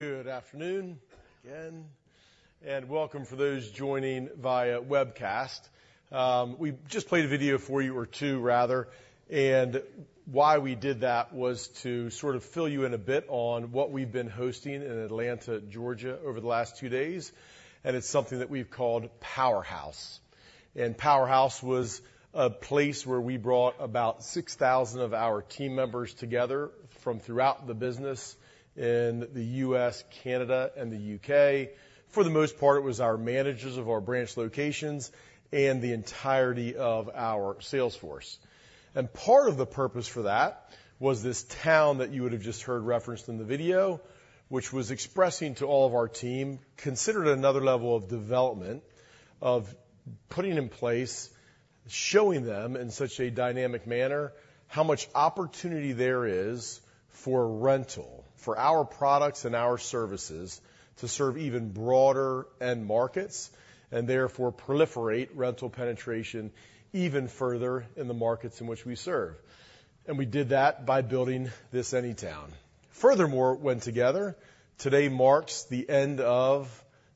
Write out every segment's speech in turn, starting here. Good afternoon, again, and welcome for those joining via webcast. We just played a video for you, or two rather, and why we did that was to sort of fill you in a bit on what we've been hosting in Atlanta, Georgia, over the last two days, and it's something that we've called Powerhouse. Powerhouse was a place where we brought about 6,000 of our team members together from throughout the business in the U.S., Canada, and the U.K. For the most part, it was our managers of our branch locations and the entirety of our sales force. Part of the purpose for that was this town that you would have just heard referenced in the video, which was expressing to all of our team, considered another level of development, of putting in place, showing them in such a dynamic manner, how much opportunity there is for rental, for our products and our services, to serve even broader end markets, and therefore proliferate rental penetration even further in the markets in which we serve. We did that by building this Anytown. Furthermore, when together, today marks the end of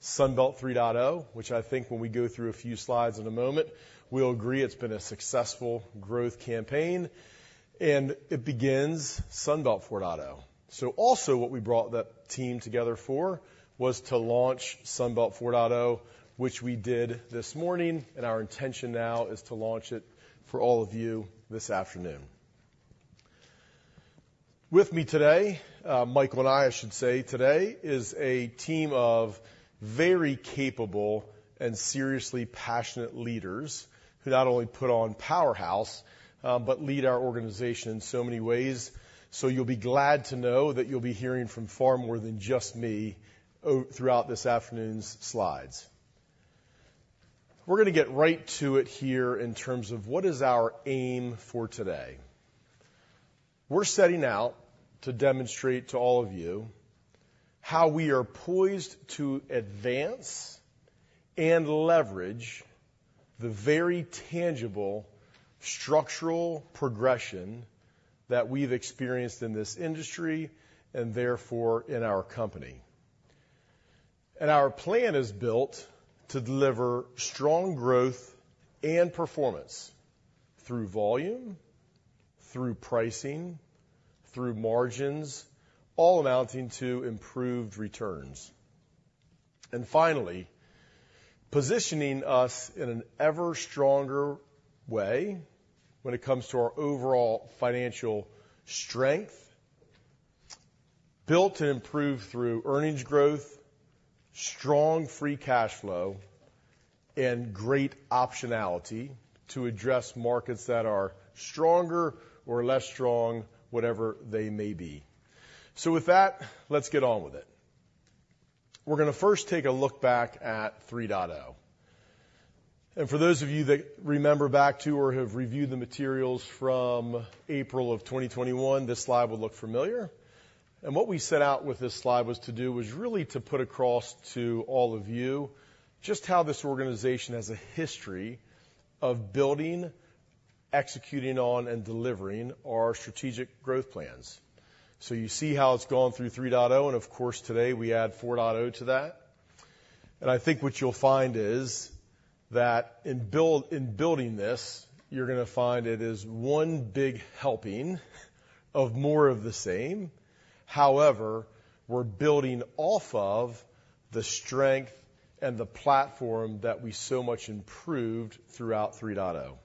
Sunbelt 3.0, which I think when we go through a few slides in a moment, we'll agree it's been a successful growth campaign, and it begins Sunbelt 4.0. So also what we brought the team together for was to launch Sunbelt 4.0, which we did this morning, and our intention now is to launch it for all of you this afternoon. With me today, Michael and I, I should say, today is a team of very capable and seriously passionate leaders, who not only put on Powerhouse, but lead our organization in so many ways. So you'll be glad to know that you'll be hearing from far more than just me throughout this afternoon's slides. We're gonna get right to it here in terms of what is our aim for today. We're setting out to demonstrate to all of you how we are poised to advance and leverage the very tangible structural progression that we've experienced in this industry and therefore in our company. Our plan is built to deliver strong growth and performance through volume, through pricing, through margins, all amounting to improved returns. Finally, positioning us in an ever stronger way when it comes to our overall financial strength, built to improve through earnings growth, strong free cash flow, and great optionality to address markets that are stronger or less strong, whatever they may be. With that, let's get on with it. We're gonna first take a look back at 3.0. For those of you that remember back to or have reviewed the materials from April 2021, this slide will look familiar. What we set out with this slide was to do, was really to put across to all of you just how this organization has a history of building, executing on, and delivering our strategic growth plans. So you see how it's gone through 3.0, and of course, today we add 4.0 to that. And I think what you'll find is that in building this, you're gonna find it is one big helping of more of the same. However, we're building off of the strength and the platform that we so much improved throughout 3.0.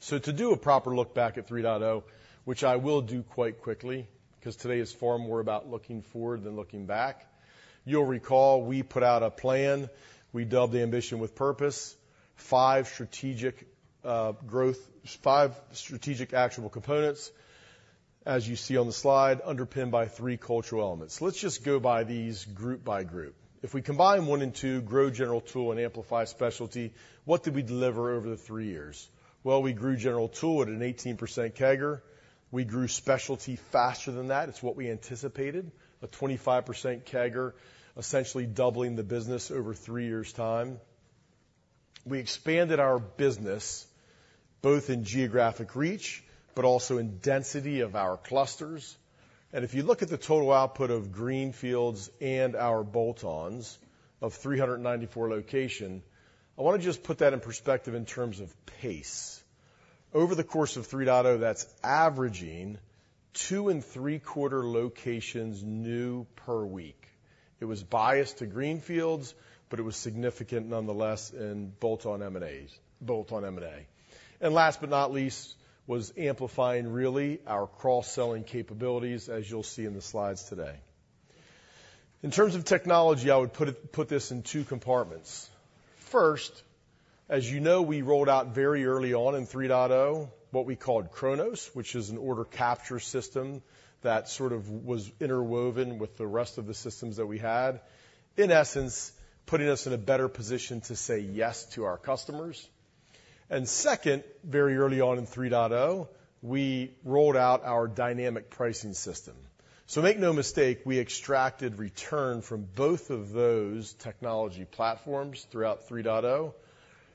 So to do a proper look back at 3.0, which I will do quite quickly, because today is far more about looking forward than looking back, you'll recall we put out a plan. We dubbed the ambition with purpose, five strategic, growth. Five strategic, actionable components, as you see on the slide, underpinned by three cultural elements. Let's just go by these group by group. If we combine one and two, grow General Tool and amplify Specialty, what did we deliver over the three years? Well, we grew General Tool at an 18% CAGR. We grew Specialty faster than that. It's what we anticipated, a 25% CAGR, essentially doubling the business over three years' time. We expanded our business, both in geographic reach but also in density of our clusters. And if you look at the total output of greenfields and our bolt-ons of 394 locations, I want to just put that in perspective in terms of pace. Over the course of 3.0, that's averaging 2.75 locations new per week. It was biased to greenfields, but it was significant nonetheless in bolt-on M&As, bolt-on M&A. And last but not least, was amplifying, really, our cross-selling capabilities, as you'll see in the slides today. In terms of technology, I would put it, put this in two compartments. First, as you know, we rolled out very early on in 3.0, what we called Kronos, which is an order capture system that sort of was interwoven with the rest of the systems that we had. In essence, putting us in a better position to say yes to our customers. And second, very early on in 3.0, we rolled out our dynamic pricing system. So make no mistake, we extracted return from both of those technology platforms throughout 3.0.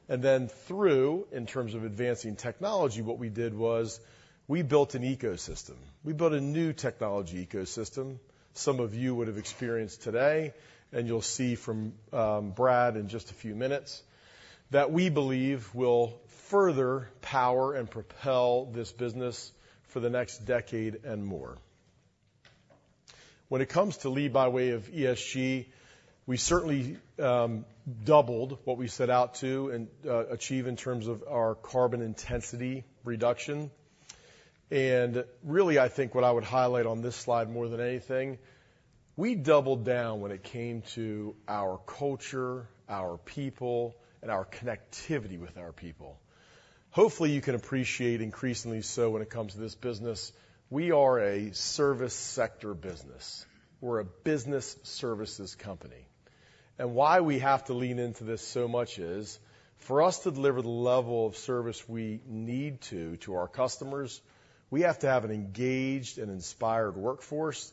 And then through, in terms of advancing technology, what we did was we built an ecosystem. We built a new technology ecosystem. Some of you would have experienced today, and you'll see from Brad in just a few minutes, that we believe will further power and propel this business for the next decade and more. When it comes to lead by way of ESG, we certainly doubled what we set out to and achieve in terms of our carbon intensity reduction. And really, I think what I would highlight on this slide, more than anything, we doubled down when it came to our culture, our people, and our connectivity with our people. Hopefully, you can appreciate increasingly so when it comes to this business, we are a service sector business. We're a business services company. Why we have to lean into this so much is, for us to deliver the level of service we need to to our customers, we have to have an engaged and inspired workforce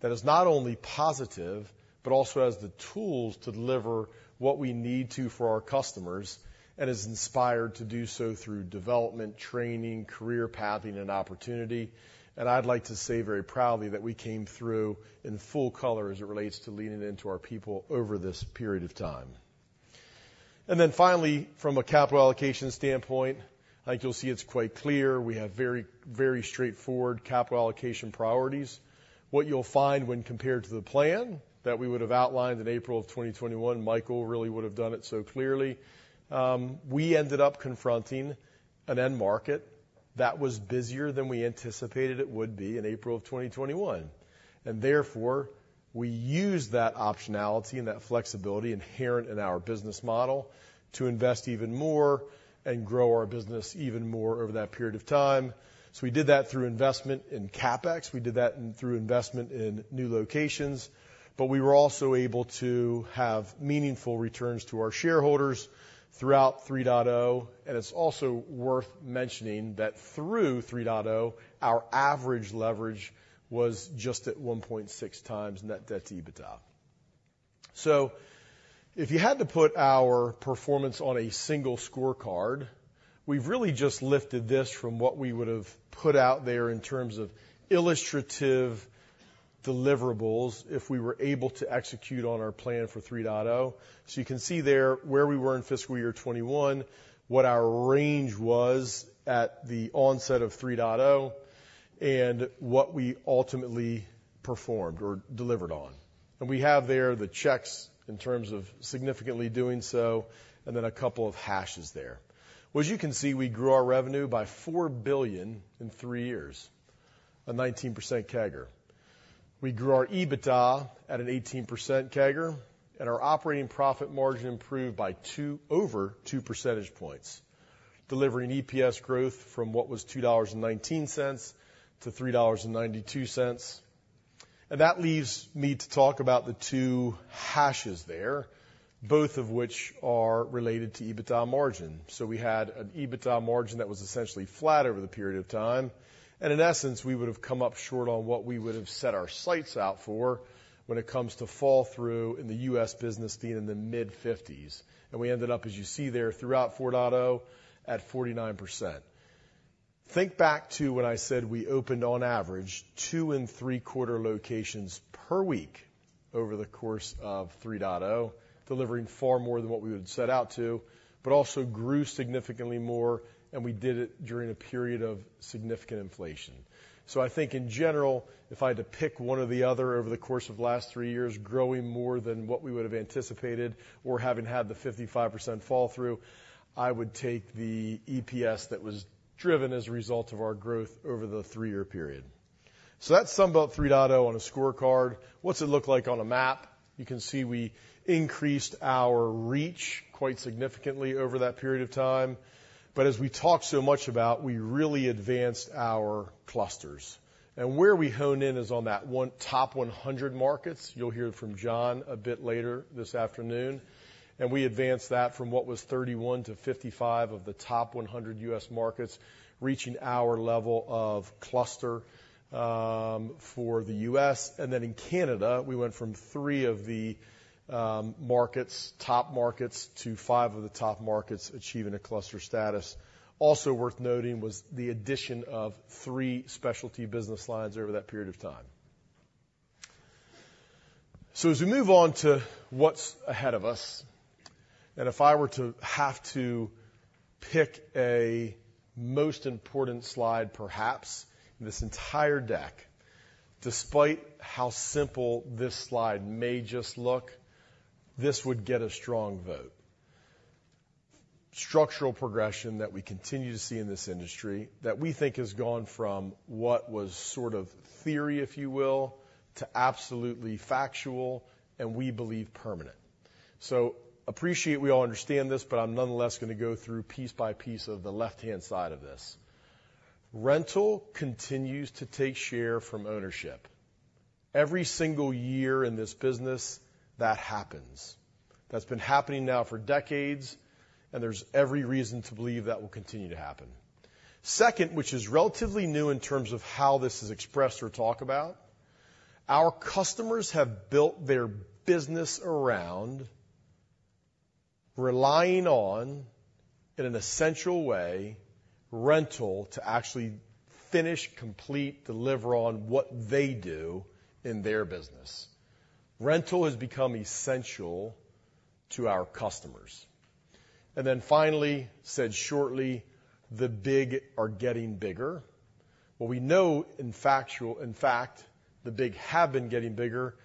that is not only positive, but also has the tools to deliver what we need to for our customers and is inspired to do so through development, training, career pathing, and opportunity. I'd like to say very proudly, that we came through in full color as it relates to leaning into our people over this period of time. Then finally, from a capital allocation standpoint, I think you'll see it's quite clear. We have very, very straightforward capital allocation priorities. What you'll find when compared to the plan that we would have outlined in April of 2021, Michael really would have done it so clearly, we ended up confronting an end market that was busier than we anticipated it would be in April of 2021. And therefore, we used that optionality and that flexibility inherent in our business model to invest even more and grow our business even more over that period of time. So we did that through investment in CapEx. We did that through investment in new locations, but we were also able to have meaningful returns to our shareholders throughout 3.0. And it's also worth mentioning that through 3.0, our average leverage was just at 1.6x net debt to EBITDA. So if you had to put our performance on a single scorecard, we've really just lifted this from what we would have put out there in terms of illustrative deliverables, if we were able to execute on our plan for 3.0. So you can see there where we were in fiscal year 2021, what our range was at the onset of 3.0, and what we ultimately performed or delivered on. And we have there the checks in terms of significantly doing so, and then a couple of hashes there. Well, as you can see, we grew our revenue by $4 billion in three years, a 19% CAGR. We grew our EBITDA at an 18% CAGR, and our operating profit margin improved by over 2 percentage points, delivering EPS growth from what was $2.19 to $3.92. That leaves me to talk about the two hashes there, both of which are related to EBITDA margin. We had an EBITDA margin that was essentially flat over the period of time, and in essence, we would have come up short on what we would have set our sights out for when it comes to fall through in the U.S. business being in the mid-50s. We ended up, as you see there, throughout 4.0, at 49%. Think back to when I said we opened on average 2.75 locations per week over the course of 3.0, delivering far more than what we would set out to, but also grew significantly more, and we did it during a period of significant inflation. So I think in general, if I had to pick one or the other over the course of the last three years, growing more than what we would have anticipated or having had the 55% fall through, I would take the EPS that was driven as a result of our growth over the three-year period. So that's some about 3.0 on a scorecard. What's it look like on a map? You can see we increased our reach quite significantly over that period of time, but as we talked so much about, we really advanced our clusters. Where we hone in is on that top 100 markets. You'll hear from John a bit later this afternoon. We advanced that from what was 31 to 55 of the top 100 U.S. markets, reaching our level of cluster for the U.S. Then in Canada, we went from 3 of the top markets to 5 of the top markets, achieving a cluster status. Also worth noting was the addition of 3 Specialty business lines over that period of time. As we move on to what's ahead of us, and if I were to have to pick a most important slide, perhaps, in this entire deck, despite how simple this slide may just look, this would get a strong vote. Structural progression that we continue to see in this industry, that we think has gone from what was sort of theory, if you will, to absolutely factual, and we believe permanent. So appreciate we all understand this, but I'm nonetheless going to go through piece by piece of the left-hand side of this. Rental continues to take share from ownership. Every single year in this business, that happens. That's been happening now for decades, and there's every reason to believe that will continue to happen. Second, which is relatively new in terms of how this is expressed or talked about. Our customers have built their business around relying on, in an essential way, rental to actually finish, complete, deliver on what they do in their business. Rental has become essential to our customers. And then finally, said shortly, the big are getting bigger. Well, we know in fact, the big have been getting bigger,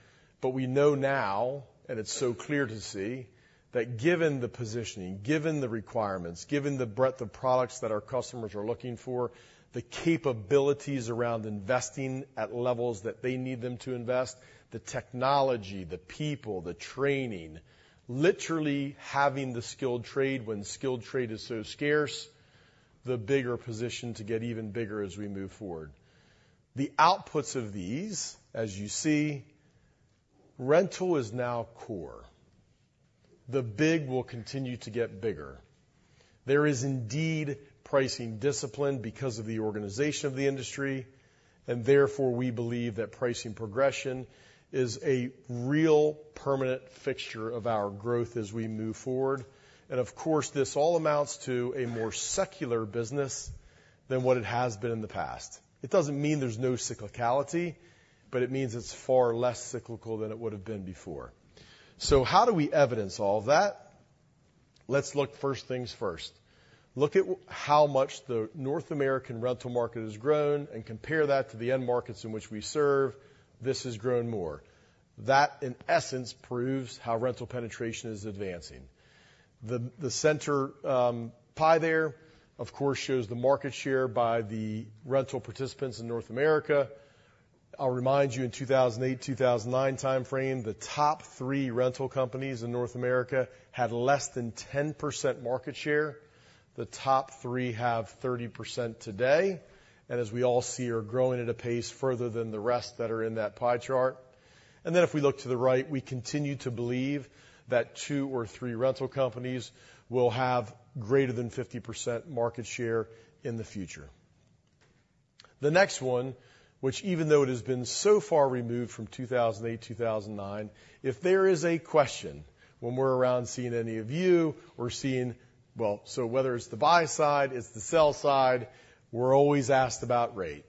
but we know now, and it's so clear to see, that given the positioning, given the requirements, given the breadth of products that our customers are looking for, the capabilities around investing at levels that they need them to invest, the technology, the people, the training, literally having the skilled trade when skilled trade is so scarce, the bigger position to get even bigger as we move forward. The outputs of these, as you see, rental is now core. The big will continue to get bigger. There is indeed pricing discipline because of the organization of the industry, and therefore, we believe that pricing progression is a real permanent fixture of our growth as we move forward. Of course, this all amounts to a more secular business than what it has been in the past. It doesn't mean there's no cyclicality, but it means it's far less cyclical than it would have been before. So how do we evidence all of that? Let's look first things first. Look at how much the North American rental market has grown and compare that to the end markets in which we serve. This has grown more. That, in essence, proves how rental penetration is advancing. The center pie there, of course, shows the market share by the rental participants in North America. I'll remind you, in 2008, 2009 timeframe, the top three rental companies in North America had less than 10% market share. The top three have 30% today, and as we all see, are growing at a pace further than the rest that are in that pie chart. And then if we look to the right, we continue to believe that two or three rental companies will have greater than 50% market share in the future. The next one, which even though it has been so far removed from 2008, 2009, if there is a question when we're around seeing any of you or seeing... Well, so whether it's the buy side, it's the sell side, we're always asked about rate,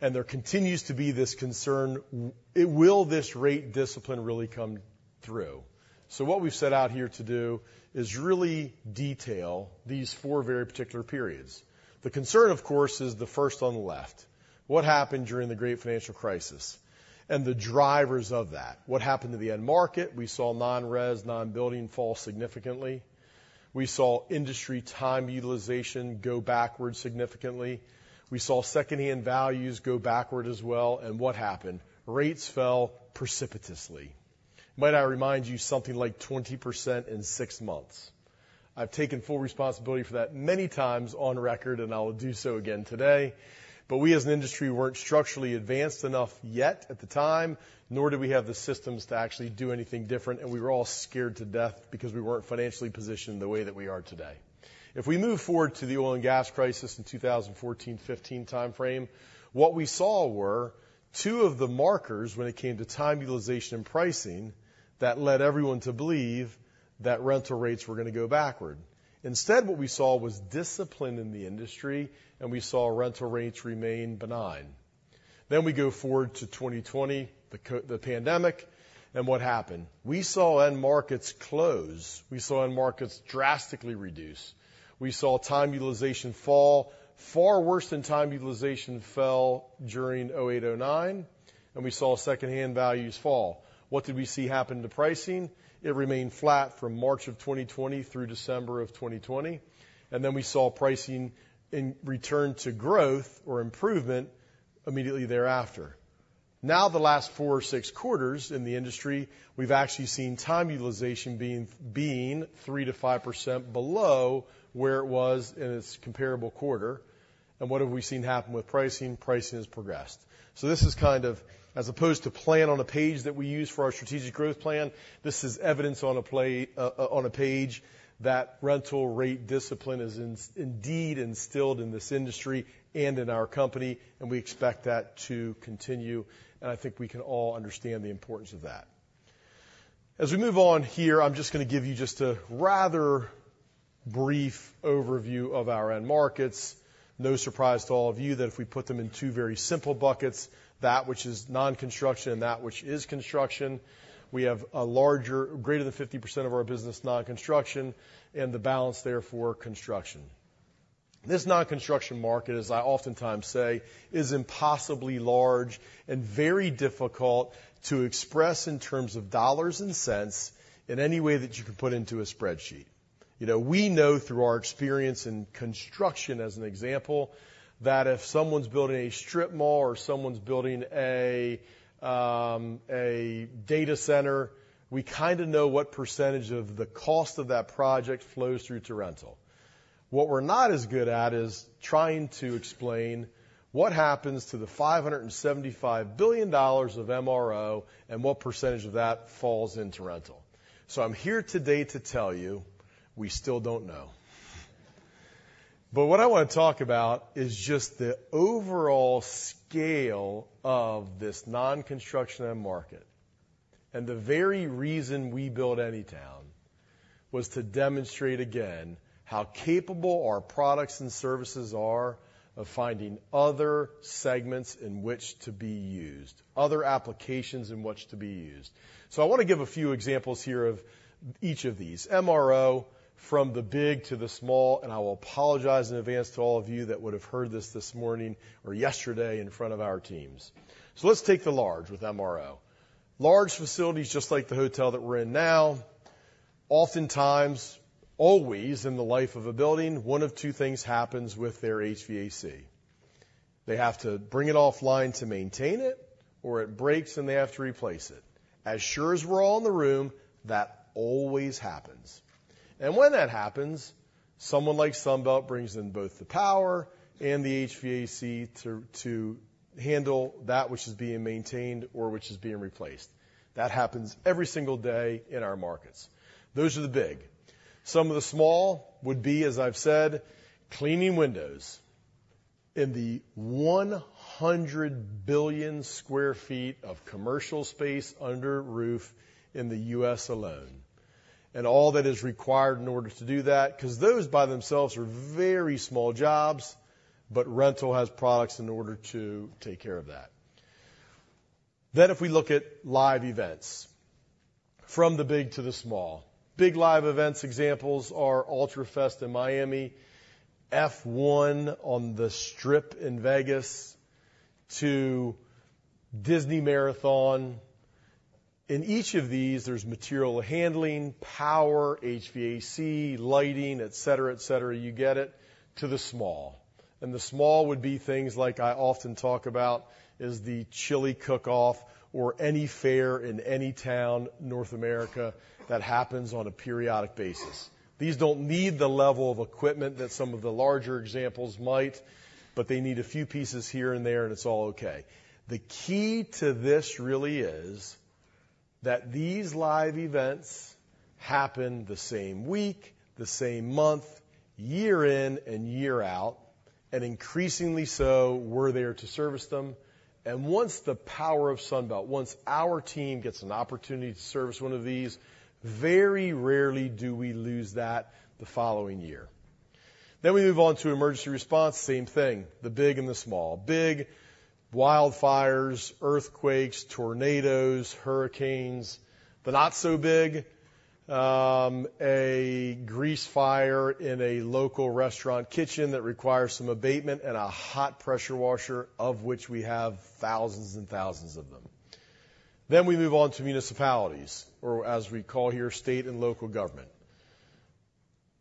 and there continues to be this concern: Will this rate discipline really come through? So what we've set out here to do is really detail these four very particular periods. The concern, of course, is the first on the left. What happened during the great financial crisis and the drivers of that? What happened to the end market? We saw non-res, non-building fall significantly. We saw industry time utilization go backward significantly. We saw secondhand values go backward as well. And what happened? Rates fell precipitously. Might I remind you, something like 20% in six months. I've taken full responsibility for that many times on record, and I'll do so again today. But we, as an industry, weren't structurally advanced enough yet at the time, nor did we have the systems to actually do anything different, and we were all scared to death because we weren't financially positioned the way that we are today. If we move forward to the oil and gas crisis in 2014, 2015 timeframe, what we saw were two of the markers when it came to time utilization and pricing, that led everyone to believe that rental rates were going to go backward. Instead, what we saw was discipline in the industry, and we saw rental rates remain benign. Then we go forward to 2020, the COVID pandemic, and what happened? We saw end markets close. We saw end markets drastically reduce. We saw time utilization fall far worse than time utilization fell during 2008, 2009, and we saw secondhand values fall. What did we see happen to pricing? It remained flat from March of 2020 through December of 2020, and then we saw pricing return to growth or improvement immediately thereafter. Now, the last four or six quarters in the industry, we've actually seen time utilization being 3%-5% below where it was in its comparable quarter. And what have we seen happen with pricing? Pricing has progressed. So this is kind of, as opposed to plan on a page that we use for our strategic growth plan, this is evidence on a page, that rental rate discipline is indeed instilled in this industry and in our company, and we expect that to continue, and I think we can all understand the importance of that. As we move on here, I'm just going to give you just a rather brief overview of our end markets. No surprise to all of you that if we put them in two very simple buckets, that which is non-construction and that which is construction, we have a larger, greater than 50% of our business, non-construction, and the balance therefore, construction. This non-construction market, as I oftentimes say, is impossibly large and very difficult to express in terms of dollars and cents in any way that you can put into a spreadsheet. You know, we know through our experience in construction, as an example, that if someone's building a strip mall or someone's building a data center, we kind of know what percentage of the cost of that project flows through to rental. What we're not as good at is trying to explain what happens to the $575 billion of MRO and what percentage of that falls into rental. So I'm here today to tell you we still don't know. But what I want to talk about is just the overall scale of this non-construction end market. And the very reason we built Anytown was to demonstrate again how capable our products and services are of finding other segments in which to be used, other applications in which to be used. So I want to give a few examples here of each of these. MRO, from the big to the small, and I will apologize in advance to all of you that would have heard this, this morning or yesterday in front of our teams. So let's take the large with MRO. Large facilities, just like the hotel that we're in now, oftentimes, always in the life of a building, one of two things happens with their HVAC. They have to bring it offline to maintain it, or it breaks, and they have to replace it. As sure as we're all in the room, that always happens. And when that happens, someone like Sunbelt brings in both the power and the HVAC to handle that which is being maintained or which is being replaced. That happens every single day in our markets. Those are the big. Some of the small would be, as I've said, cleaning windows in the 100 billion sq ft of commercial space under roof in the U.S. alone, and all that is required in order to do that, because those by themselves are very small jobs, but rental has products in order to take care of that. Then, if we look at live events, from the big to the small. Big live events examples are Ultra Fest in Miami, F1 on the Strip in Vegas, to Disney Marathon. In each of these, there's material handling, power, HVAC, lighting, et cetera, et cetera, you get it, to the small, and the small would be things like I often talk about is the chili cook-off or any fair in any town, North America, that happens on a periodic basis. These don't need the level of equipment that some of the larger examples might, but they need a few pieces here and there, and it's all okay. The key to this really is that these live events happen the same week, the same month, year in and year out, and increasingly so, we're there to service them. And once the power of Sunbelt, once our team gets an opportunity to service one of these, very rarely do we lose that the following year. Then we move on to emergency response. Same thing, the big and the small. Big: wildfires, earthquakes, tornadoes, hurricanes. The not so big: a grease fire in a local restaurant kitchen that requires some abatement and a hot pressure washer, of which we have thousands and thousands of them. Then we move on to municipalities or, as we call here, state and local government.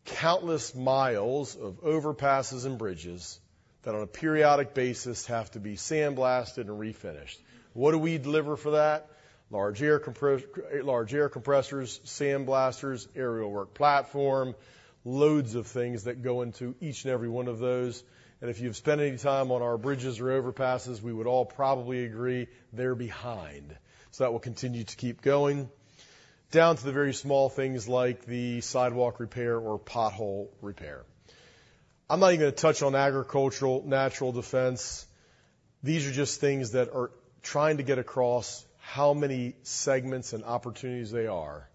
Countless miles of overpasses and bridges that on a periodic basis, have to be sandblasted and refinished. What do we deliver for that? Large air compressors, sandblasters, aerial work platform, loads of things that go into each and every one of those. And if you've spent any time on our bridges or overpasses, we would all probably agree they're behind. So that will continue to keep going. Down to the very small things like the sidewalk repair or pothole repair. I'm not even going to touch on agricultural, natural defense. These are just things that are trying to get across how many segments and opportunities there are.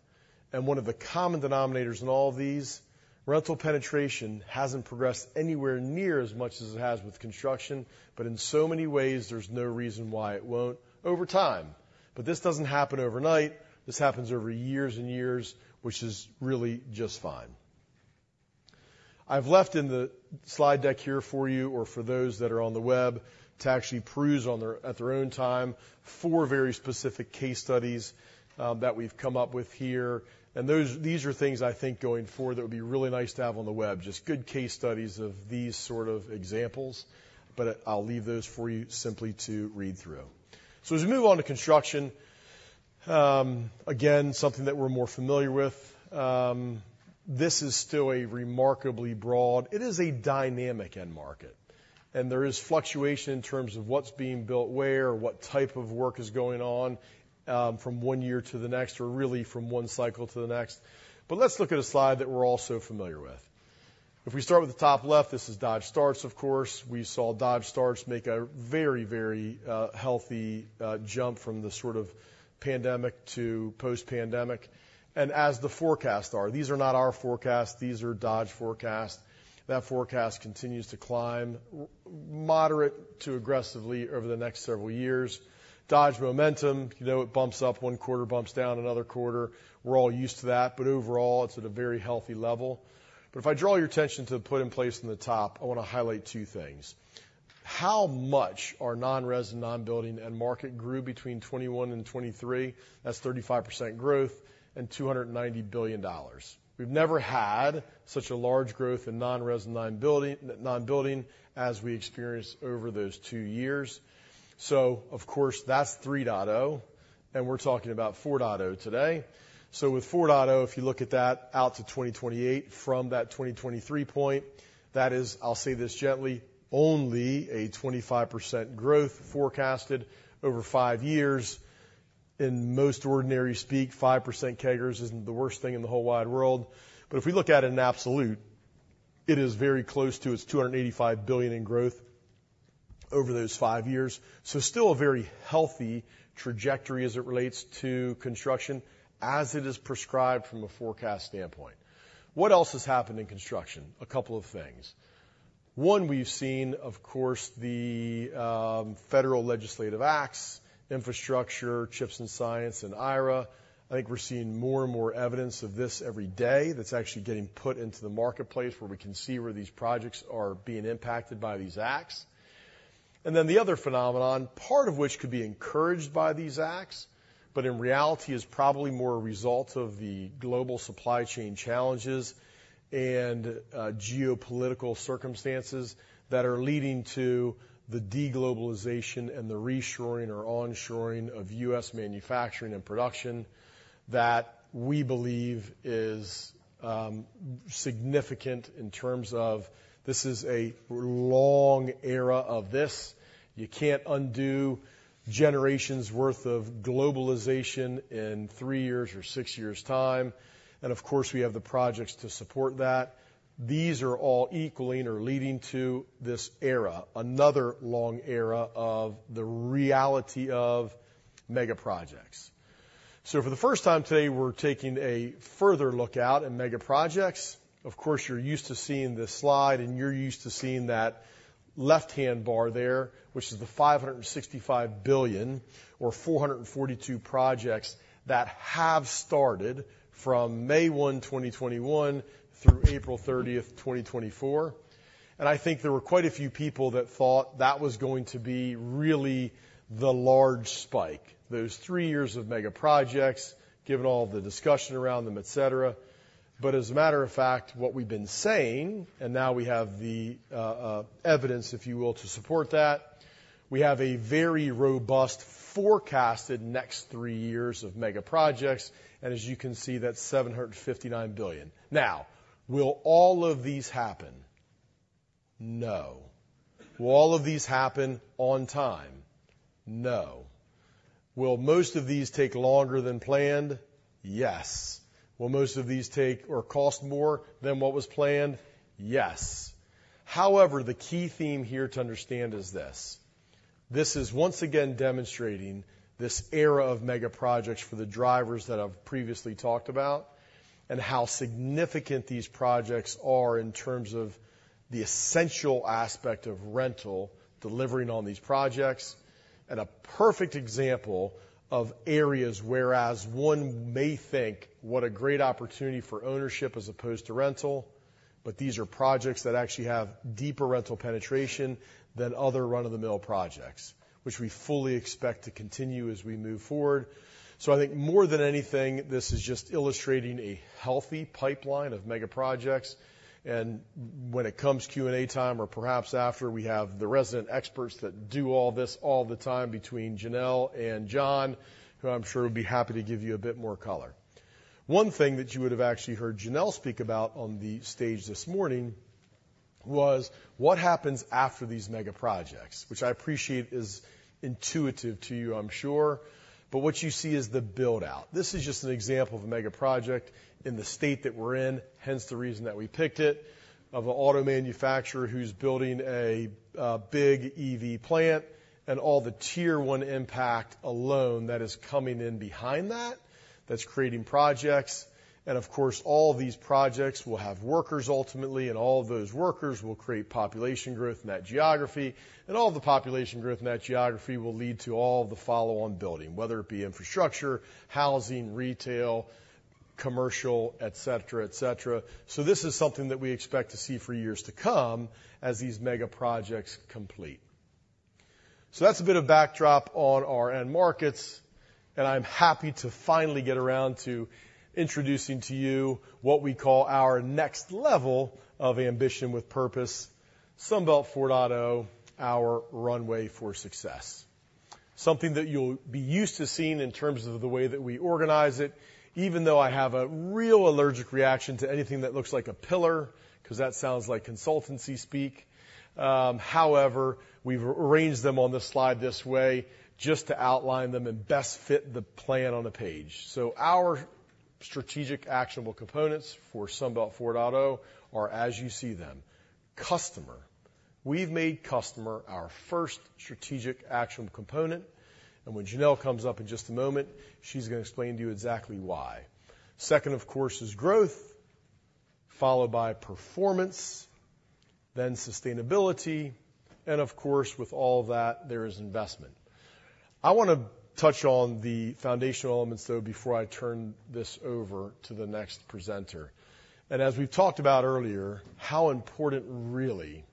And one of the common denominators in all of these, rental penetration hasn't progressed anywhere near as much as it has with construction, but in so many ways, there's no reason why it won't over time. But this doesn't happen overnight. This happens over years and years, which is really just fine. I've left in the slide deck here for you or for those that are on the web to actually peruse at their own time, four very specific case studies that we've come up with here. These are things I think going forward, that would be really nice to have on the web, just good case studies of these sort of examples. But I'll leave those for you simply to read through. So as we move on to construction, again, something that we're more familiar with, this is still a remarkably broad... It is a dynamic end market, and there is fluctuation in terms of what's being built, where, what type of work is going on, from one year to the next, or really from one cycle to the next. But let's look at a slide that we're all so familiar with. If we start with the top left, this is Dodge starts, of course. We saw Dodge starts make a very, very healthy jump from the sort of pandemic to post-pandemic. And as the forecasts are, these are not our forecasts, these are Dodge forecasts. That forecast continues to climb, moderate to aggressively over the next several years. Dodge Momentum, you know, it bumps up one quarter, bumps down another quarter. We're all used to that, but overall, it's at a very healthy level. But if I draw your attention to the put in place in the top, I want to highlight two things. How much our non-res, non-building end market grew between 2021 and 2023? That's 35% growth and $290 billion. We've never had such a large growth in non-res, non-building, non-building as we experienced over those two years. So of course, that's 3.0, and we're talking about 4.0 today. So with 4.0, if you look at that out to 2028, from that 2023 point, that is, I'll say this gently, only a 25% growth forecasted over five years.... in most ordinary speak, 5% CAGRs isn't the worst thing in the whole wide world. But if we look at it in absolute, it is very close to its $285 billion in growth over those five years. So still a very healthy trajectory as it relates to construction, as it is prescribed from a forecast standpoint. What else has happened in construction? A couple of things. One, we've seen, of course, the federal legislative acts, Infrastructure, CHIPS and Science, and IRA. I think we're seeing more and more evidence of this every day that's actually getting put into the marketplace, where we can see where these projects are being impacted by these acts. And then the other phenomenon, part of which could be encouraged by these acts, but in reality is probably more a result of the global supply chain challenges and geopolitical circumstances that are leading to the de-globalization and the reshoring or onshoring of U.S. Manufacturing and production, that we believe is significant in terms of this is a long era of this. You can't undo generations worth of globalization in 3 years or 6 years' time, and of course, we have the projects to support that. These are all equaling or leading to this era, another long era of the reality of megaprojects. So for the first time today, we're taking a further look out at megaprojects. Of course, you're used to seeing this slide, and you're used to seeing that left-hand bar there, which is the $565 billion or 442 projects that have started from May 1, 2021, through April 30, 2024. And I think there were quite a few people that thought that was going to be really the large spike, those three years of megaprojects, given all the discussion around them, et cetera. But as a matter of fact, what we've been saying, and now we have the evidence, if you will, to support that, we have a very robust forecasted next three years of megaprojects, and as you can see, that's $759 billion. Now, will all of these happen? No. Will all of these happen on time? No. Will most of these take longer than planned? Yes. Will most of these take or cost more than what was planned? Yes. However, the key theme here to understand is this: This is once again demonstrating this era of megaprojects for the drivers that I've previously talked about, and how significant these projects are in terms of the essential aspect of rental, delivering on these projects. A perfect example of areas, whereas one may think, what a great opportunity for ownership as opposed to rental, but these are projects that actually have deeper rental penetration than other run-of-the-mill projects, which we fully expect to continue as we move forward. So I think more than anything, this is just illustrating a healthy pipeline of megaprojects. When it comes Q&A time, or perhaps after, we have the resident experts that do all this all the time between Janelle and John, who I'm sure would be happy to give you a bit more color. One thing that you would have actually heard Janelle speak about on the stage this morning was, what happens after these megaprojects? Which I appreciate is intuitive to you, I'm sure, but what you see is the build-out. This is just an example of a megaproject in the state that we're in, hence the reason that we picked it, of an auto manufacturer who's building a big EV plant, and all the Tier One impact alone that is coming in behind that, that's creating projects. And of course, all these projects will have workers ultimately, and all of those workers will create population growth in that geography. And all the population growth in that geography will lead to all the follow-on building, whether it be infrastructure, housing, retail, commercial, et cetera, et cetera. So this is something that we expect to see for years to come as these megaprojects complete. That's a bit of backdrop on our end markets, and I'm happy to finally get around to introducing to you what we call our next level of ambition with purpose, Sunbelt 4.0, our runway for success. Something that you'll be used to seeing in terms of the way that we organize it, even though I have a real allergic reaction to anything that looks like a pillar, 'cause that sounds like consultancy speak. However, we've arranged them on the slide this way just to outline them and best fit the plan on a page. Our strategic actionable components for Sunbelt 4.0 are as you see them. Customer. We've made customer our first strategic actionable component, and when Janelle comes up in just a moment, she's gonna explain to you exactly why. Second, of course, is growth, followed by performance, then sustainability, and of course, with all that, there is investment. I want to touch on the foundational elements, though, before I turn this over to the next presenter. And as we've talked about earlier, how important really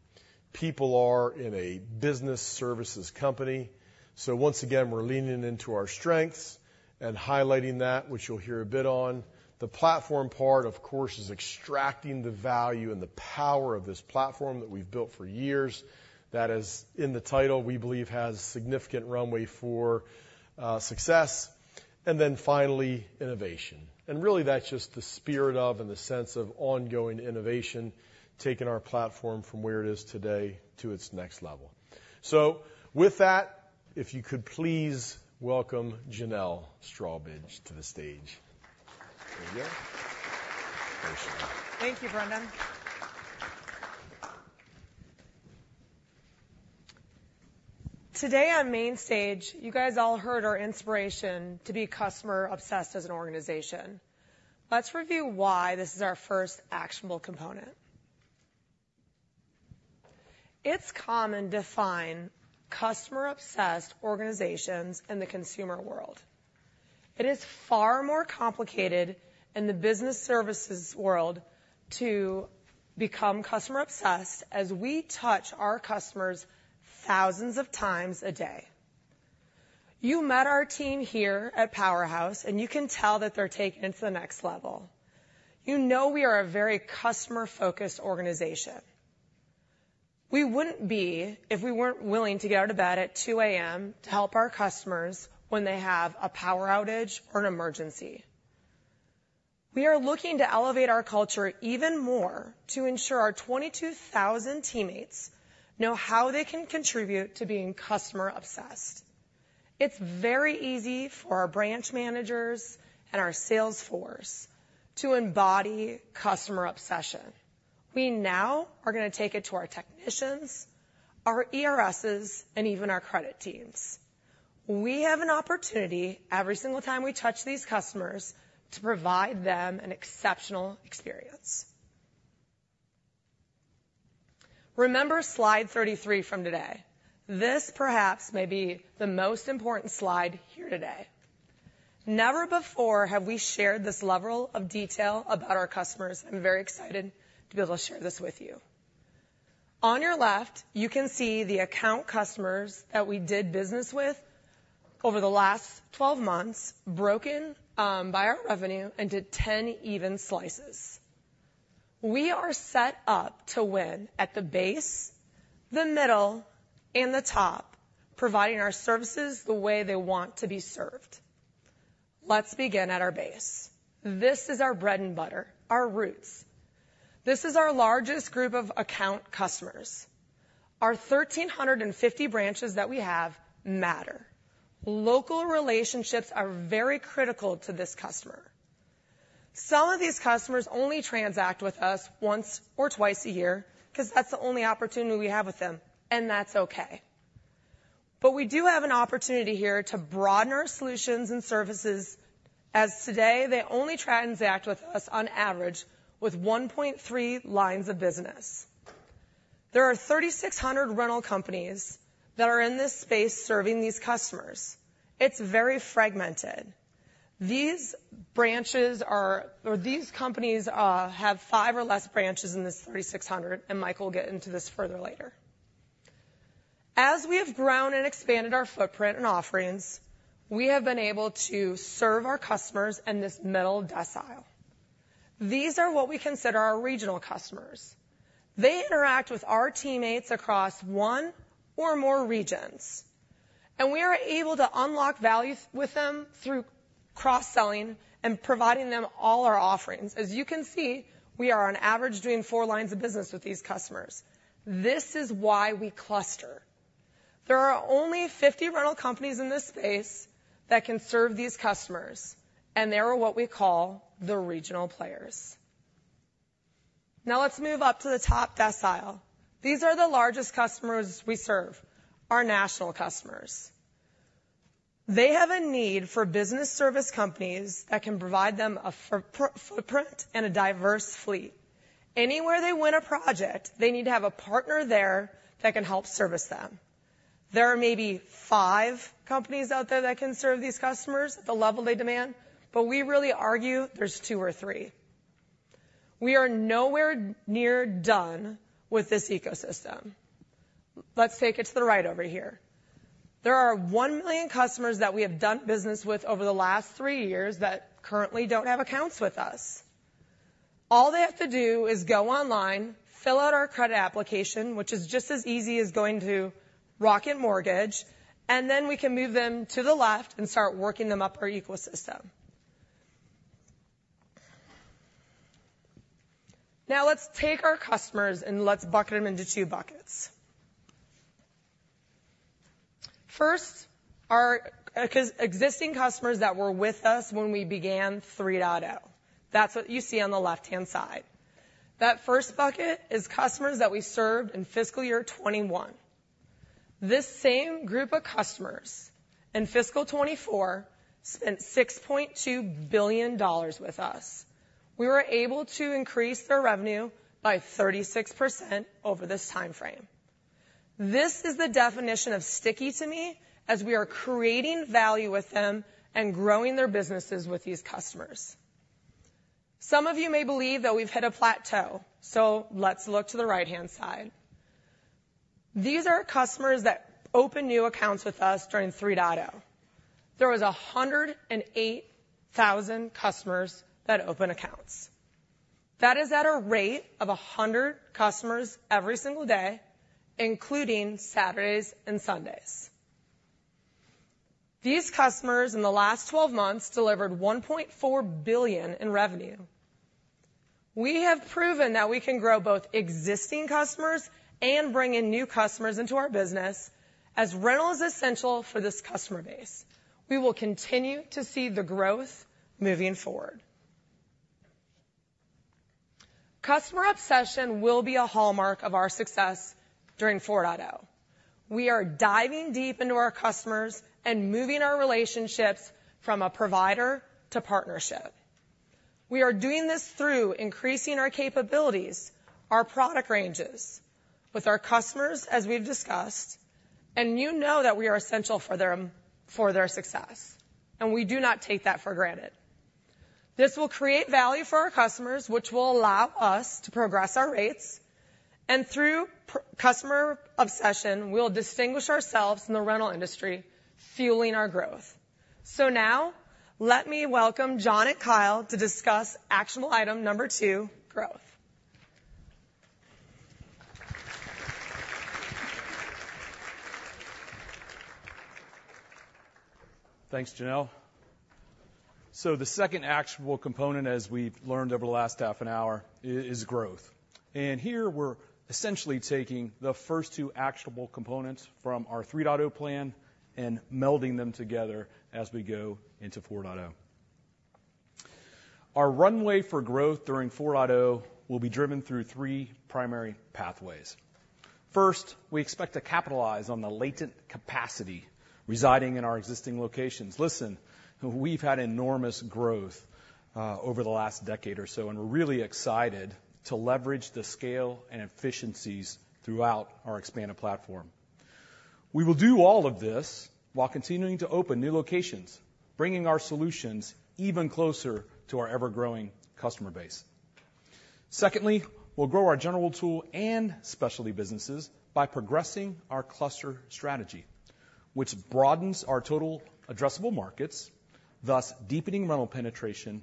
people are in a business services company. So once again, we're leaning into our strengths and highlighting that, which you'll hear a bit on. The platform part, of course, is extracting the value and the power of this platform that we've built for years. That is in the title, we believe, has significant runway for success. And then finally, innovation. Really, that's just the spirit and the sense of ongoing innovation, taking our platform from where it is today to its next level. With that, if you could please welcome Janelle Strawbridge to the stage. There you go.... Thank you, Brendan. Today on main stage, you guys all heard our inspiration to be customer-obsessed as an organization. Let's review why this is our first actionable component. It's common to find customer-obsessed organizations in the consumer world. It is far more complicated in the business services world to become customer-obsessed, as we touch our customers thousands of times a day. You met our team here at Powerhouse, and you can tell that they're taking it to the next level. You know we are a very customer-focused organization. We wouldn't be if we weren't willing to get out of bed at 2:00 A.M. to help our customers when they have a power outage or an emergency. We are looking to elevate our culture even more to ensure our 22,000 teammates know how they can contribute to being customer-obsessed. It's very easy for our branch managers and our sales force to embody customer obsession. We now are going to take it to our technicians, our ISRs, and even our credit teams. We have an opportunity every single time we touch these customers to provide them an exceptional experience. Remember slide 33 from today? This perhaps may be the most important slide here today. Never before have we shared this level of detail about our customers. I'm very excited to be able to share this with you. On your left, you can see the account customers that we did business with over the last 12 months, broken by our revenue into 10 even slices. We are set up to win at the base, the middle, and the top, providing our services the way they want to be served. Let's begin at our base. This is our bread and butter, our roots. This is our largest group of account customers. Our 1,350 branches that we have matter. Local relationships are very critical to this customer. Some of these customers only transact with us once or twice a year because that's the only opportunity we have with them, and that's okay. But we do have an opportunity here to broaden our solutions and services, as today they only transact with us on average with 1.3 lines of business. There are 3,600 rental companies that are in this space serving these customers. It's very fragmented. These branches are... or these companies have 5 or less branches in this 3,600, and Mike will get into this further later. As we have grown and expanded our footprint and offerings, we have been able to serve our customers in this middle decile. These are what we consider our regional customers. They interact with our teammates across one or more regions, and we are able to unlock value with them through cross-selling and providing them all our offerings. As you can see, we are on average doing 4 lines of business with these customers. This is why we cluster. There are only 50 rental companies in this space that can serve these customers, and they are what we call the regional players. Now let's move up to the top decile. These are the largest customers we serve, our national customers. They have a need for business service companies that can provide them a footprint and a diverse fleet. Anywhere they win a project, they need to have a partner there that can help service them. There are maybe five companies out there that can serve these customers at the level they demand, but we really argue there's 2 or 3. We are nowhere near done with this ecosystem. Let's take it to the right over here. There are 1 million customers that we have done business with over the last 3 years that currently don't have accounts with us. All they have to do is go online, fill out our credit application, which is just as easy as going to Rocket Mortgage, and then we can move them to the left and start working them up our ecosystem. Now, let's take our customers, and let's bucket them into 2 buckets. First, our existing customers that were with us when we began 3.0. That's what you see on the left-hand side. That first bucket is customers that we served in fiscal year 2021. This same group of customers in fiscal 2024 spent $6.2 billion with us. We were able to increase their revenue by 36% over this time frame. This is the definition of sticky to me, as we are creating value with them and growing their businesses with these customers. Some of you may believe that we've hit a plateau, so let's look to the right-hand side. These are customers that opened new accounts with us during 3.0. There was a 108,000 customers that opened accounts. That is at a rate of 100 customers every single day, including Saturdays and Sundays. These customers in the last 12 months delivered $1.4 billion in revenue. We have proven that we can grow both existing customers and bring in new customers into our business, as rental is essential for this customer base. We will continue to see the growth moving forward. Customer obsession will be a hallmark of our success during 4.0. We are diving deep into our customers and moving our relationships from a provider to partnership. We are doing this through increasing our capabilities, our product ranges with our customers, as we've discussed, and you know that we are essential for them, for their success, and we do not take that for granted. This will create value for our customers, which will allow us to progress our rates, and through customer obsession, we'll distinguish ourselves in the rental industry, fueling our growth. So now let me welcome John and Kyle to discuss actionable item number 2, growth. Thanks, Janelle. So the second actionable component, as we've learned over the last half an hour, is growth. And here, we're essentially taking the first two actionable components from our 3.0 plan and melding them together as we go into 4.0. Our runway for growth during 4.0 will be driven through three primary pathways. First, we expect to capitalize on the latent capacity residing in our existing locations. Listen, we've had enormous growth over the last decade or so, and we're really excited to leverage the scale and efficiencies throughout our expanded platform. We will do all of this while continuing to open new locations, bringing our solutions even closer to our ever-growing customer base. Secondly, we'll grow our General Tool and Specialty businesses by progressing our cluster strategy, which broadens our total addressable markets, thus deepening rental penetration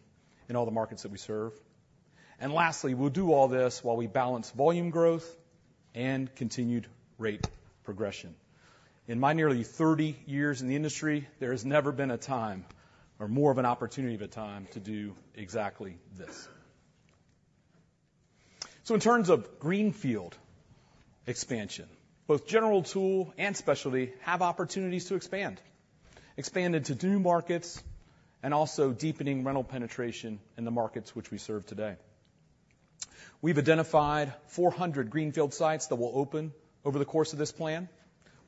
in all the markets that we serve. Lastly, we'll do all this while we balance volume growth and continued rate progression. In my nearly 30 years in the industry, there has never been a time or more of an opportunity of a time to do exactly this. In terms of greenfield expansion, both General Tool and Specialty have opportunities to expand. Expand into new markets and also deepening rental penetration in the markets which we serve today. We've identified 400 greenfield sites that will open over the course of this plan.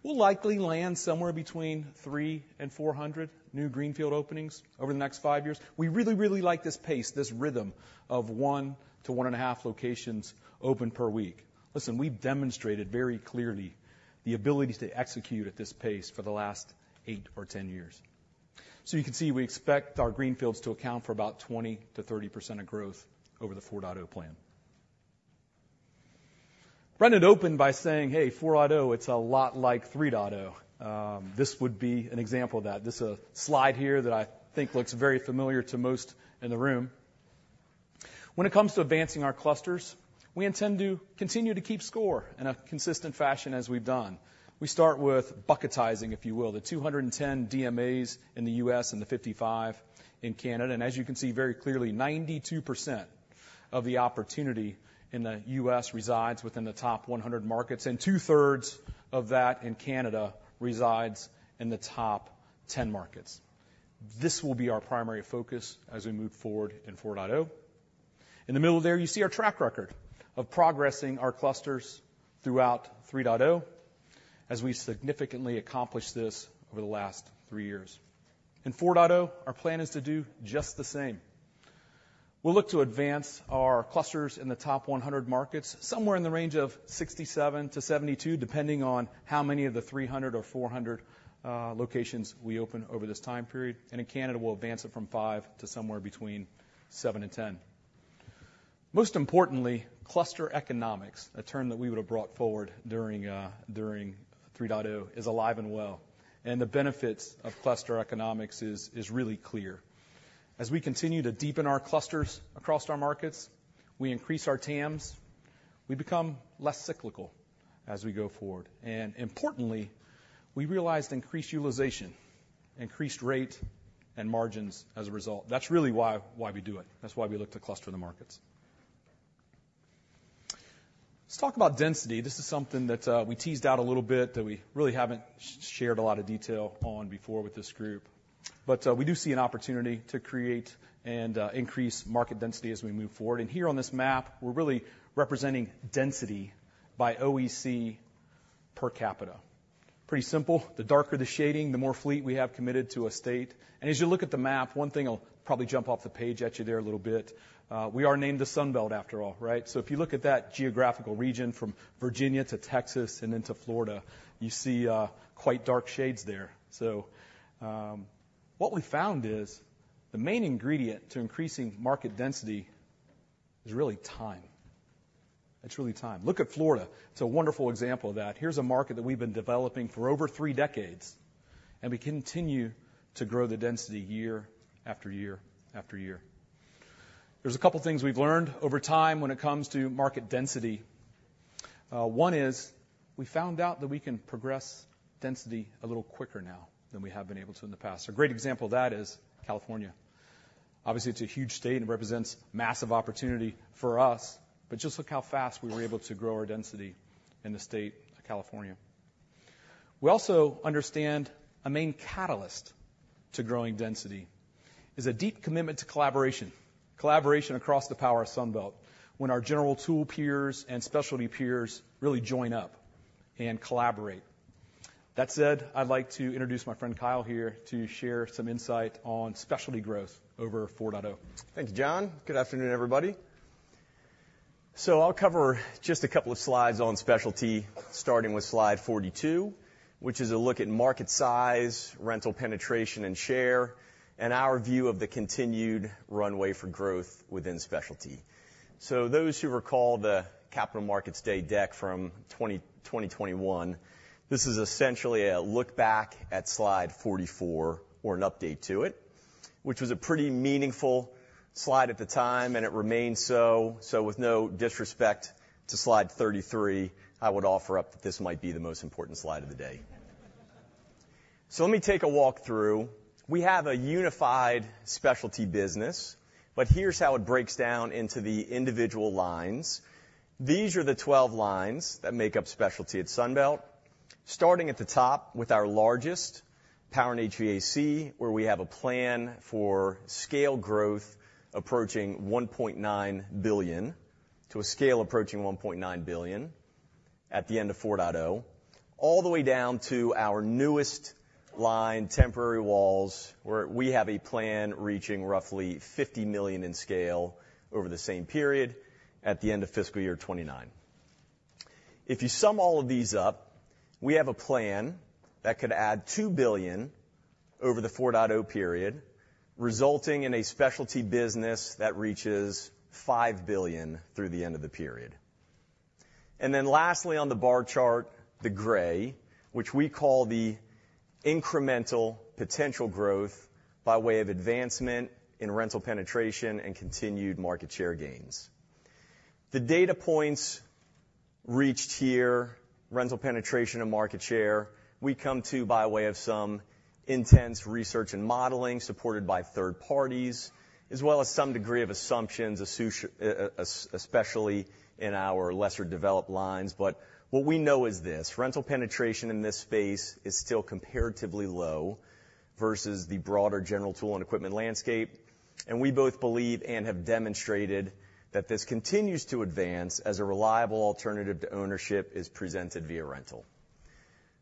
We'll likely land somewhere between 300 and 400 new greenfield openings over the next five years. We really, really like this pace, this rhythm of 1-1.5 locations open per week. Listen, we've demonstrated very clearly the ability to execute at this pace for the last 8 or 10 years. So you can see, we expect our greenfields to account for about 20%-30% of growth over the 4.0 plan. Brendan opened by saying, "Hey, 4.0, it's a lot like 3.0." This would be an example of that. This, slide here that I think looks very familiar to most in the room. When it comes to advancing our clusters, we intend to continue to keep score in a consistent fashion as we've done. We start with bucketizing, if you will, the 210 DMAs in the U.S. and the 55 in Canada. And as you can see very clearly, 92% of the opportunity in the U.S. resides within the top 100 markets, and two-thirds of that in Canada resides in the top 10 markets. This will be our primary focus as we move forward in 4.0. In the middle there, you see our track record of progressing our clusters throughout 3.0, as we significantly accomplished this over the last 3 years. In 4.0, our plan is to do just the same. We'll look to advance our clusters in the top 100 markets, somewhere in the range of 67-72, depending on how many of the 300 or 400 locations we open over this time period, and in Canada, we'll advance it from 5 to somewhere between 7 and 10. Most importantly, Cluster Economics, a term that we would have brought forward during 3.0, is alive and well, and the benefits of Cluster Economics is really clear. As we continue to deepen our clusters across our markets, we increase our TAMs, we become less cyclical as we go forward, and importantly, we realized increased utilization, increased rate, and margins as a result. That's really why we do it. That's why we look to cluster the markets. Let's talk about density. This is something that we teased out a little bit, that we really haven't shared a lot of detail on before with this group, but we do see an opportunity to create and increase market density as we move forward. And here on this map, we're really representing density by OEC per capita. Pretty simple. The darker the shading, the more fleet we have committed to a state. As you look at the map, one thing that'll probably jump off the page at you there a little bit, we are named the Sun Belt, after all, right? So if you look at that geographical region from Virginia to Texas and into Florida, you see quite dark shades there. So, what we found is the main ingredient to increasing market density is really time. It's really time. Look at Florida. It's a wonderful example of that. Here's a market that we've been developing for over three decades, and we continue to grow the density year after year after year. There's a couple things we've learned over time when it comes to market density. One is we found out that we can progress density a little quicker now than we have been able to in the past. A great example of that is California. Obviously, it's a huge state and represents massive opportunity for us, but just look how fast we were able to grow our density in the state of California... We also understand a main catalyst to growing density is a deep commitment to collaboration, collaboration across the power of Sunbelt, when our general tool peers and Specialty peers really join up and collaborate. That said, I'd like to introduce my friend, Kyle, here to share some insight on Specialty growth over 4.0. Thanks, John. Good afternoon, everybody. So I'll cover just a couple of slides on Specialty, starting with slide 42, which is a look at market size, rental penetration and share, and our view of the continued runway for growth within Specialty. So those who recall the Capital Markets Day deck from 2021, this is essentially a look back at slide 44 or an update to it, which was a pretty meaningful slide at the time, and it remains so. So with no disrespect to slide 33, I would offer up that this might be the most important slide of the day. So let me take a walk through. We have a unified Specialty business, but here's how it breaks down into the individual lines. These are the 12 lines that make up Specialty at Sunbelt, starting at the top with our largest, Power & HVAC, where we have a plan for scale growth approaching $1.9 billion, to a scale approaching $1.9 billion at the end of 4.0, all the way down to our newest line, Temporary Walls, where we have a plan reaching roughly $50 million in scale over the same period at the end of fiscal year 2029. If you sum all of these up, we have a plan that could add $2 billion over the 4.0 period, resulting in a Specialty business that reaches $5 billion through the end of the period. And then lastly, on the bar chart, the gray, which we call the incremental potential growth by way of advancement in rental penetration and continued market share gains. The data points reached here, rental penetration and market share, we come to by way of some intense research and modeling, supported by third parties, as well as some degree of assumptions, especially in our lesser developed lines. But what we know is this: rental penetration in this space is still comparatively low versus the broader General Tool and equipment landscape, and we both believe and have demonstrated that this continues to advance as a reliable alternative to ownership is presented via rental.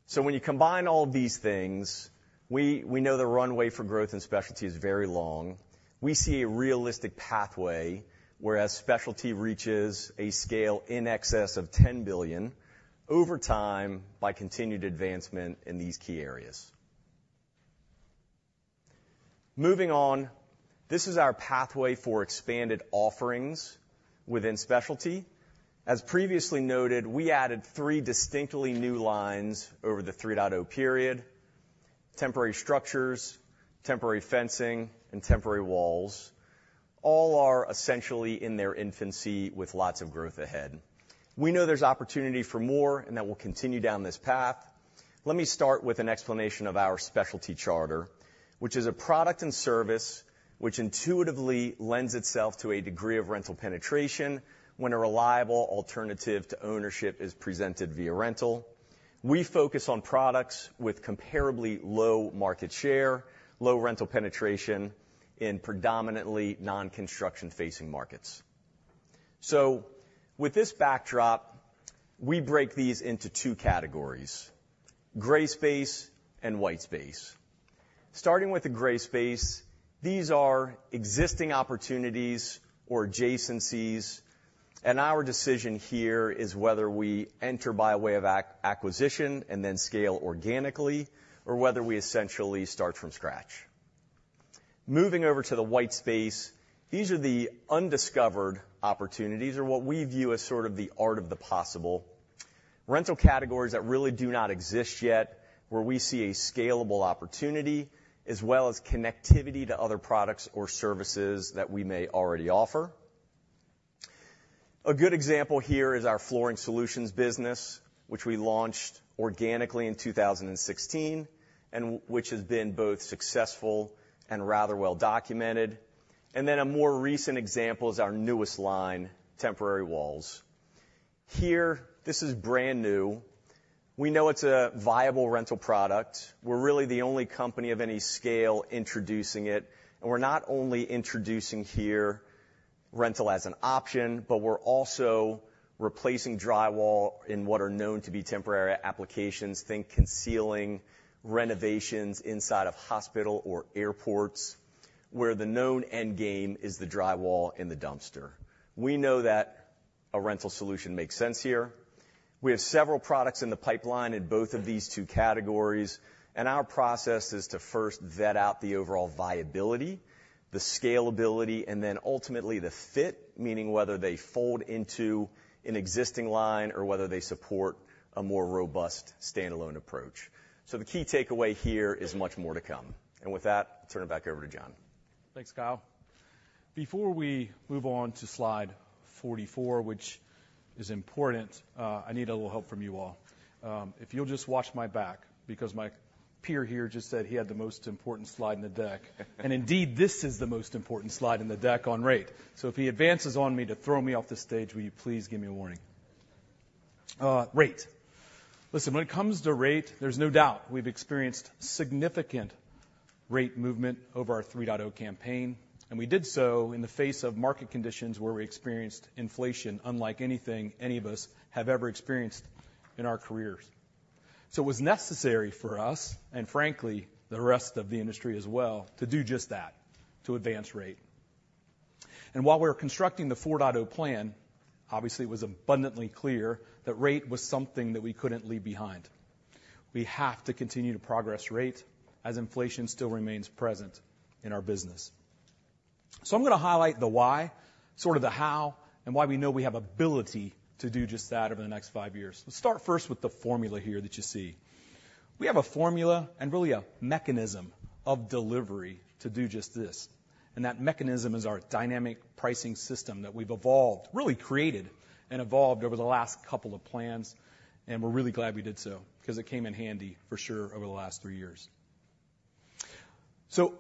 So when you combine all these things, we know the runway for growth and Specialty is very long. We see a realistic pathway, whereas Specialty reaches a scale in excess of $10 billion over time by continued advancement in these key areas. Moving on, this is our pathway for expanded offerings within Specialty. As previously noted, we added 3 distinctly new lines over the 3.0 period: Temporary Structures, Temporary Fencing, and Temporary Walls. All are essentially in their infancy with lots of growth ahead. We know there's opportunity for more and that we'll continue down this path. Let me start with an explanation of our Specialty charter, which is a product and service which intuitively lends itself to a degree of rental penetration when a reliable alternative to ownership is presented via rental. We focus on products with comparably low market share, low rental penetration in predominantly non-construction facing markets. So with this backdrop, we break these into two categories: gray space and white space. Starting with the gray space, these are existing opportunities or adjacencies, and our decision here is whether we enter by way of acquisition and then scale organically, or whether we essentially start from scratch. Moving over to the white space, these are the undiscovered opportunities or what we view as sort of the art of the possible. Rental categories that really do not exist yet, where we see a scalable opportunity, as well as connectivity to other products or services that we may already offer. A good example here is our Flooring Solutions business, which we launched organically in 2016, and which has been both successful and rather well documented. And then a more recent example is our newest line, Temporary Walls. Here, this is brand new. We know it's a viable rental product. We're really the only company of any scale introducing it, and we're not only introducing here rental as an option, but we're also replacing drywall in what are known to be temporary applications. Think concealing renovations inside of hospitals or airports, where the known end game is the drywall in the dumpster. We know that a rental solution makes sense here. We have several products in the pipeline in both of these two categories, and our process is to first vet out the overall viability, the scalability, and then ultimately the fit, meaning whether they fold into an existing line or whether they support a more robust standalone approach. The key takeaway here is much more to come. With that, turn it back over to John. Thanks, Kyle. Before we move on to slide 44, which is important, I need a little help from you all. If you'll just watch my back, because Peter here just said he had the most important slide in the deck. And indeed, this is the most important slide in the deck on rate. So if he advances on me to throw me off the stage, will you please give me a warning? Rate. Listen, when it comes to rate, there's no doubt we've experienced significant rate movement over our 3.0 campaign, and we did so in the face of market conditions where we experienced inflation, unlike anything any of us have ever experienced in our careers. So it was necessary for us and frankly, the rest of the industry as well, to do just that, to advance rate. While we were constructing the 4.0 plan, obviously, it was abundantly clear that rate was something that we couldn't leave behind. We have to continue to progress rate as inflation still remains present in our business. So I'm gonna highlight the why, sort of the how, and why we know we have ability to do just that over the next 5 years. Let's start first with the formula here that you see. We have a formula and really a mechanism of delivery to do just this, and that mechanism is our dynamic pricing system that we've evolved, really created and evolved over the last couple of plans. And we're really glad we did so because it came in handy for sure, over the last 3 years. So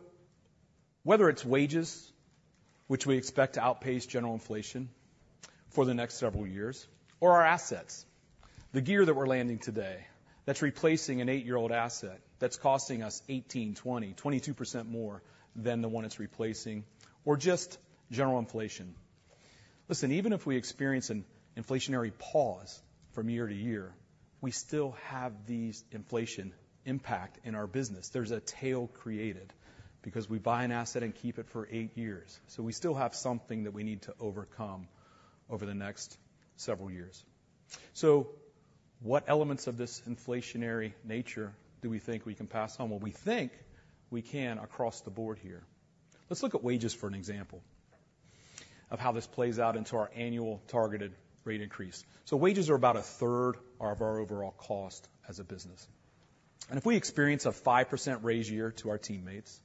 whether it's wages, which we expect to outpace general inflation for the next several years, or our assets, the gear that we're landing today, that's replacing an 8-year-old asset, that's costing us 18%-22% more than the one it's replacing, or just general inflation. Listen, even if we experience an inflationary pause from year to year, we still have these inflation impact in our business. There's a tail created because we buy an asset and keep it for 8 years. So we still have something that we need to overcome over the next several years. So what elements of this inflationary nature do we think we can pass on? Well, we think we can across the board here. Let's look at wages for an example of how this plays out into our annual targeted rate increase. So wages are about a third of our overall cost as a business. And if we experience a 5% raise year to our teammates,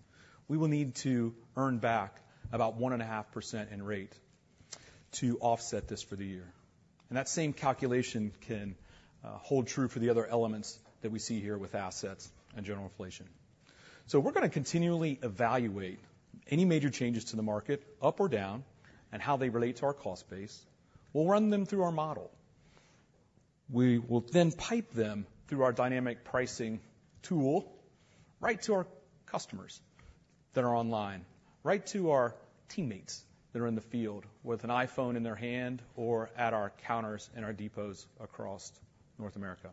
we will need to earn back about 1.5% in rate to offset this for the year. And that same calculation can hold true for the other elements that we see here with assets and general inflation. So we're gonna continually evaluate any major changes to the market, up or down, and how they relate to our cost base. We'll run them through our model. We will then pipe them through our dynamic pricing tool, right to our customers that are online, right to our teammates that are in the field with an iPhone in their hand or at our counters in our depots across North America.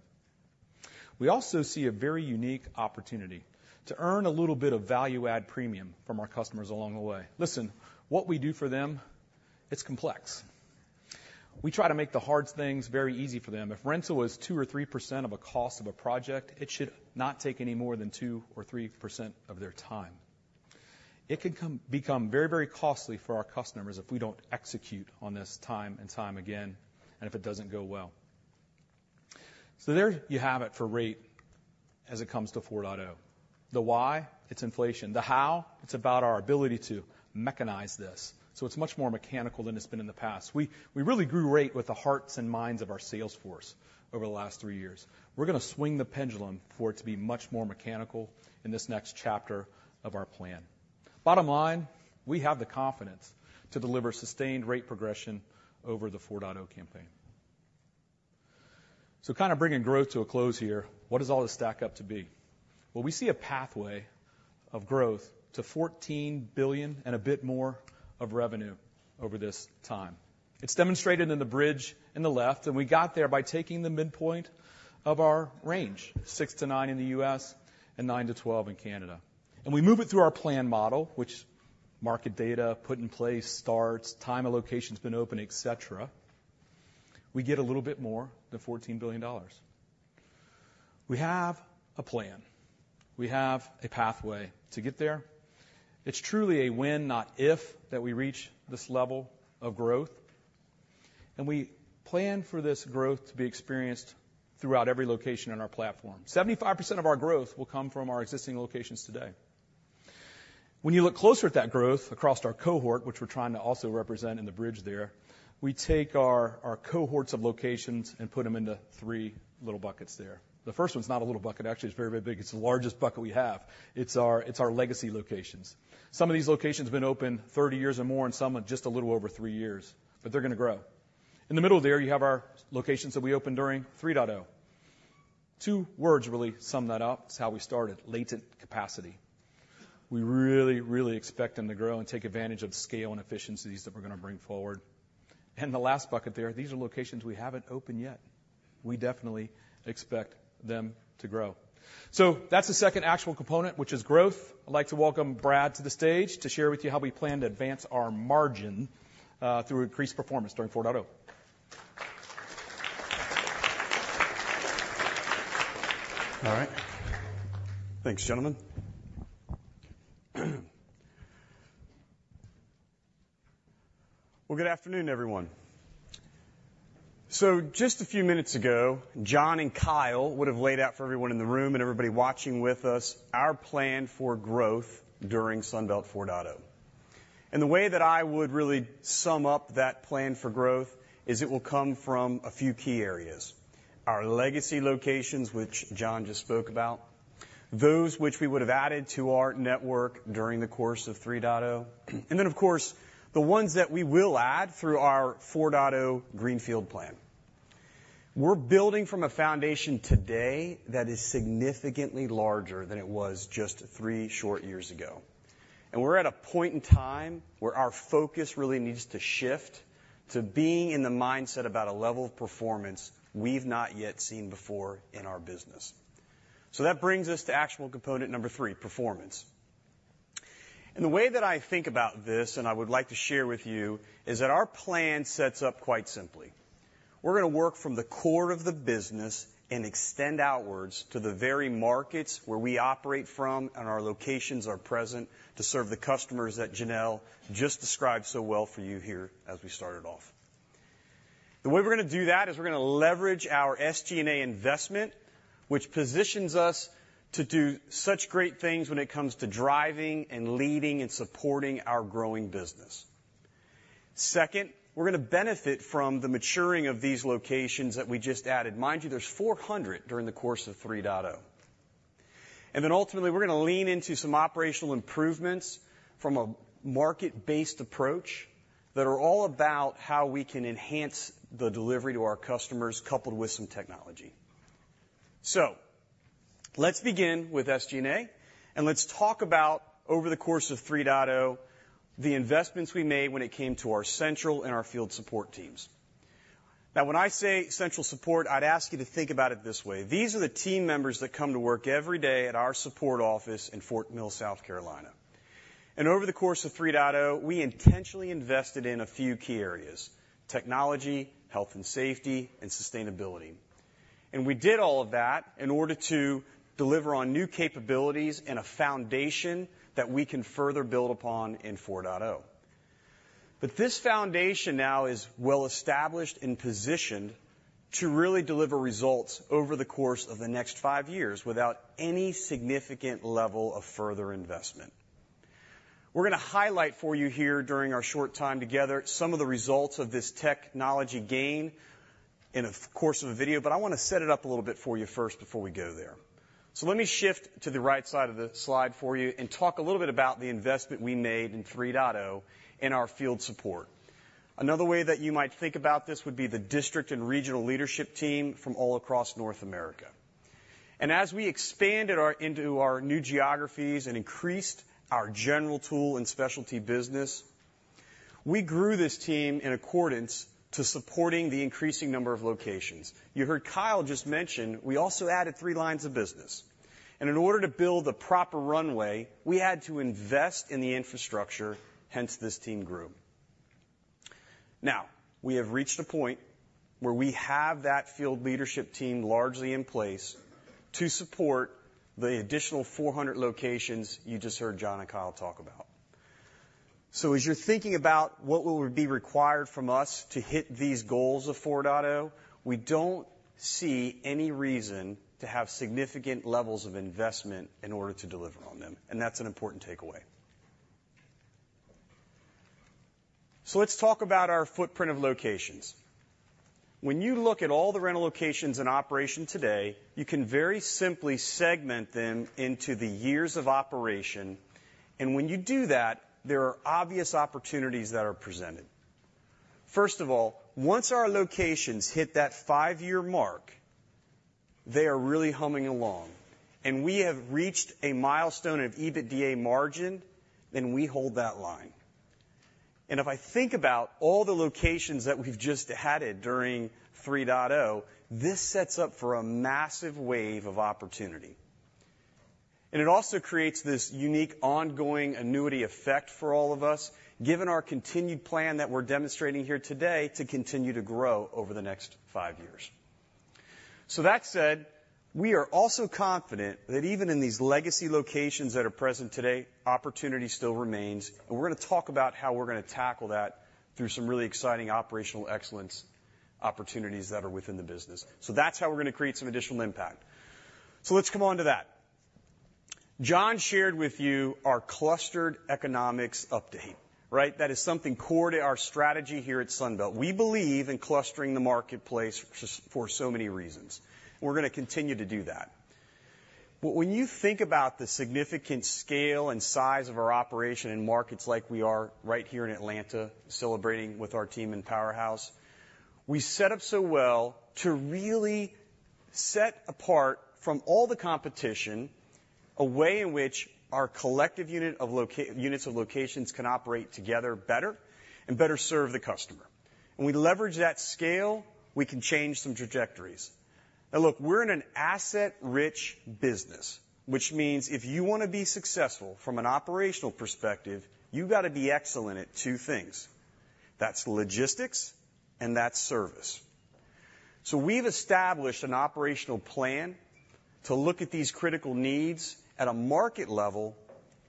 We also see a very unique opportunity to earn a little bit of value-add premium from our customers along the way. Listen, what we do for them, it's complex. We try to make the hard things very easy for them. If rental is 2%-3% of a cost of a project, it should not take any more than 2%-3% of their time. It can become very, very costly for our customers if we don't execute on this time and time again, and if it doesn't go well. So there you have it for rate as it comes to 4.0. The why? It's inflation. The how? It's about our ability to mechanize this, so it's much more mechanical than it's been in the past. We really grew rate with the hearts and minds of our sales force over the last three years. We're gonna swing the pendulum for it to be much more mechanical in this next chapter of our plan. Bottom line, we have the confidence to deliver sustained rate progression over the 4.0 campaign. So kind of bringing growth to a close here, what does all this stack up to be? Well, we see a pathway of growth to $14 billion and a bit more of revenue over this time. It's demonstrated in the bridge in the left, and we got there by taking the midpoint of our range, 6-9 in the U.S. and 9-12 in Canada. And we move it through our plan model, which market data put in place, starts, time and location has been open, et cetera. We get a little bit more than $14 billion. We have a plan. We have a pathway to get there. It's truly a when, not if, that we reach this level of growth, and we plan for this growth to be experienced throughout every location on our platform. 75% of our growth will come from our existing locations today. When you look closer at that growth across our cohort, which we're trying to also represent in the bridge there, we take our, our cohorts of locations and put them into three little buckets there. The first one is not a little bucket, actually, it's very, very big. It's the largest bucket we have. It's our, it's our legacy locations. Some of these locations have been open 30 years or more, and some are just a little over 3 years, but they're gonna grow. In the middle there, you have our locations that we opened during 3.0. Two words really sum that up. It's how we started latent capacity. We really, really expect them to grow and take advantage of the scale and efficiencies that we're gonna bring forward. And the last bucket there, these are locations we haven't opened yet. We definitely expect them to grow. So that's the second actual component, which is growth. I'd like to welcome Brad to the stage to share with you how we plan to advance our margin through increased performance during 4.0. All right. Thanks, gentlemen. Well, good afternoon, everyone. So just a few minutes ago, John and Kyle would have laid out for everyone in the room and everybody watching with us our plan for growth during Sunbelt 4.0. And the way that I would really sum up that plan for growth is it will come from a few key areas: our legacy locations, which John just spoke about, those which we would have added to our network during the course of 3.0, and then, of course, the ones that we will add through our 4.0 greenfield plan. We're building from a foundation today that is significantly larger than it was just three short years ago, and we're at a point in time where our focus really needs to shift to being in the mindset about a level of performance we've not yet seen before in our business. So that brings us to actual component number three, performance. And the way that I think about this, and I would like to share with you, is that our plan sets up quite simply. We're gonna work from the core of the business and extend outwards to the very markets where we operate from and our locations are present to serve the customers that Janelle just described so well for you here as we started off. The way we're gonna do that is we're gonna leverage our SG&A investment, which positions us to do such great things when it comes to driving and leading and supporting our growing business. Second, we're gonna benefit from the maturing of these locations that we just added. Mind you, there's 400 during the course of 3.0. And then ultimately, we're gonna lean into some operational improvements from a market-based approach that are all about how we can enhance the delivery to our customers, coupled with some technology. So let's begin with SG&A, and let's talk about, over the course of 3.0, the investments we made when it came to our central and our field support teams. Now, when I say central support, I'd ask you to think about it this way: These are the team members that come to work every day at our support office in Fort Mill, South Carolina. Over the course of 3.0, we intentionally invested in a few key areas, technology, health and safety, and sustainability. We did all of that in order to deliver on new capabilities and a foundation that we can further build upon in 4.0. But this foundation now is well-established and positioned to really deliver results over the course of the next five years without any significant level of further investment. We're gonna highlight for you here, during our short time together, some of the results of this technology gain in the course of a video, but I wanna set it up a little bit for you first before we go there. So let me shift to the right side of the slide for you and talk a little bit about the investment we made in 3.0 in our field support. Another way that you might think about this would be the district and regional leadership team from all across North America. And as we expanded our into our new geographies and increased our General Tool and Specialty business, we grew this team in accordance to supporting the increasing number of locations. You heard Kyle just mention we also added three lines of business, and in order to build the proper runway, we had to invest in the infrastructure, hence this team grew. Now, we have reached a point where we have that field leadership team largely in place to support the additional 400 locations you just heard John and Kyle talk about. So as you're thinking about what will be required from us to hit these goals of 4.0, we don't see any reason to have significant levels of investment in order to deliver on them, and that's an important takeaway. So let's talk about our footprint of locations. When you look at all the rental locations in operation today, you can very simply segment them into the years of operation, and when you do that, there are obvious opportunities that are presented. First of all, once our locations hit that 5-year mark, they are really humming along, and we have reached a milestone of EBITDA margin, then we hold that line. If I think about all the locations that we've just added during 3.0, this sets up for a massive wave of opportunity. It also creates this unique, ongoing annuity effect for all of us, given our continued plan that we're demonstrating here today to continue to grow over the next 5 years. So that said, we are also confident that even in these legacy locations that are present today, opportunity still remains, and we're gonna talk about how we're gonna tackle that through some really exciting operational excellence opportunities that are within the business. That's how we're gonna create some additional impact. Let's come on to that. John shared with you our Cluster Economics update, right? That is something core to our strategy here at Sunbelt. We believe in clustering the marketplace just for so many reasons. We're gonna continue to do that. But when you think about the significant scale and size of our operation in markets like we are right here in Atlanta, celebrating with our team in Powerhouse, we set up so well to really set apart from all the competition a way in which our collective units of locations can operate together better and better serve the customer. When we leverage that scale, we can change some trajectories. Now, look, we're in an asset-rich business, which means if you want to be successful from an operational perspective, you've got to be excellent at two things. That's logistics, and that's service. So we've established an operational plan to look at these critical needs at a market level,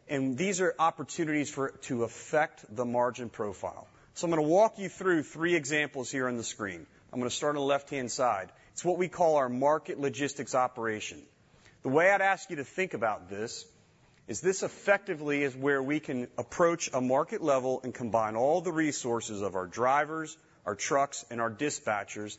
and these are opportunities for it to affect the margin profile. So I'm gonna walk you through three examples here on the screen. I'm gonna start on the left-hand side. It's what we call our Market Logistics operation. The way I'd ask you to think about this, is this effectively is where we can approach a market level and combine all the resources of our drivers, our trucks, and our dispatchers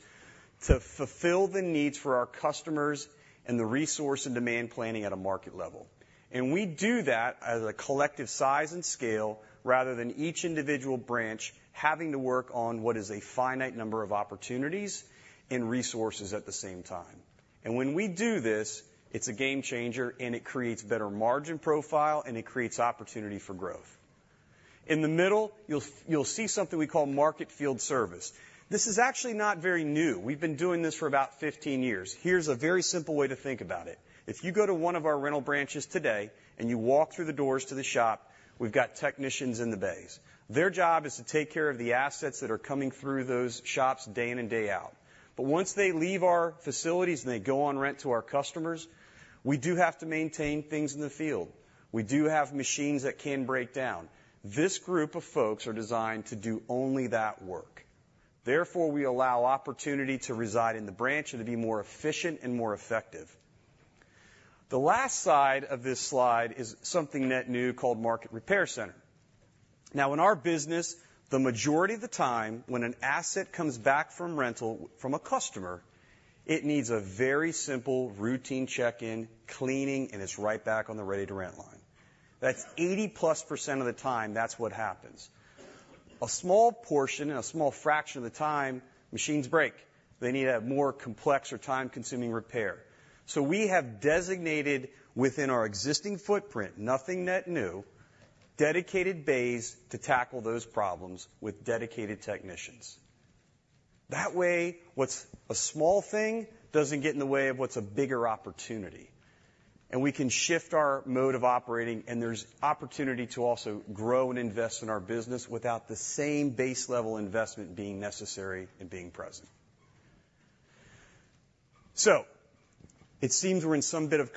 to fulfill the needs for our customers and the resource and demand planning at a market level. We do that as a collective size and scale, rather than each individual branch having to work on what is a finite number of opportunities and resources at the same time. When we do this, it's a game changer, and it creates better margin profile, and it creates opportunity for growth. In the middle, you'll see something we call market field service. This is actually not very new. We've been doing this for about 15 years. Here's a very simple way to think about it: if you go to one of our rental branches today, and you walk through the doors to the shop, we've got technicians in the bays. Their job is to take care of the assets that are coming through those shops day in and day out. But once they leave our facilities, and they go on rent to our customers, we do have to maintain things in the field. We do have machines that can break down. This group of folks are designed to do only that work. Therefore, we allow opportunity to reside in the branch and to be more efficient and more effective. The last side of this slide is something net new, called Market Repair Center. Now, in our business, the majority of the time, when an asset comes back from rental from a customer, it needs a very simple routine check-in, cleaning, and it's right back on the ready-to-rent line. That's 80%+ of the time, that's what happens. A small portion and a small fraction of the time, machines break. They need a more complex or time-consuming repair. So we have designated within our existing footprint, nothing net new, dedicated bays to tackle those problems with dedicated technicians. That way, what's a small thing doesn't get in the way of what's a bigger opportunity, and we can shift our mode of operating, and there's opportunity to also grow and invest in our business without the same base-level investment being necessary and being present. So it seems we're in some bit of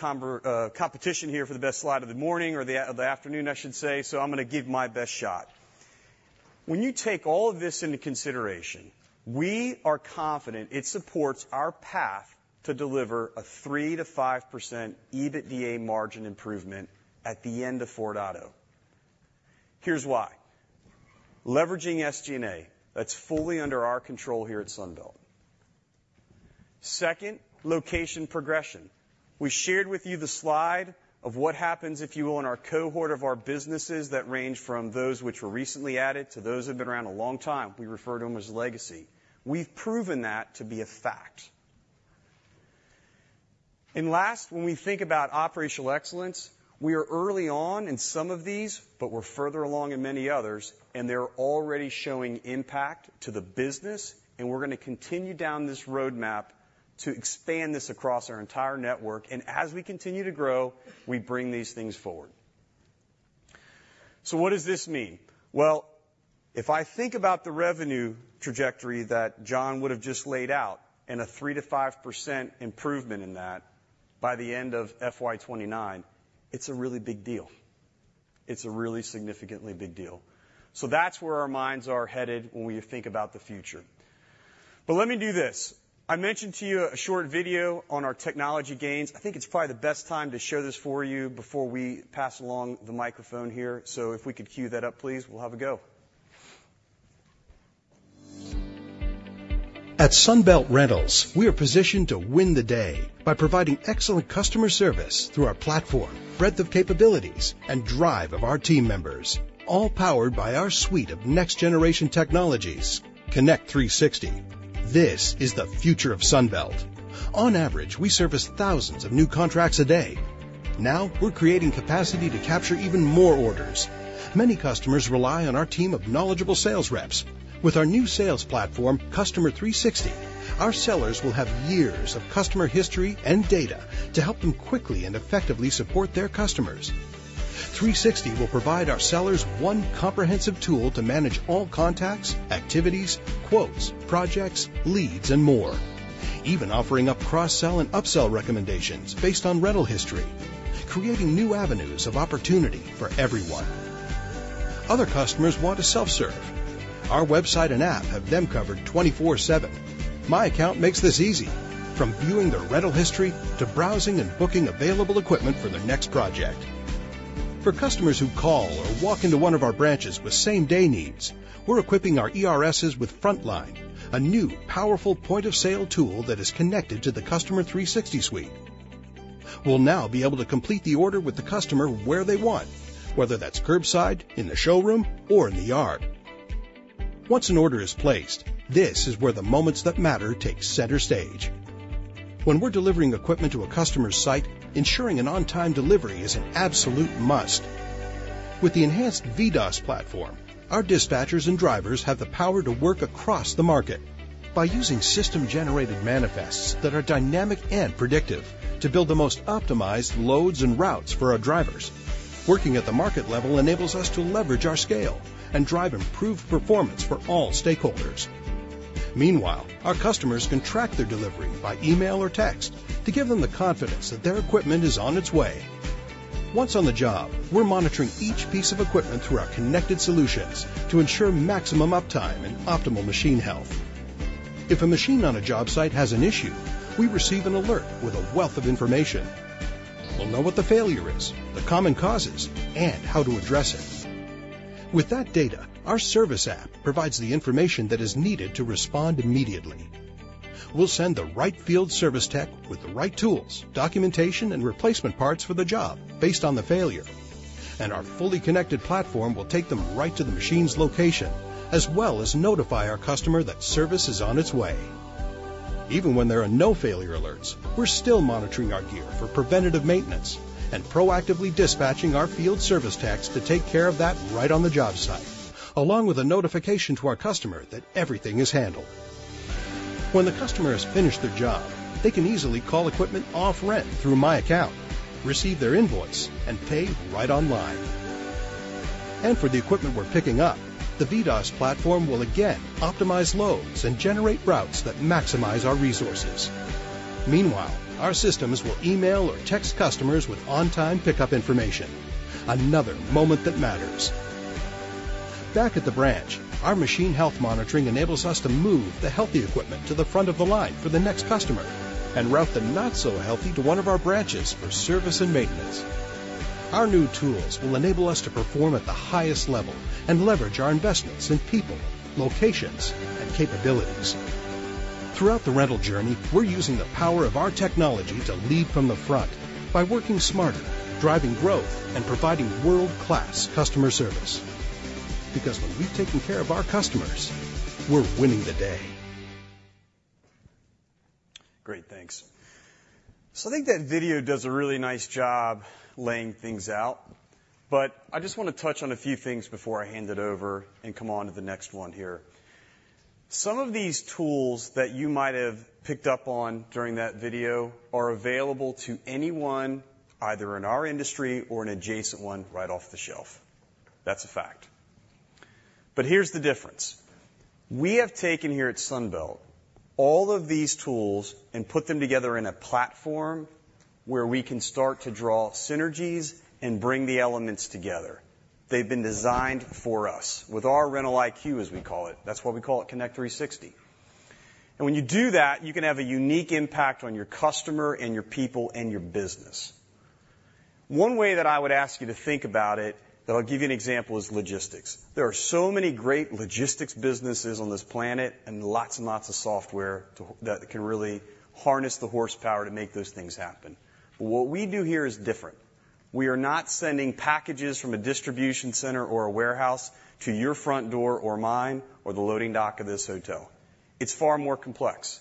competition here for the best slide of the morning, or the afternoon, I should say, so I'm going to give it my best shot. When you take all of this into consideration, we are confident it supports our path to deliver a 3%-5% EBITDA margin improvement at the end of Sunbelt 4.0. Here's why: leveraging SG&A, that's fully under our control here at Sunbelt. Second, location progression. We shared with you the slide of what happens if you own our cohort of our businesses that range from those which were recently added to those that have been around a long time. We refer to them as legacy. We've proven that to be a fact. Last, when we think about operational excellence, we are early on in some of these, but we're further along in many others, and they're already showing impact to the business, and we're going to continue down this roadmap to expand this across our entire network. As we continue to grow, we bring these things forward. So what does this mean? Well, if I think about the revenue trajectory that John would have just laid out, and a 3%-5% improvement in that by the end of FY 2029, it's a really big deal. It's a really significantly big deal. So that's where our minds are headed when we think about the future. But let me do this. I mentioned to you a short video on our technology gains. I think it's probably the best time to show this for you before we pass along the microphone here. So if we could queue that up, please, we'll have a go. At Sunbelt Rentals, we are positioned to win the day by providing excellent customer service through our platform, breadth of capabilities, and drive of our team members, all powered by our suite of next-generation technologies, Connect 360. This is the future of Sunbelt. On average, we service thousands of new contracts a day. Now, we're creating capacity to capture even more orders. Many customers rely on our team of knowledgeable sales reps. With our new sales platform, Customer 360, our sellers will have years of customer history and data to help them quickly and effectively support their customers. 360 will provide our sellers one comprehensive tool to manage all contacts, activities, quotes, projects, leads, and more, even offering up cross-sell and upsell recommendations based on rental history, creating new avenues of opportunity for everyone. Other customers want to self-serve. Our website and app have them covered 24/7. My Account makes this easy, from viewing their rental history to browsing and booking available equipment for their next project. For customers who call or walk into one of our branches with same-day needs, we're equipping our ERSs with Frontline, a new, powerful point-of-sale tool that is connected to the Customer 360 suite. We'll now be able to complete the order with the customer where they want, whether that's curbside, in the showroom, or in the yard. Once an order is placed, this is where the moments that matter take center stage. When we're delivering equipment to a customer's site, ensuring an on-time delivery is an absolute must. With the enhanced VDOS platform, our dispatchers and drivers have the power to work across the market by using system-generated manifests that are dynamic and predictive to build the most optimized loads and routes for our drivers. Working at the market level enables us to leverage our scale and drive improved performance for all stakeholders. Meanwhile, our customers can track their delivery by email or text to give them the confidence that their equipment is on its way. Once on the job, we're monitoring each piece of equipment through our connected solutions to ensure maximum uptime and optimal machine health.... If a machine on a job site has an issue, we receive an alert with a wealth of information. We'll know what the failure is, the common causes, and how to address it. With that data, our service app provides the information that is needed to respond immediately. We'll send the right field service tech with the right tools, documentation, and replacement parts for the job based on the failure, and our fully connected platform will take them right to the machine's location, as well as notify our customer that service is on its way. Even when there are no failure alerts, we're still monitoring our gear for preventative maintenance and proactively dispatching our field service techs to take care of that right on the job site, along with a notification to our customer that everything is handled. When the customer has finished their job, they can easily call equipment off rent through My Account, receive their invoice, and pay right online. For the equipment we're picking up, the VDOS platform will again optimize loads and generate routes that maximize our resources. Meanwhile, our systems will email or text customers with on-time pickup information. Another moment that matters. Back at the branch, our machine health monitoring enables us to move the healthy equipment to the front of the line for the next customer and route the not-so-healthy to one of our branches for service and maintenance. Our new tools will enable us to perform at the highest level and leverage our investments in people, locations, and capabilities. Throughout the rental journey, we're using the power of our technology to lead from the front by working smarter, driving growth, and providing world-class customer service. Because when we've taken care of our customers, we're winning the day. Great, thanks. So I think that video does a really nice job laying things out, but I just want to touch on a few things before I hand it over and come on to the next one here. Some of these tools that you might have picked up on during that video are available to anyone, either in our industry or an adjacent one, right off the shelf. That's a fact. But here's the difference. We have taken here at Sunbelt all of these tools and put them together in a platform where we can start to draw synergies and bring the elements together. They've been designed for us with our Rental IQ, as we call it. That's why we call it Connect 360. And when you do that, you can have a unique impact on your customer, and your people, and your business. One way that I would ask you to think about it, though I'll give you an example, is logistics. There are so many great logistics businesses on this planet, and lots and lots of software that can really harness the horsepower to make those things happen. But what we do here is different. We are not sending packages from a distribution center or a warehouse to your front door or mine, or the loading dock of this hotel. It's far more complex.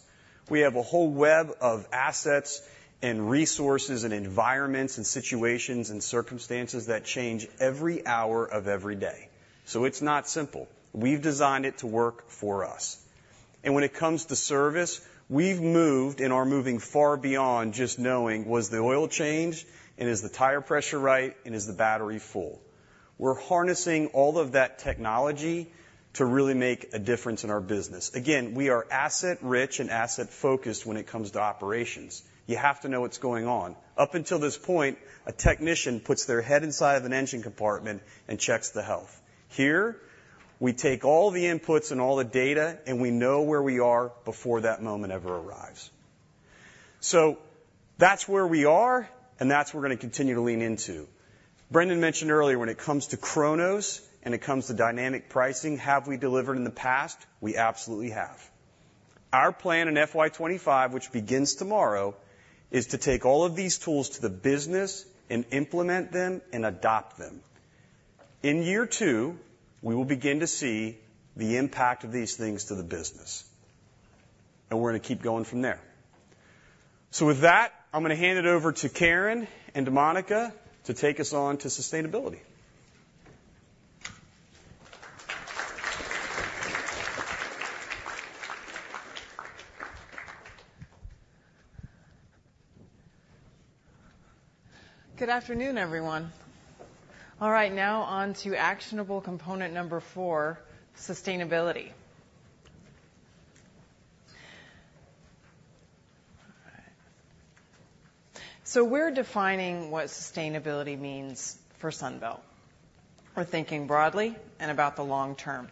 We have a whole web of assets, and resources, and environments, and situations, and circumstances that change every hour of every day. So it's not simple. We've designed it to work for us. And when it comes to service, we've moved and are moving far beyond just knowing was the oil changed, and is the tire pressure right, and is the battery full? We're harnessing all of that technology to really make a difference in our business. Again, we are asset-rich and asset-focused when it comes to operations. You have to know what's going on. Up until this point, a technician puts their head inside of an engine compartment and checks the health. Here, we take all the inputs and all the data, and we know where we are before that moment ever arrives. So that's where we are, and that's where we're gonna continue to lean into. Brendan mentioned earlier, when it comes to Kronos and it comes to dynamic pricing, have we delivered in the past? We absolutely have. Our plan in FY 25, which begins tomorrow, is to take all of these tools to the business and implement them and adopt them. In year two, we will begin to see the impact of these things to the business, and we're gonna keep going from there. With that, I'm gonna hand it over to Karen and to Monica to take us on to sustainability. Good afternoon, everyone. All right, now on to actionable component number 4, sustainability. We're defining what sustainability means for Sunbelt. We're thinking broadly and about the long term,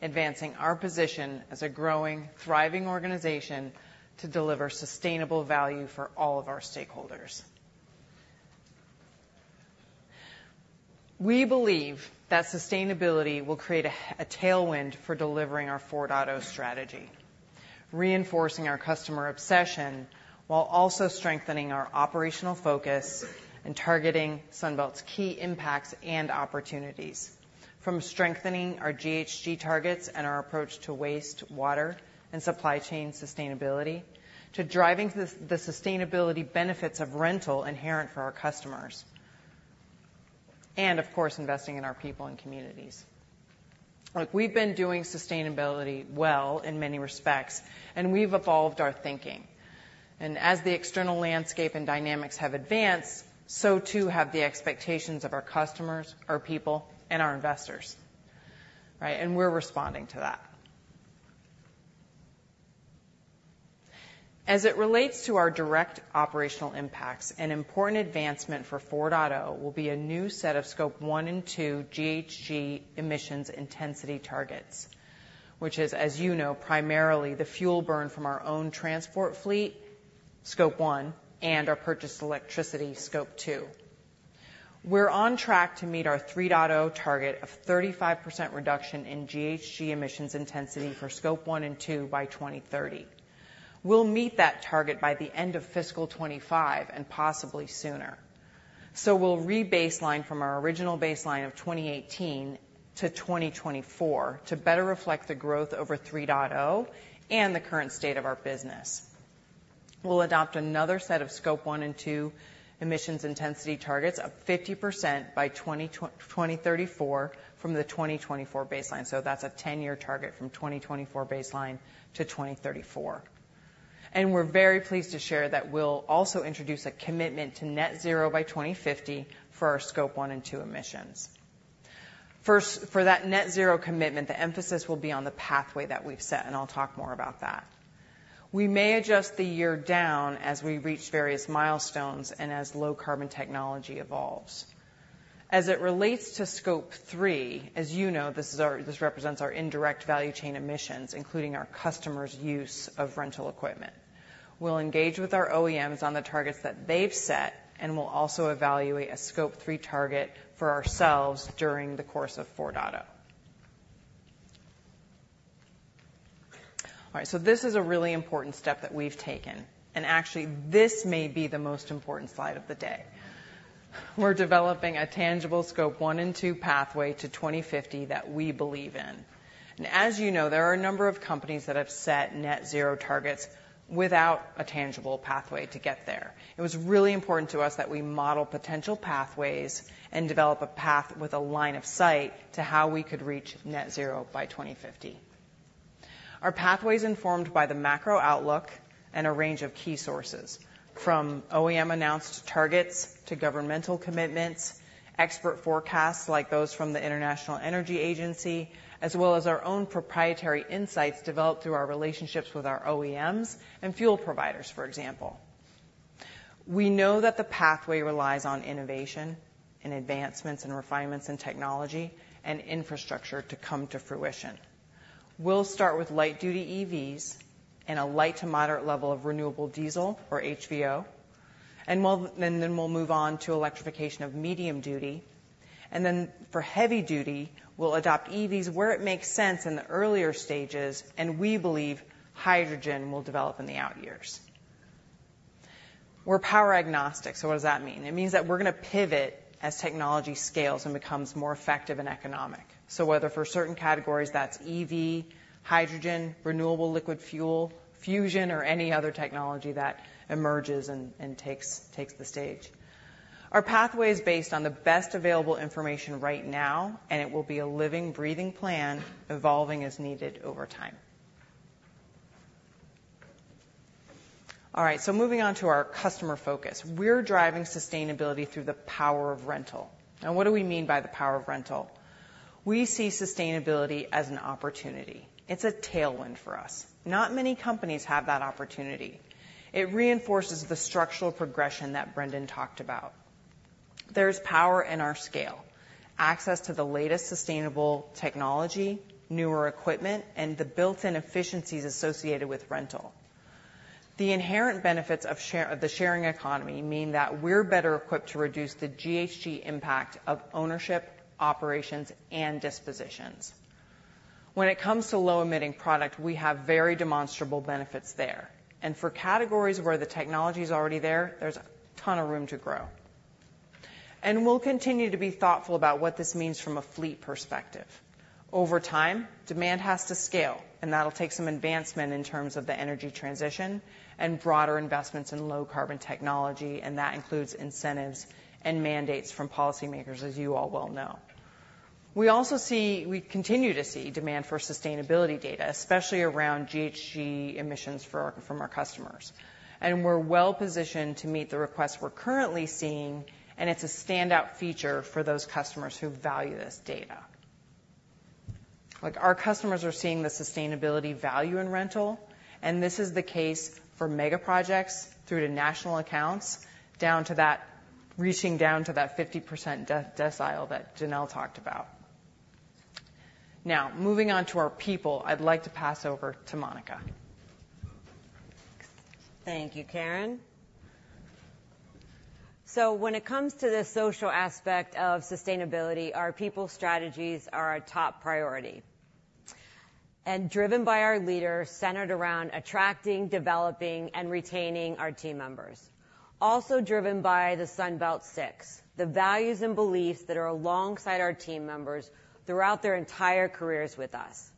advancing our position as a growing, thriving organization to deliver sustainable value for all of our stakeholders. We believe that sustainability will create a tailwind for delivering our 4.0 strategy, reinforcing our customer obsession, while also strengthening our operational focus and targeting Sunbelt's key impacts and opportunities. From strengthening our GHG targets and our approach to waste, water, and supply chain sustainability, to driving the sustainability benefits of rental inherent for our customers, and of course, investing in our people and communities. Look, we've been doing sustainability well in many respects, and we've evolved our thinking. As the external landscape and dynamics have advanced, so too have the expectations of our customers, our people, and our investors, right? And we're responding to that. As it relates to our direct operational impacts, an important advancement for Sunbelt will be a new set of Scope 1 and Scope 2 GHG emissions intensity targets, which is, as you know, primarily the fuel burn from our own transport fleet, Scope 1, and our purchased electricity, Scope 2. We're on track to meet our 3.0 target of 35% reduction in GHG emissions intensity for Scope 1 and Scope 2 by 2030. We'll meet that target by the end of fiscal 2025, and possibly sooner. So we'll rebaseline from our original baseline of 2018 to 2024 to better reflect the growth over 3.0 and the current state of our business. We'll adopt another set of Scope 1 and 2 emissions intensity targets of 50% by 2034 from the 2024 baseline. So that's a ten-year target from 2024 baseline to 2034. And we're very pleased to share that we'll also introduce a commitment to net zero by 2050 for our Scope 1 and 2 emissions. First, for that net zero commitment, the emphasis will be on the pathway that we've set, and I'll talk more about that. We may adjust the year down as we reach various milestones and as low-carbon technology evolves. As it relates to Scope 3, as you know, this represents our indirect value chain emissions, including our customers' use of rental equipment. We'll engage with our OEMs on the targets that they've set, and we'll also evaluate a Scope 3 target for ourselves during the course of FY24. All right, so this is a really important step that we've taken, and actually, this may be the most important slide of the day. We're developing a tangible Scope 1 and 2 pathway to 2050 that we believe in. And as you know, there are a number of companies that have set net zero targets without a tangible pathway to get there. It was really important to us that we model potential pathways and develop a path with a line of sight to how we could reach net zero by 2050. Our pathway is informed by the macro outlook and a range of key sources, from OEM-announced targets to governmental commitments, expert forecasts like those from the International Energy Agency, as well as our own proprietary insights developed through our relationships with our OEMs and fuel providers, for example. We know that the pathway relies on innovation and advancements and refinements in technology and infrastructure to come to fruition. We'll start with light-duty EVs and a light to moderate level of renewable diesel or HVO, and then we'll move on to electrification of medium duty. And then for heavy duty, we'll adopt EVs where it makes sense in the earlier stages, and we believe hydrogen will develop in the out years. We're power agnostic. So what does that mean? It means that we're gonna pivot as technology scales and becomes more effective and economic. So whether for certain categories, that's EV, hydrogen, renewable liquid fuel, fusion, or any other technology that emerges and takes the stage. Our pathway is based on the best available information right now, and it will be a living, breathing plan, evolving as needed over time. All right, so moving on to our customer focus. We're driving sustainability through the power of rental. Now, what do we mean by the power of rental? We see sustainability as an opportunity. It's a tailwind for us. Not many companies have that opportunity. It reinforces the structural progression that Brendan talked about. There's power in our scale, access to the latest sustainable technology, newer equipment, and the built-in efficiencies associated with rental. The inherent benefits of sharing of the sharing economy mean that we're better equipped to reduce the GHG impact of ownership, operations, and dispositions. When it comes to low-emitting product, we have very demonstrable benefits there. For categories where the technology is already there, there's a ton of room to grow. We'll continue to be thoughtful about what this means from a fleet perspective. Over time, demand has to scale, and that'll take some advancement in terms of the energy transition and broader investments in low-carbon technology, and that includes incentives and mandates from policymakers, as you all well know. We also see... We continue to see demand for sustainability data, especially around GHG emissions from our customers. We're well-positioned to meet the requests we're currently seeing, and it's a standout feature for those customers who value this data. Look, our customers are seeing the sustainability value in rental, and this is the case for mega projects through to national accounts, down to that, reaching down to that 50% decile that Janelle talked about. Now, moving on to our people, I'd like to pass over to Monica. Thank you, Karen. So when it comes to the social aspect of sustainability, our people strategies are our top priority, and driven by our leaders, centered around attracting, developing, and retaining our team members. Also driven by the Sunbelt Six, the values and beliefs that are alongside our team members throughout their entire careers with us.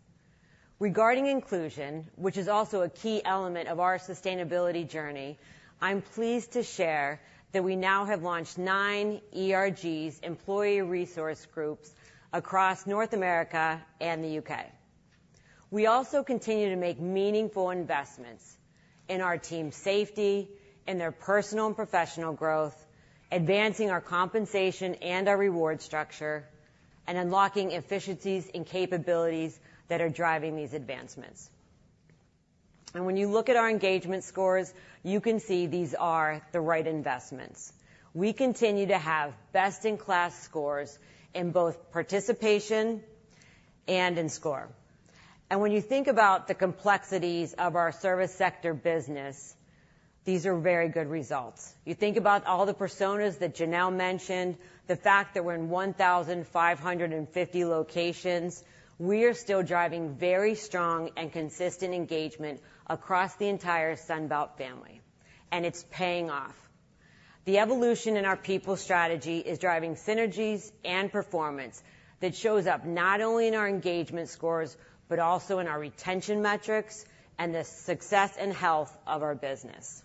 Regarding inclusion, which is also a key element of our sustainability journey, I'm pleased to share that we now have launched nine ERGs, Employee Resource Groups, across North America and the U.K. We also continue to make meaningful investments in our team's safety, in their personal and professional growth, advancing our compensation and our reward structure, and unlocking efficiencies and capabilities that are driving these advancements. When you look at our engagement scores, you can see these are the right investments. We continue to have best-in-class scores in both participation and in score. When you think about the complexities of our service sector business, these are very good results. You think about all the personas that Janelle mentioned, the fact that we're in 1,550 locations, we are still driving very strong and consistent engagement across the entire Sunbelt family, and it's paying off. The evolution in our people strategy is driving synergies and performance that shows up not only in our engagement scores, but also in our retention metrics and the success and health of our business.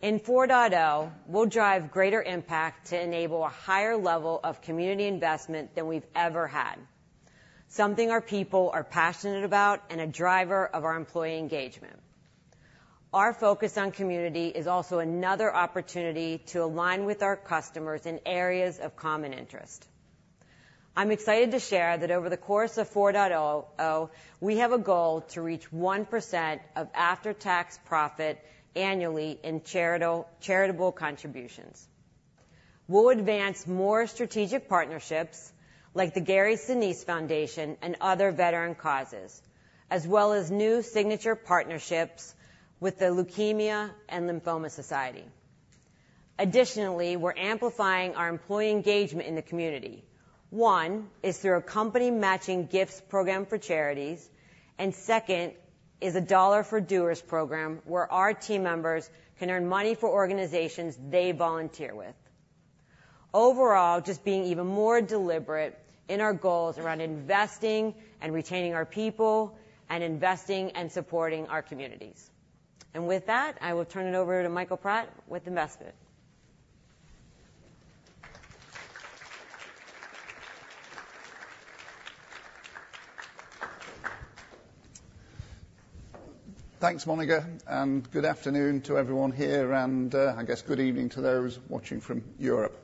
In 4.0, we'll drive greater impact to enable a higher level of community investment than we've ever had, something our people are passionate about and a driver of our employee engagement. Our focus on community is also another opportunity to align with our customers in areas of common interest. I'm excited to share that over the course of 4.0, we have a goal to reach 1% of after-tax profit annually in charitable contributions. We'll advance more strategic partnerships like the Gary Sinise Foundation and other veteran causes, as well as new signature partnerships with the Leukemia and Lymphoma Society. Additionally, we're amplifying our employee engagement in the community. One is through a company matching gifts program for charities, and second is a Dollar for Doers program, where our team members can earn money for organizations they volunteer with. Overall, just being even more deliberate in our goals around investing and retaining our people, and investing and supporting our communities. With that, I will turn it over to Michael Pratt with investment. Thanks, Monica, and good afternoon to everyone here, and I guess good evening to those watching from Europe.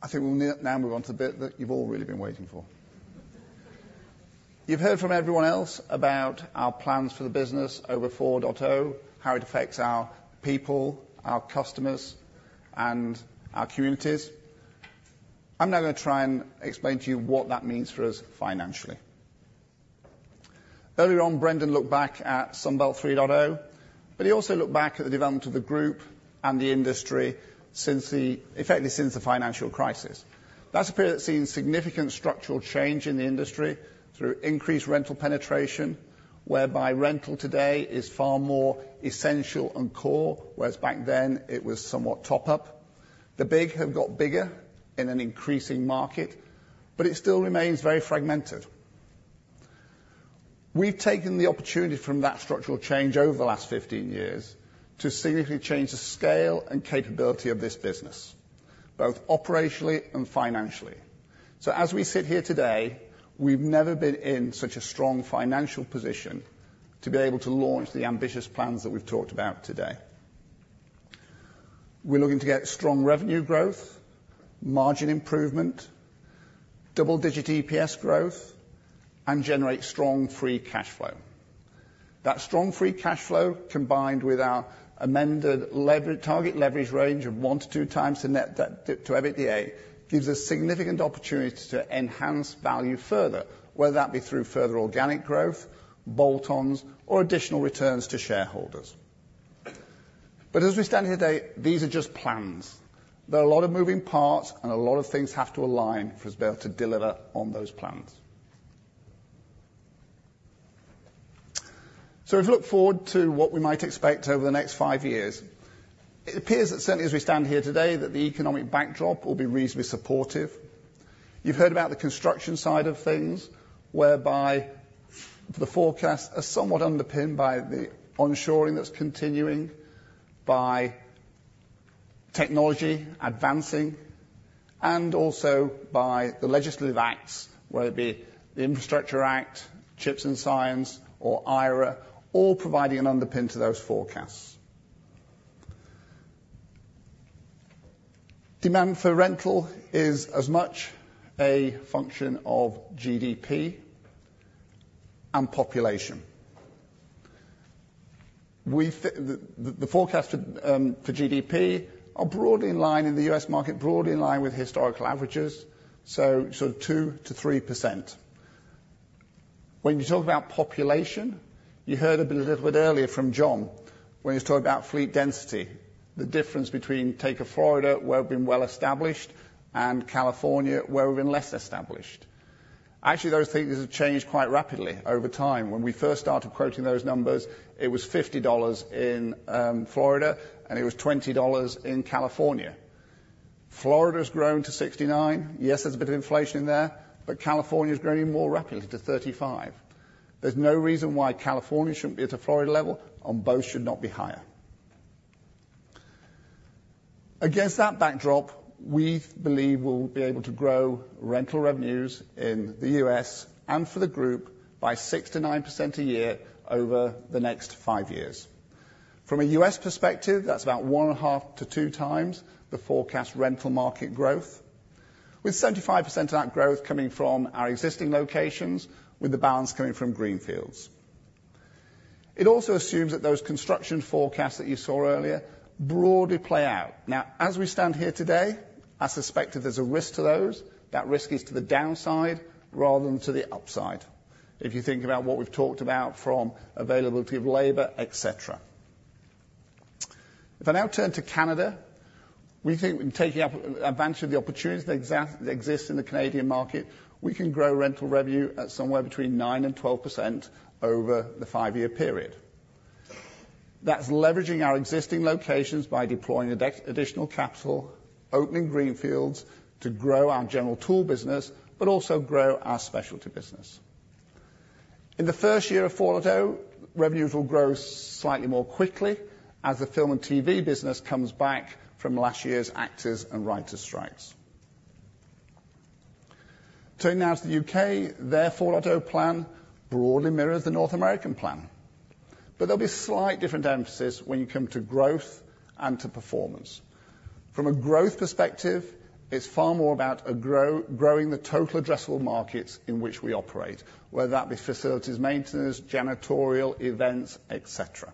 I think we'll now move on to the bit that you've all really been waiting for. You've heard from everyone else about our plans for the business over 4.0, how it affects our people, our customers, and our communities. I'm now going to try and explain to you what that means for us financially. Earlier on, Brendan looked back at Sunbelt 3.0, but he also looked back at the development of the group and the industry since the... effectively since the financial crisis. That's a period that's seen significant structural change in the industry through increased rental penetration, whereby rental today is far more essential and core, whereas back then it was somewhat top up. The big have got bigger in an increasing market, but it still remains very fragmented. We've taken the opportunity from that structural change over the last 15 years to significantly change the scale and capability of this business, both operationally and financially. So as we sit here today, we've never been in such a strong financial position to be able to launch the ambitious plans that we've talked about today. We're looking to get strong revenue growth, margin improvement, double-digit EPS growth, and generate strong free cash flow. That strong free cash flow, combined with our amended leverage target range of 1x-2x net to EBITDA, gives us significant opportunity to enhance value further, whether that be through further organic growth, bolt-ons, or additional returns to shareholders. But as we stand here today, these are just plans. There are a lot of moving parts and a lot of things have to align for us to be able to deliver on those plans. So as we look forward to what we might expect over the next five years, it appears that certainly as we stand here today, that the economic backdrop will be reasonably supportive. You've heard about the construction side of things, whereby the forecasts are somewhat underpinned by the onshoring that's continuing, by technology advancing, and also by the legislative acts, whether it be the Infrastructure Act, CHIPS and Science or IRA, all providing an underpin to those forecasts. Demand for rental is as much a function of GDP and population. The forecast for GDP are broadly in line, in the U.S. market, broadly in line with historical averages, so 2%-3%. When you talk about population, you heard a bit, a little bit earlier from John, when he was talking about fleet density, the difference between, take a Florida, where we've been well-established, and California, where we've been less established. Actually, those figures have changed quite rapidly over time. When we first started quoting those numbers, it was $50 in Florida, and it was $20 in California. Florida's grown to 69. Yes, there's a bit of inflation there, but California's growing more rapidly to 35. There's no reason why California shouldn't be at the Florida level, and both should not be higher. Against that backdrop, we believe we'll be able to grow rental revenues in the U.S. and for the group by 6%-9% a year over the next five years. From a U.S. perspective, that's about 1.5x-2x the forecast rental market growth, with 75% of that growth coming from our existing locations, with the balance coming from greenfields. It also assumes that those construction forecasts that you saw earlier broadly play out. Now, as we stand here today, I suspect if there's a risk to those, that risk is to the downside rather than to the upside. If you think about what we've talked about from availability of labor, et cetera. If I now turn to Canada, we think in taking up advantage of the opportunities that that exist in the Canadian market, we can grow rental revenue at somewhere between 9%-12% over the five-year period. That's leveraging our existing locations by deploying additional capital, opening greenfields to grow our General Tool business, but also grow our Specialty business. In the first year of Sunbelt 4.0, revenues will grow slightly more quickly as the film and TV business comes back from last year's actors and writers strikes. Turning now to the U.K., their Sunbelt 4.0 plan broadly mirrors the North American plan, but there'll be slightly different emphasis when you come to growth and to performance. From a growth perspective, it's far more about growing the total addressable markets in which we operate, whether that be facilities, maintenance, janitorial, events, et cetera.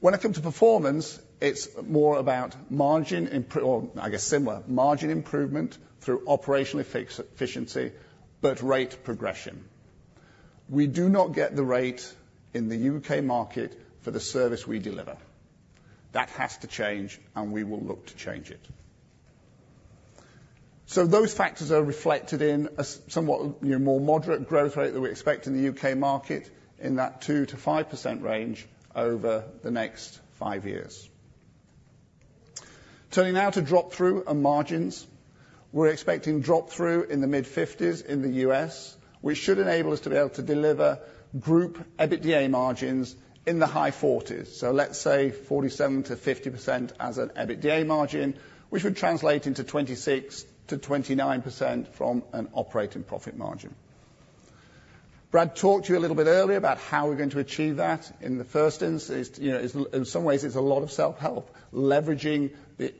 When it comes to performance, it's more about margin improvement... or I guess, similar. Margin improvement through operational efficiencies, but rate progression. We do not get the rate in the U.K. market for the service we deliver. That has to change, and we will look to change it. So those factors are reflected in a somewhat, you know, more moderate growth rate than we expect in the U.K. market, in that 2%-5% range over the next five years. Turning now to drop-through and margins. We're expecting drop-through in the mid-50s in the U.S., which should enable us to be able to deliver group EBITDA margins in the high 40s. So let's say 47%-50% as an EBITDA margin, which would translate into 26%-29% from an operating profit margin. Brad talked to you a little bit earlier about how we're going to achieve that. In the first instance, you know, in some ways, it's a lot of self-help, leveraging the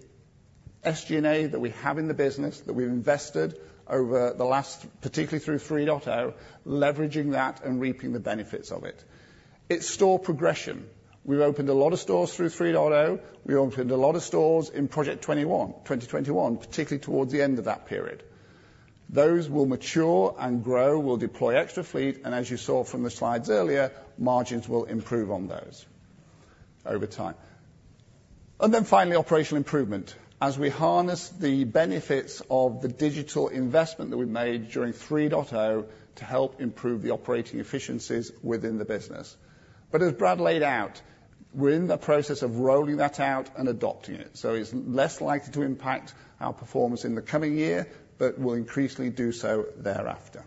SG&A that we have in the business, that we've invested over the last, particularly through 3.0, leveraging that and reaping the benefits of it. It's store progression. We've opened a lot of stores through 3.0. We opened a lot of stores in Project 2021, 2021, particularly towards the end of that period. Those will mature and grow. We'll deploy extra fleet, and as you saw from the slides earlier, margins will improve on those over time. Then finally, operational improvement, as we harness the benefits of the digital investment that we've made during 3.0 to help improve the operating efficiencies within the business. But as Brad laid out, we're in the process of rolling that out and adopting it, so it's less likely to impact our performance in the coming year, but will increasingly do so thereafter.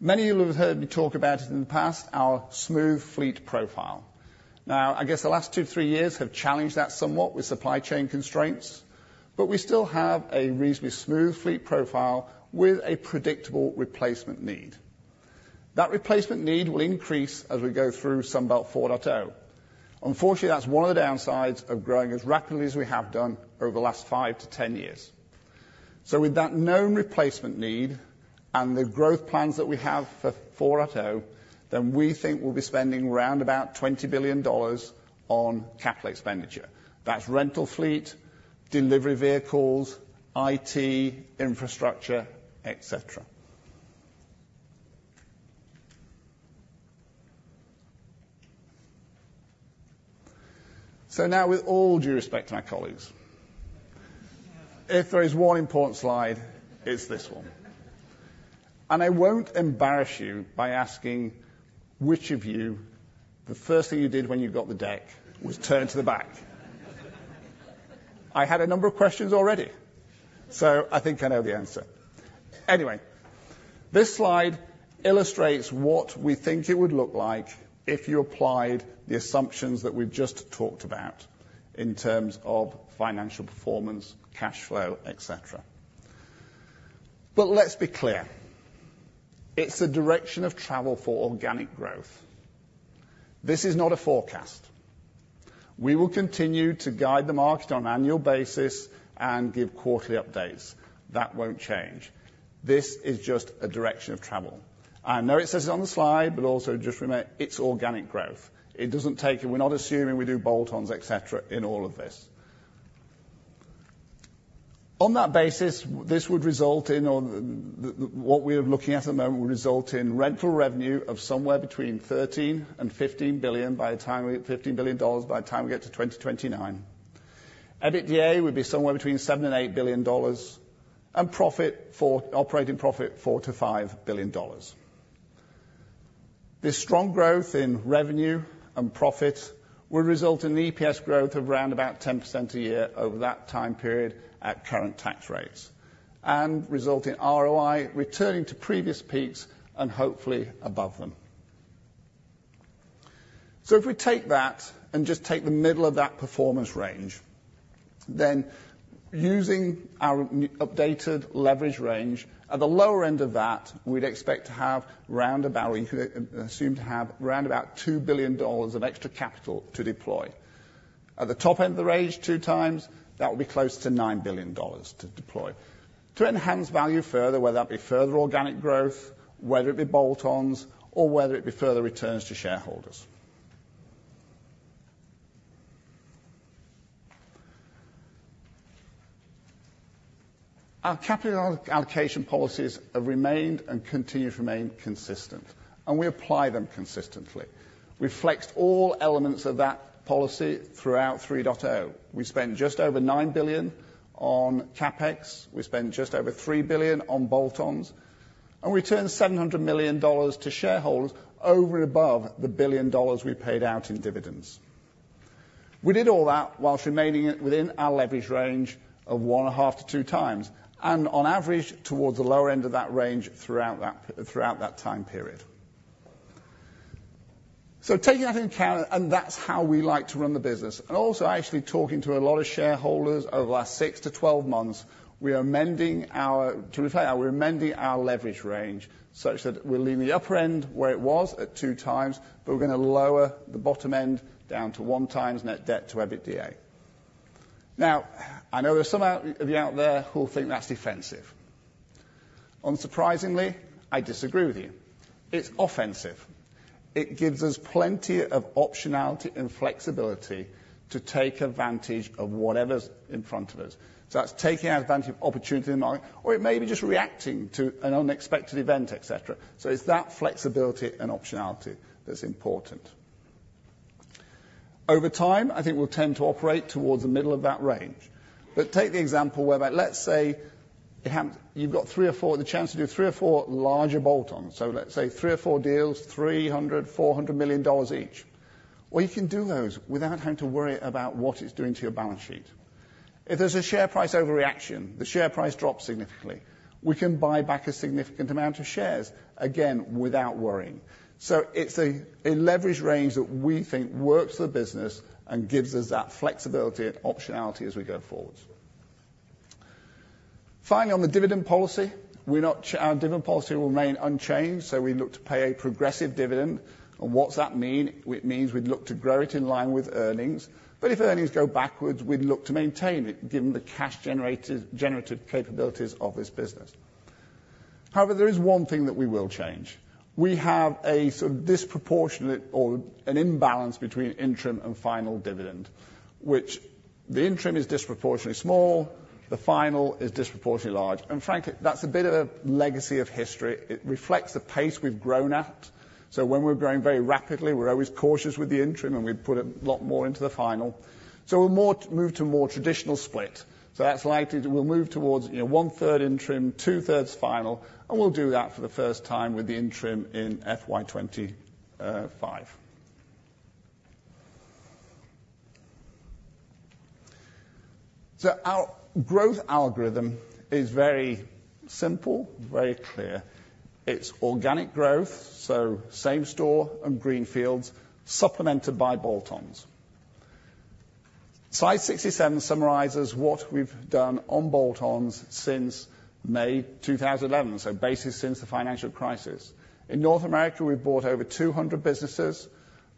Many of you will have heard me talk about it in the past, our smooth fleet profile. Now, I guess the last 2-3 years have challenged that somewhat with supply chain constraints, but we still have a reasonably smooth fleet profile with a predictable replacement need. That replacement need will increase as we go through Sunbelt 4.0. Unfortunately, that's one of the downsides of growing as rapidly as we have done over the last 5-10 years. So with that known replacement need and the growth plans that we have for 4.0, then we think we'll be spending around $20 billion on capital expenditure. That's rental fleet, delivery vehicles, IT, infrastructure, et cetera. So now, with all due respect to my colleagues, if there is one important slide, it's this one. And I won't embarrass you by asking which of you, the first thing you did when you got the deck was turn to the back. I had a number of questions already, so I think I know the answer. Anyway, this slide illustrates what we think it would look like if you applied the assumptions that we've just talked about in terms of financial performance, cash flow, et cetera. But let's be clear, it's a direction of travel for organic growth. This is not a forecast. We will continue to guide the market on an annual basis and give quarterly updates. That won't change. This is just a direction of travel. I know it says it on the slide, but also just remember, it's organic growth. It doesn't take... We're not assuming we do bolt-ons, et cetera, in all of this. On that basis, this would result in, or what we're looking at at the moment, would result in rental revenue of somewhere between $13 billion and $15 billion by the time we... $15 billion by the time we get to 2029. EBITDA would be somewhere between $7 billion and $8 billion, and profit for operating profit, $4 billion-$5 billion. This strong growth in revenue and profit will result in EPS growth of around about 10% a year over that time period at current tax rates, and result in ROI returning to previous peaks and hopefully above them. So if we take that and just take the middle of that performance range, then using our new updated leverage range, at the lower end of that, we'd expect to have round about, we assume to have round about $2 billion of extra capital to deploy. At the top end of the range, 2x, that will be close to $9 billion to deploy, to enhance value further, whether that be further organic growth, whether it be bolt-ons, or whether it be further returns to shareholders. Our capital allocation policies have remained and continue to remain consistent, and we apply them consistently. Reflects all elements of that policy throughout 3.0. We spent just over $9 billion on CapEx, we spent just over $3 billion on bolt-ons, and we returned $700 million to shareholders over and above the $1 billion we paid out in dividends. We did all that whilst remaining within it, in our leverage range of 1.5x-2x, and on average, towards the lower end of that range throughout that time period. So taking that into account, and that's how we like to run the business. And also, actually talking to a lot of shareholders over the last 6-12 months, we are amending our... To reflect that, we're amending our leverage range such that we'll leave the upper end where it was at 2x, but we're going to lower the bottom end down to 1x net debt to EBITDA. Now, I know there are some out, of you out there who will think that's defensive. Unsurprisingly, I disagree with you. It's offensive. It gives us plenty of optionality and flexibility to take advantage of whatever's in front of us. So that's taking advantage of opportunity in the market, or it may be just reacting to an unexpected event, et cetera. So it's that flexibility and optionality that's important. Over time, I think we'll tend to operate towards the middle of that range. But take the example whereby, let's say, you've got three or four the chance to do three or four larger bolt-ons. So let's say three or four deals, $300 million-$400 million each. Well, you can do those without having to worry about what it's doing to your balance sheet. If there's a share price overreaction, the share price drops significantly, we can buy back a significant amount of shares, again, without worrying. So it's a, a leverage range that we think works for the business and gives us that flexibility and optionality as we go forward. Finally, on the dividend policy, we're not changing our dividend policy. It will remain unchanged, so we look to pay a progressive dividend. And what's that mean? It means we'd look to grow it in line with earnings, but if earnings go backwards, we'd look to maintain it given the cash-generated, generative capabilities of this business. However, there is one thing that we will change. We have a sort of disproportionate or an imbalance between interim and final dividend, which the interim is disproportionately small, the final is disproportionately large. And frankly, that's a bit of a legacy of history. It reflects the pace we've grown at. So when we're growing very rapidly, we're always cautious with the interim, and we put a lot more into the final. So we're about to move to a more traditional split. So that's likely to... We'll move towards, you know, one-third interim, two-thirds final, and we'll do that for the first time with the interim in FY 2025. So our growth algorithm is very simple, very clear. It's organic growth, so same store and greenfields, supplemented by bolt-ons. Slide 67 summarizes what we've done on bolt-ons since May 2011, so basically, since the financial crisis. In North America, we've bought over 200 businesses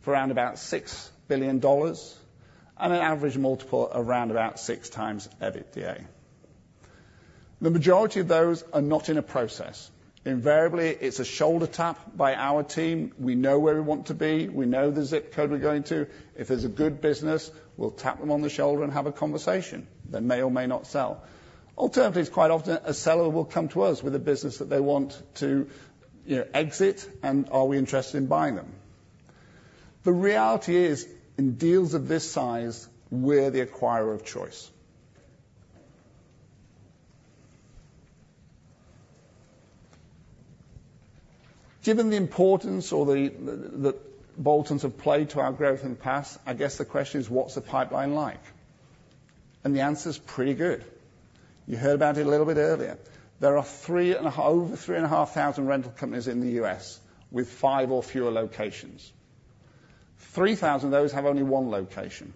for around about $6 billion and an average multiple of around about 6x EBITDA. The majority of those are not in a process. Invariably, it's a shoulder tap by our team. We know where we want to be. We know the zip code we're going to. If there's a good business, we'll tap them on the shoulder and have a conversation. They may or may not sell. Alternatively, it's quite often a seller will come to us with a business that they want to, you know, exit, and are we interested in buying them? The reality is, in deals of this size, we're the acquirer of choice. Given the importance or the bolt-ons have played to our growth in the past, I guess the question is: What's the pipeline like? And the answer is pretty good. You heard about it a little bit earlier. There are over 3,500 rental companies in the U.S. with 5 or fewer locations. 3,000 of those have only one location.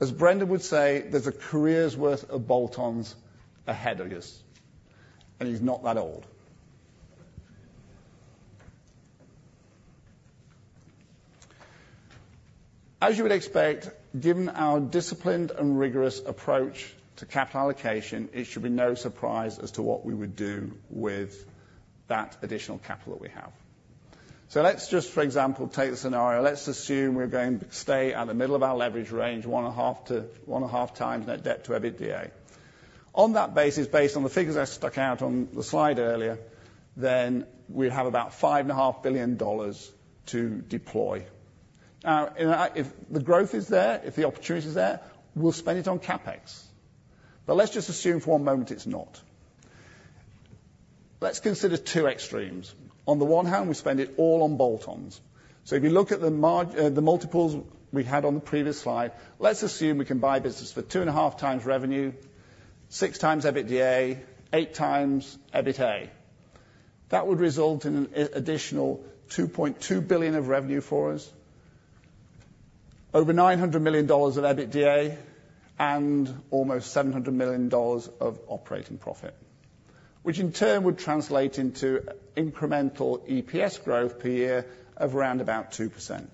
As Brendan would say, "There's a career's worth of bolt-ons ahead of us," and he's not that old. As you would expect, given our disciplined and rigorous approach to capital allocation, it should be no surprise as to what we would do with that additional capital that we have. So let's just, for example, take the scenario. Let's assume we're going to stay at the middle of our leverage range, 1.5x-1.5x net debt to EBITDA. On that basis, based on the figures I put out on the slide earlier, then we have about $5.5 billion to deploy. Now, if the growth is there, if the opportunity is there, we'll spend it on CapEx. But let's just assume for one moment it's not. Let's consider two extremes. On the one hand, we spend it all on bolt-ons. So if you look at the margins, the multiples we had on the previous slide, let's assume we can buy business for 2.5x revenue, 6x EBITDA, 8x EBITDA. That would result in an additional $2.2 billion of revenue for us, over $900 million of EBITDA, and almost $700 million of operating profit, which in turn would translate into incremental EPS growth per year of around 2%.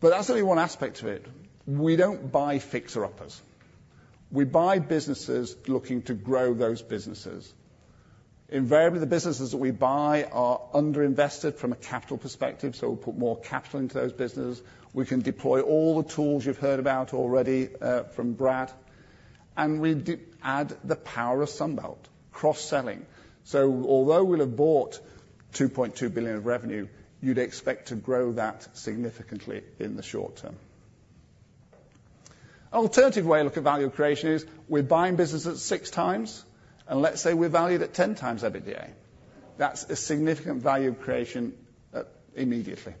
But that's only one aspect of it. We don't buy fixer-uppers. We buy businesses looking to grow those businesses. Invariably, the businesses that we buy are underinvested from a capital perspective, so we'll put more capital into those businesses. We can deploy all the tools you've heard about already from Brad, and we add the power of Sunbelt cross-selling. So although we'll have bought $2.2 billion of revenue, you'd expect to grow that significantly in the short term. Alternative way of looking at value creation is we're buying businesses 6x, and let's say we value it at 10x EBITDA. That's a significant value creation, immediately.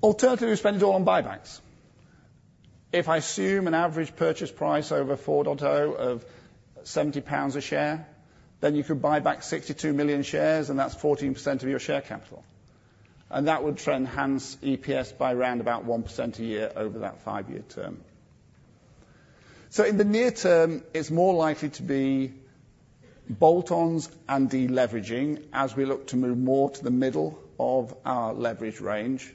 Alternatively, we spend it all on buybacks. If I assume an average purchase price over 4.0 of £70 a share, then you could buy back 62 million shares, and that's 14% of your share capital, and that would enhance EPS by around about 1% a year over that 5-year term. So in the near term, it's more likely to be bolt-ons and deleveraging as we look to move more to the middle of our leverage range.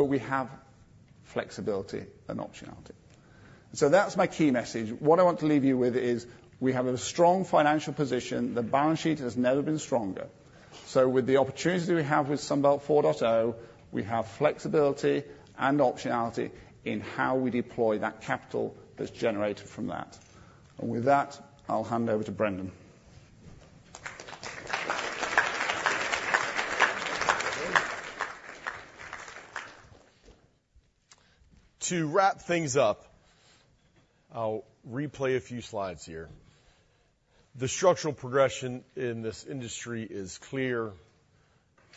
But we have flexibility and optionality. So that's my key message. What I want to leave you with is we have a strong financial position. The balance sheet has never been stronger. So with the opportunities that we have with Sunbelt 4.0, we have flexibility and optionality in how we deploy that capital that's generated from that. And with that, I'll hand over to Brendan. To wrap things up, I'll replay a few slides here. The structural progression in this industry is clear,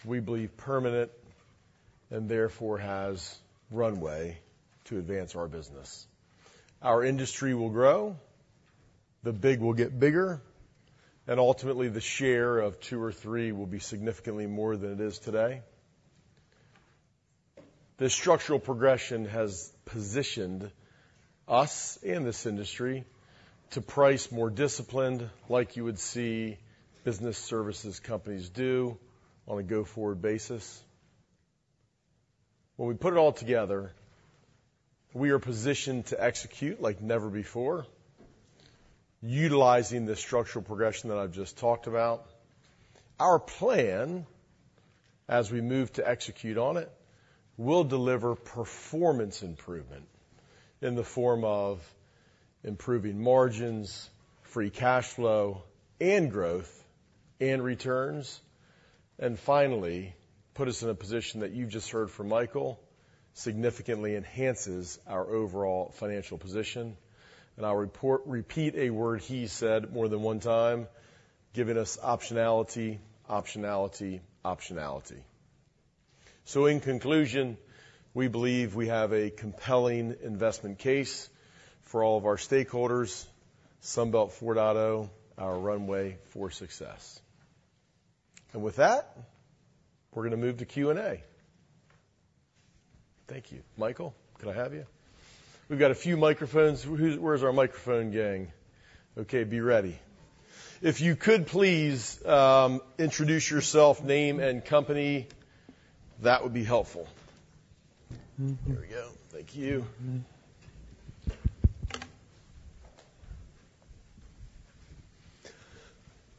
we believe permanent, and therefore has runway to advance our business. Our industry will grow, the big will get bigger, and ultimately, the share of two or three will be significantly more than it is today. The structural progression has positioned us and this industry to price more disciplined, like you would see business services companies do on a go-forward basis. When we put it all together, we are positioned to execute like never before, utilizing the structural progression that I've just talked about. Our plan, as we move to execute on it, will deliver performance improvement in the form of improving margins, free cash flow, and growth and returns. And finally, put us in a position that you've just heard from Michael, significantly enhances our overall financial position. I'll repeat a word he said more than one time, giving us optionality, optionality, optionality. So in conclusion, we believe we have a compelling investment case for all of our stakeholders. Sunbelt 4.0, our runway for success. And with that, we're gonna move to Q&A. Thank you. Michael, could I have you? We've got a few microphones. Who, where's our microphone gang? Okay, be ready. If you could please, introduce yourself, name and company, that would be helpful. Here we go. Thank you.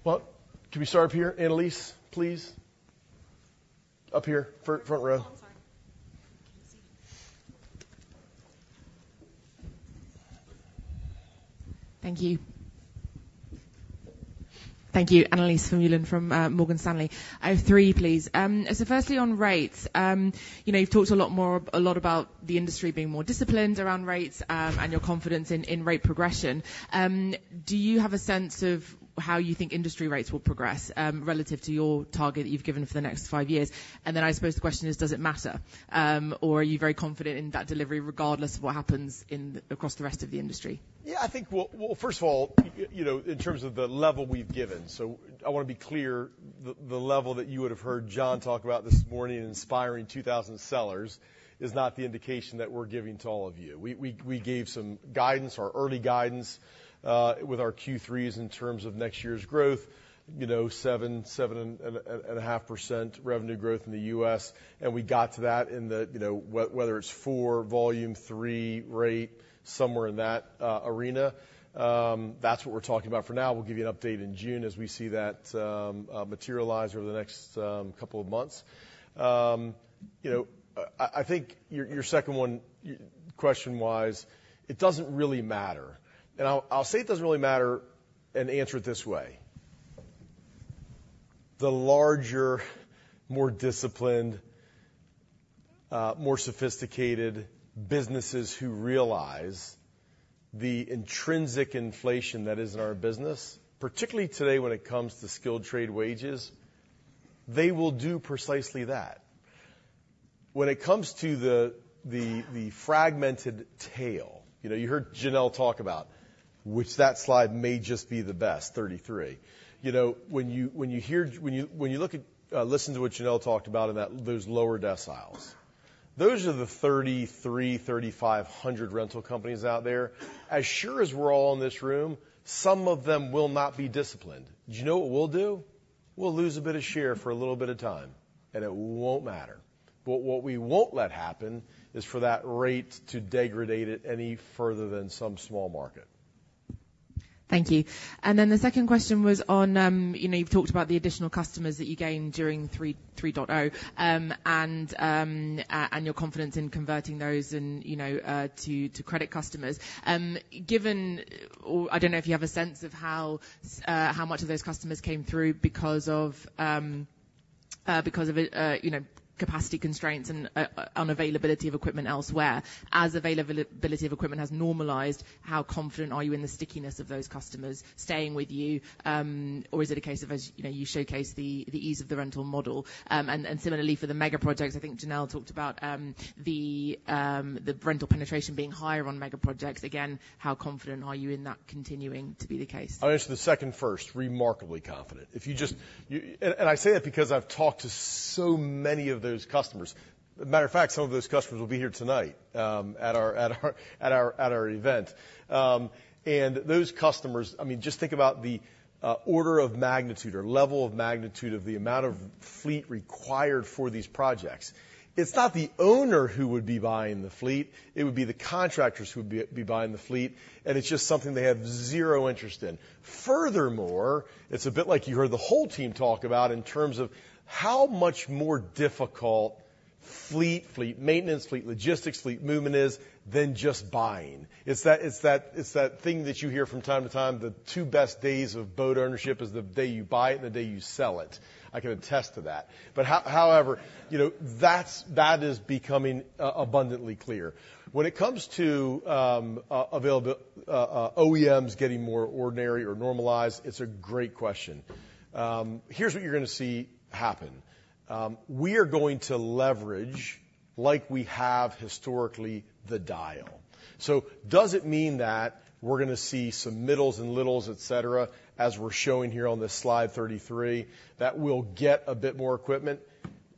Well, can we start up here, Annelies, please? Up here, front, front row. Oh, I'm sorry. Thank you. Thank you. Annelies Vermeulen from Morgan Stanley. I have 3, please. So firstly, on rates, you know, you've talked a lot more, a lot about the industry being more disciplined around rates, and your confidence in rate progression. Do you have a sense of how you think industry rates will progress, relative to your target that you've given for the next five years? And then, I suppose the question is: Does it matter, or are you very confident in that delivery, regardless of what happens across the rest of the industry? Yeah, I think. Well, first of all, you know, in terms of the level we've given, so I want to be clear, the level that you would have heard John talk about this morning, inspiring 2,000 sellers, is not the indication that we're giving to all of you. We gave some guidance or early guidance with our Q3s in terms of next year's growth, you know, 7.5% revenue growth in the U.S., and we got to that in the, you know, whether it's 4 volume, 3 rate, somewhere in that arena. That's what we're talking about for now. We'll give you an update in June as we see that materialize over the next couple of months. You know, I think your second one, question-wise, it doesn't really matter, and I'll say it doesn't really matter, and answer it this way: The larger, more sophisticated businesses who realize the intrinsic inflation that is in our business, particularly today when it comes to skilled trade wages, they will do precisely that. When it comes to the fragmented tail, you know, you heard Janelle talk about, which that slide may just be the best, 33. You know, when you look at, listen to what Janelle talked about in that, those lower deciles, those are the 33, 3,500 rental companies out there. As sure as we're all in this room, some of them will not be disciplined. Do you know what we'll do? We'll lose a bit of share for a little bit of time, and it won't matter. But what we won't let happen is for that rate to degrade it any further than some small market. Thank you. Then the second question was on, you know, you've talked about the additional customers that you gained during 3.0. And your confidence in converting those and, you know, to credit customers. Given or I don't know if you have a sense of how much of those customers came through because of, you know, capacity constraints and unavailability of equipment elsewhere. As availability of equipment has normalized, how confident are you in the stickiness of those customers staying with you? Or is it a case of, as you know, you showcase the ease of the rental model? And similarly for the mega projects, I think Janelle talked about, the rental penetration being higher on mega projects. Again, how confident are you in that continuing to be the case? I'll answer the second first. Remarkably confident. If you and I say it because I've talked to so many of those customers. Matter of fact, some of those customers will be here tonight at our event. And those customers... I mean, just think about the order of magnitude or level of magnitude of the amount of fleet required for these projects. It's not the owner who would be buying the fleet, it would be the contractors who would be buying the fleet, and it's just something they have zero interest in. Furthermore, it's a bit like you heard the whole team talk about in terms of how much more difficult fleet maintenance, fleet logistics, fleet movement is than just buying. It's that thing that you hear from time to time, the two best days of boat ownership is the day you buy it and the day you sell it. I can attest to that. But however, you know, that's, that is becoming abundantly clear. When it comes to availability of OEMs getting more ordinary or normalized, it's a great question. Here's what you're gonna see happen. We are going to leverage, like we have historically, the dial. So does it mean that we're gonna see some middles and littles, et cetera, as we're showing here on this slide 33, that we'll get a bit more equipment?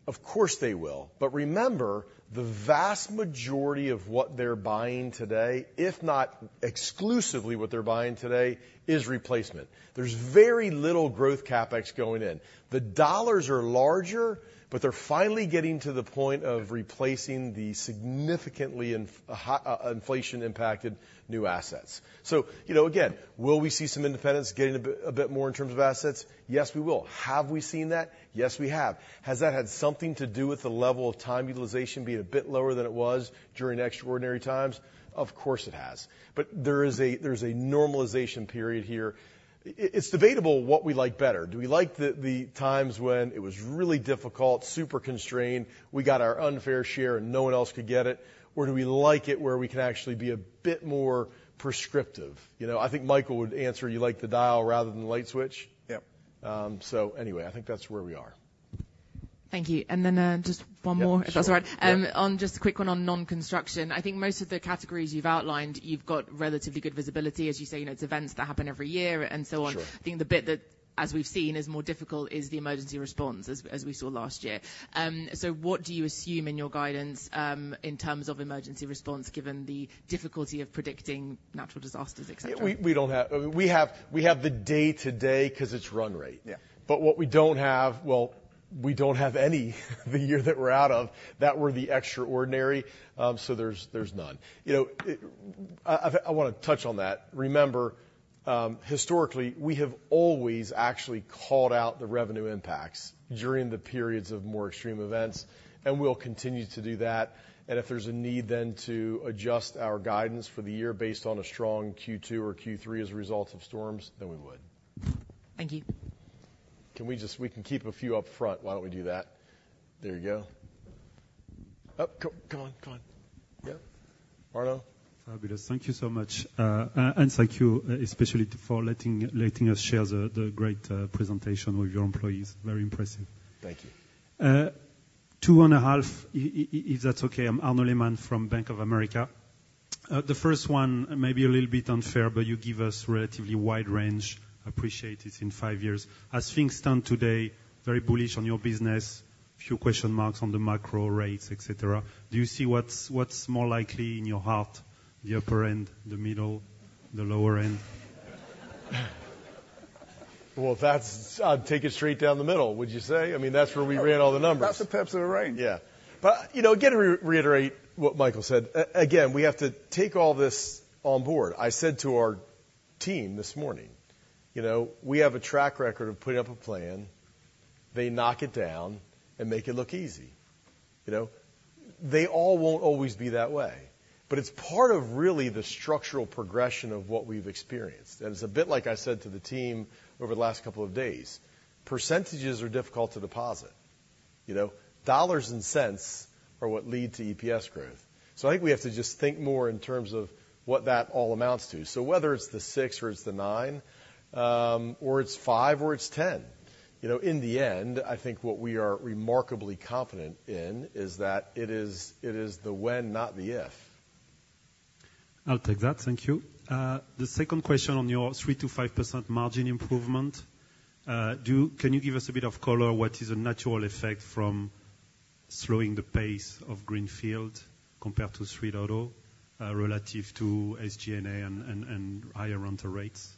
Of course they will. But remember, the vast majority of what they're buying today, if not exclusively what they're buying today, is replacement. There's very little growth CapEx going in. The dollars are larger, but they're finally getting to the point of replacing the significantly inflation-impacted new assets. So, you know, again, will we see some independents getting a bit more in terms of assets? Yes, we will. Have we seen that? Yes, we have. Has that had something to do with the level of time utilization being a bit lower than it was during extraordinary times? Of course, it has. But there's a normalization period here. It's debatable what we like better. Do we like the times when it was really difficult, super constrained, we got our unfair share, and no one else could get it? Or do we like it where we can actually be a bit more prescriptive? You know, I think Michael would answer, you like the dial rather than the light switch. Yep. So anyway, I think that's where we are. Thank you. And then, just one more- Yep. if that's all right. Sure, yep. On just a quick one on non-construction. I think most of the categories you've outlined, you've got relatively good visibility. As you say, you know, it's events that happen every year and so on. Sure. I think the bit that, as we've seen, is more difficult is the emergency response, as we saw last year. So what do you assume in your guidance in terms of emergency response, given the difficulty of predicting natural disasters, et cetera? Yeah, we don't have... We have the day-to-day 'cause it's run rate. Yeah. But what we don't have... Well, we don't have any, the year that we're out of, that were the extraordinary, so there's none. You know, it... I wanna touch on that. Remember, historically, we have always actually called out the revenue impacts during the periods of more extreme events, and we'll continue to do that. And if there's a need then to adjust our guidance for the year based on a strong Q2 or Q3 as a result of storms, then we would. Thank you. We can keep a few up front. Why don't we do that? There you go. Oh, come on, come on. Yeah. Arnaud? Fabulous. Thank you so much. And thank you, especially for letting us share the great presentation with your employees. Very impressive. Thank you. 2.5, if that's okay. I'm Arnaud Lehmann from Bank of America. The first one may be a little bit unfair, but you give us relatively wide range. Appreciate it in five years. As things stand today, very bullish on your business, few question marks on the macro rates, et cetera. Do you see what's more likely in your heart, the upper end, the middle, the lower end? Well, that's, I'd take it straight down the middle, would you say? I mean, that's where we ran all the numbers. That's the EPS in the range. Yeah. But, you know, again, to reiterate what Michael said, again, we have to take all this on board. I said to our team this morning, "You know, we have a track record of putting up a plan, they knock it down and make it look easy." You know, they all won't always be that way... but it's part of really the structural progression of what we've experienced. And it's a bit like I said to the team over the last couple of days, percentages are difficult to deposit. You know, dollars and cents are what lead to EPS growth. So I think we have to just think more in terms of what that all amounts to. So whether it's the 6 or it's the 9, or it's 5 or it's 10, you know, in the end, I think what we are remarkably confident in is that it is, it is the when, not the if. I'll take that. Thank you. The second question on your 3%-5% margin improvement, can you give us a bit of color, what is a natural effect from slowing the pace of greenfield compared to 3.0, relative to SG&A and higher rental rates?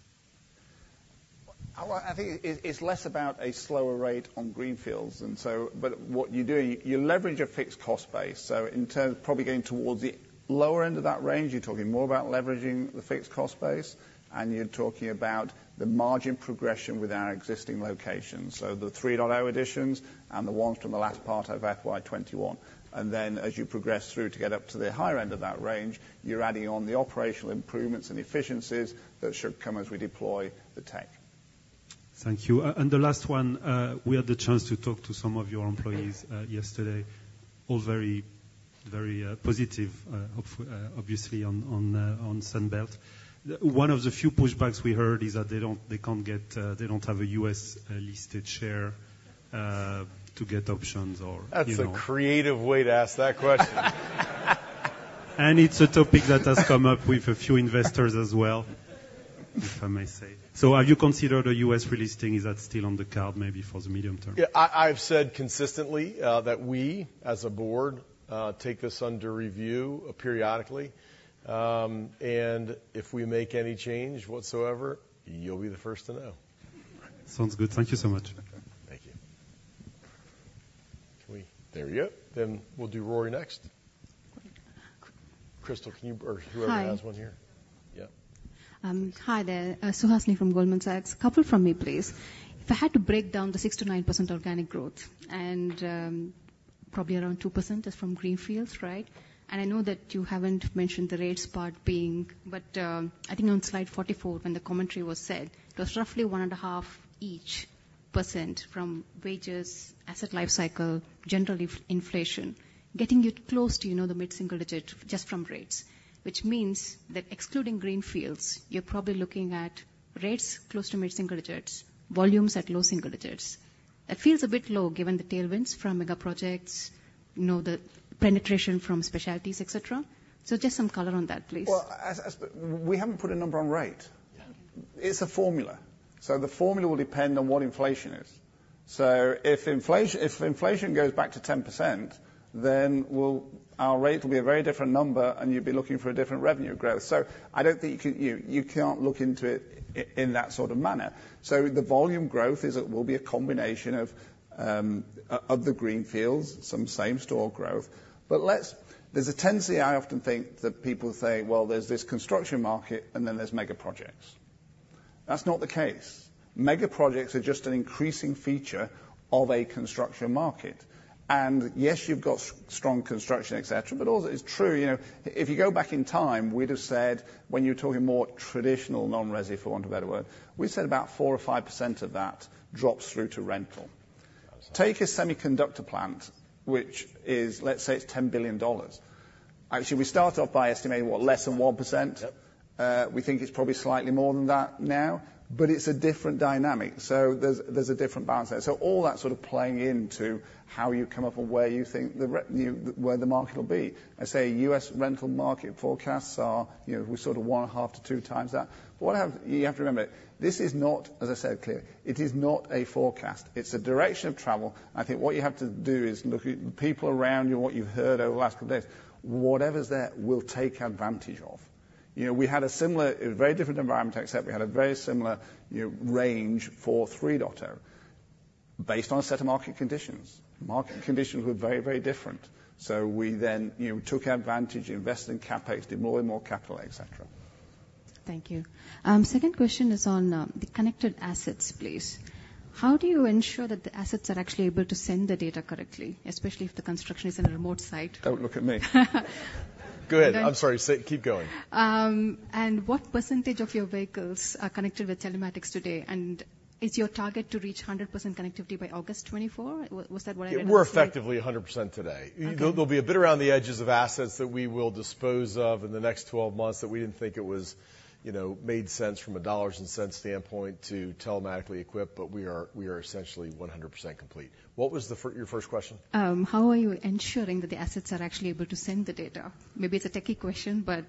Well, I think it's less about a slower rate on greenfields, and so... But what you do, you leverage a fixed cost base. So in terms of probably getting towards the lower end of that range, you're talking more about leveraging the fixed cost base, and you're talking about the margin progression with our existing locations. So the 3.0 additions and the ones from the last part of FY 2021. And then, as you progress through to get up to the higher end of that range, you're adding on the operational improvements and efficiencies that should come as we deploy the tech. Thank you. And the last one, we had the chance to talk to some of your employees yesterday, all very, very positive, obviously, on Sunbelt. One of the few pushbacks we heard is that they don't, they can't get, they don't have a U.S. listed share to get options or, you know- That's a creative way to ask that question. It's a topic that has come up with a few investors as well, if I may say. Have you considered a U.S. relisting? Is that still on the card, maybe for the medium term? Yeah, I've said consistently that we, as a board, take this under review periodically, and if we make any change whatsoever, you'll be the first to know. Sounds good. Thank you so much. Thank you. There we go. Then we'll do Rory next. Crystal, can you or whoever has one here? Hi. Yeah. Hi there, Suhasini from Goldman Sachs. A couple from me, please. If I had to break down the 6%-9% organic growth, and probably around 2% is from greenfields, right? I know that you haven't mentioned the rates part being, but I think on slide 44, when the commentary was said, it was roughly 1.5% each from wages, asset life cycle, general inflation. Getting it close to, you know, the mid-single digit just from rates, which means that excluding greenfields, you're probably looking at rates close to mid-single digits, volumes at low single digits. That feels a bit low, given the tailwinds from megaprojects, you know, the penetration from specialties, et cetera. So just some color on that, please. Well, we haven't put a number on rate. Yeah. It's a formula. So the formula will depend on what inflation is. So if inflation goes back to 10%, then we'll, our rate will be a very different number, and you'd be looking for a different revenue growth. So I don't think you can, you can't look into it in that sort of manner. So the volume growth will be a combination of the greenfields, some same store growth. But let's... There's a tendency, I often think, that people say, "Well, there's this construction market, and then there's megaprojects." That's not the case. Megaprojects are just an increasing feature of a construction market. And yes, you've got strong construction, et cetera, but also it's true, you know, if you go back in time, we'd have said, when you're talking more traditional non-resi, for want of a better word, we said about 4% or 5% of that drops through to rental. Take a semiconductor plant, which is, let's say it's $10 billion. Actually, we start off by estimating what? Less than 1%. Yep. We think it's probably slightly more than that now, but it's a different dynamic, so there's, there's a different balance there. So all that sort of playing into how you come up and where you think where the market will be. I say, U.S. rental market forecasts are, you know, we sort of 1.5x-2x that. But what I have... You have to remember, this is not, as I said clearly, it is not a forecast. It's a direction of travel. I think what you have to do is look at the people around you and what you've heard over the last couple of days. Whatever's there, we'll take advantage of. You know, we had a similar, a very different environment, except we had a very similar, you know, range for 3.0, based on a set of market conditions. Market conditions were very, very different. So we then, you know, took advantage, invested in CapEx, did more and more capital, et cetera. Thank you. Second question is on the connected assets, please. How do you ensure that the assets are actually able to send the data correctly, especially if the construction is in a remote site? Don't look at me. Go ahead. I'm sorry, so keep going. What percentage of your vehicles are connected with telematics today? Is your target to reach 100% connectivity by August 2024? Was that what I heard you say? We're effectively 100% today. Okay. There'll be a bit around the edges of assets that we will dispose of in the next twelve months that we didn't think it was, you know, made sense from a dollars and cents standpoint to telematically equip, but we are, we are essentially 100% complete. What was your first question? How are you ensuring that the assets are actually able to send the data? Maybe it's a techie question, but,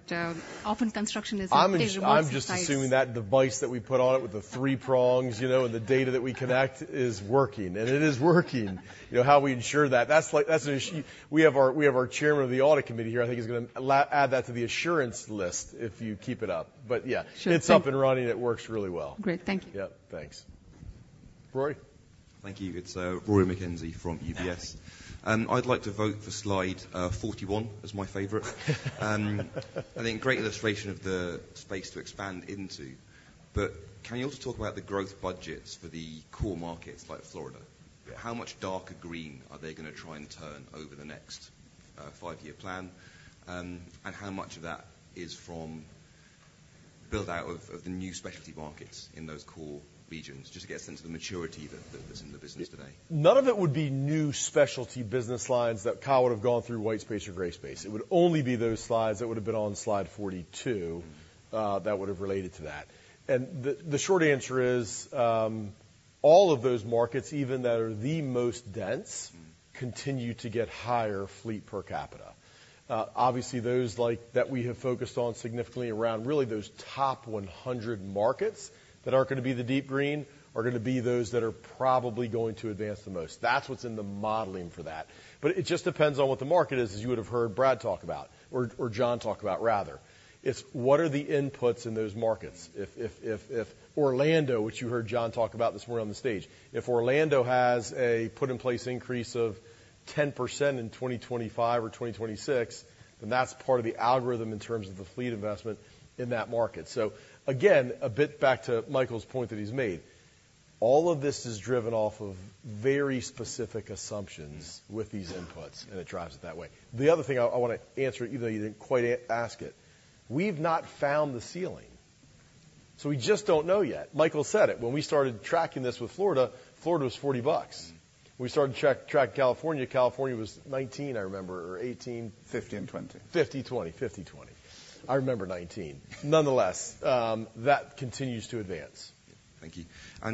often construction is in remote sites. I'm just, I'm just assuming that device that we put on it with the three prongs, you know, and the data that we connect is working, and it is working. You know, how we ensure that? That's like, that's an issue. We have our, we have our chairman of the audit committee here. I think he's gonna allow- add that to the assurance list, if you keep it up. But yeah- Sure. It's up and running, it works really well. Great. Thank you. Yeah, thanks. Rory? Thank you. It's Rory McKenzie from UBS. I'd like to vote for slide 41 as my favorite. I think great illustration of the space to expand into. But can you also talk about the growth budgets for the core markets like Florida? How much darker green are they gonna try and turn over the next five-year plan? And how much of that is from build-out of the new Specialty markets in those core regions? Just to get a sense of the maturity that's in the business today. None of it would be new Specialty business lines that Kyle would have gone through white space or gray space. It would only be those slides that would have been on slide 42 that would have related to that. And the short answer is all of those markets, even that are the most dense, continue to get higher fleet per capita. Obviously, those like that we have focused on significantly around really those top 100 markets that aren't gonna be the deep green are gonna be those that are probably going to advance the most. That's what's in the modeling for that. But it just depends on what the market is, as you would have heard Brad talk about or John talk about, rather. It's what are the inputs in those markets? If Orlando, which you heard John talk about this morning on the stage, if Orlando has a put in place increase of 10% in 2025 or 2026, then that's part of the algorithm in terms of the fleet investment in that market. So again, a bit back to Michael's point that he's made. All of this is driven off of very specific assumptions with these inputs, and it drives it that way. The other thing I wanna answer, even though you didn't quite ask it: we've not found the ceiling, so we just don't know yet. Michael said it. When we started tracking this with Florida, Florida was $40. We started tracking California, California was 19, I remember, or 18. 50 and 20. 50, 20. 50, 20. I remember 19. Nonetheless, that continues to advance. Thank you.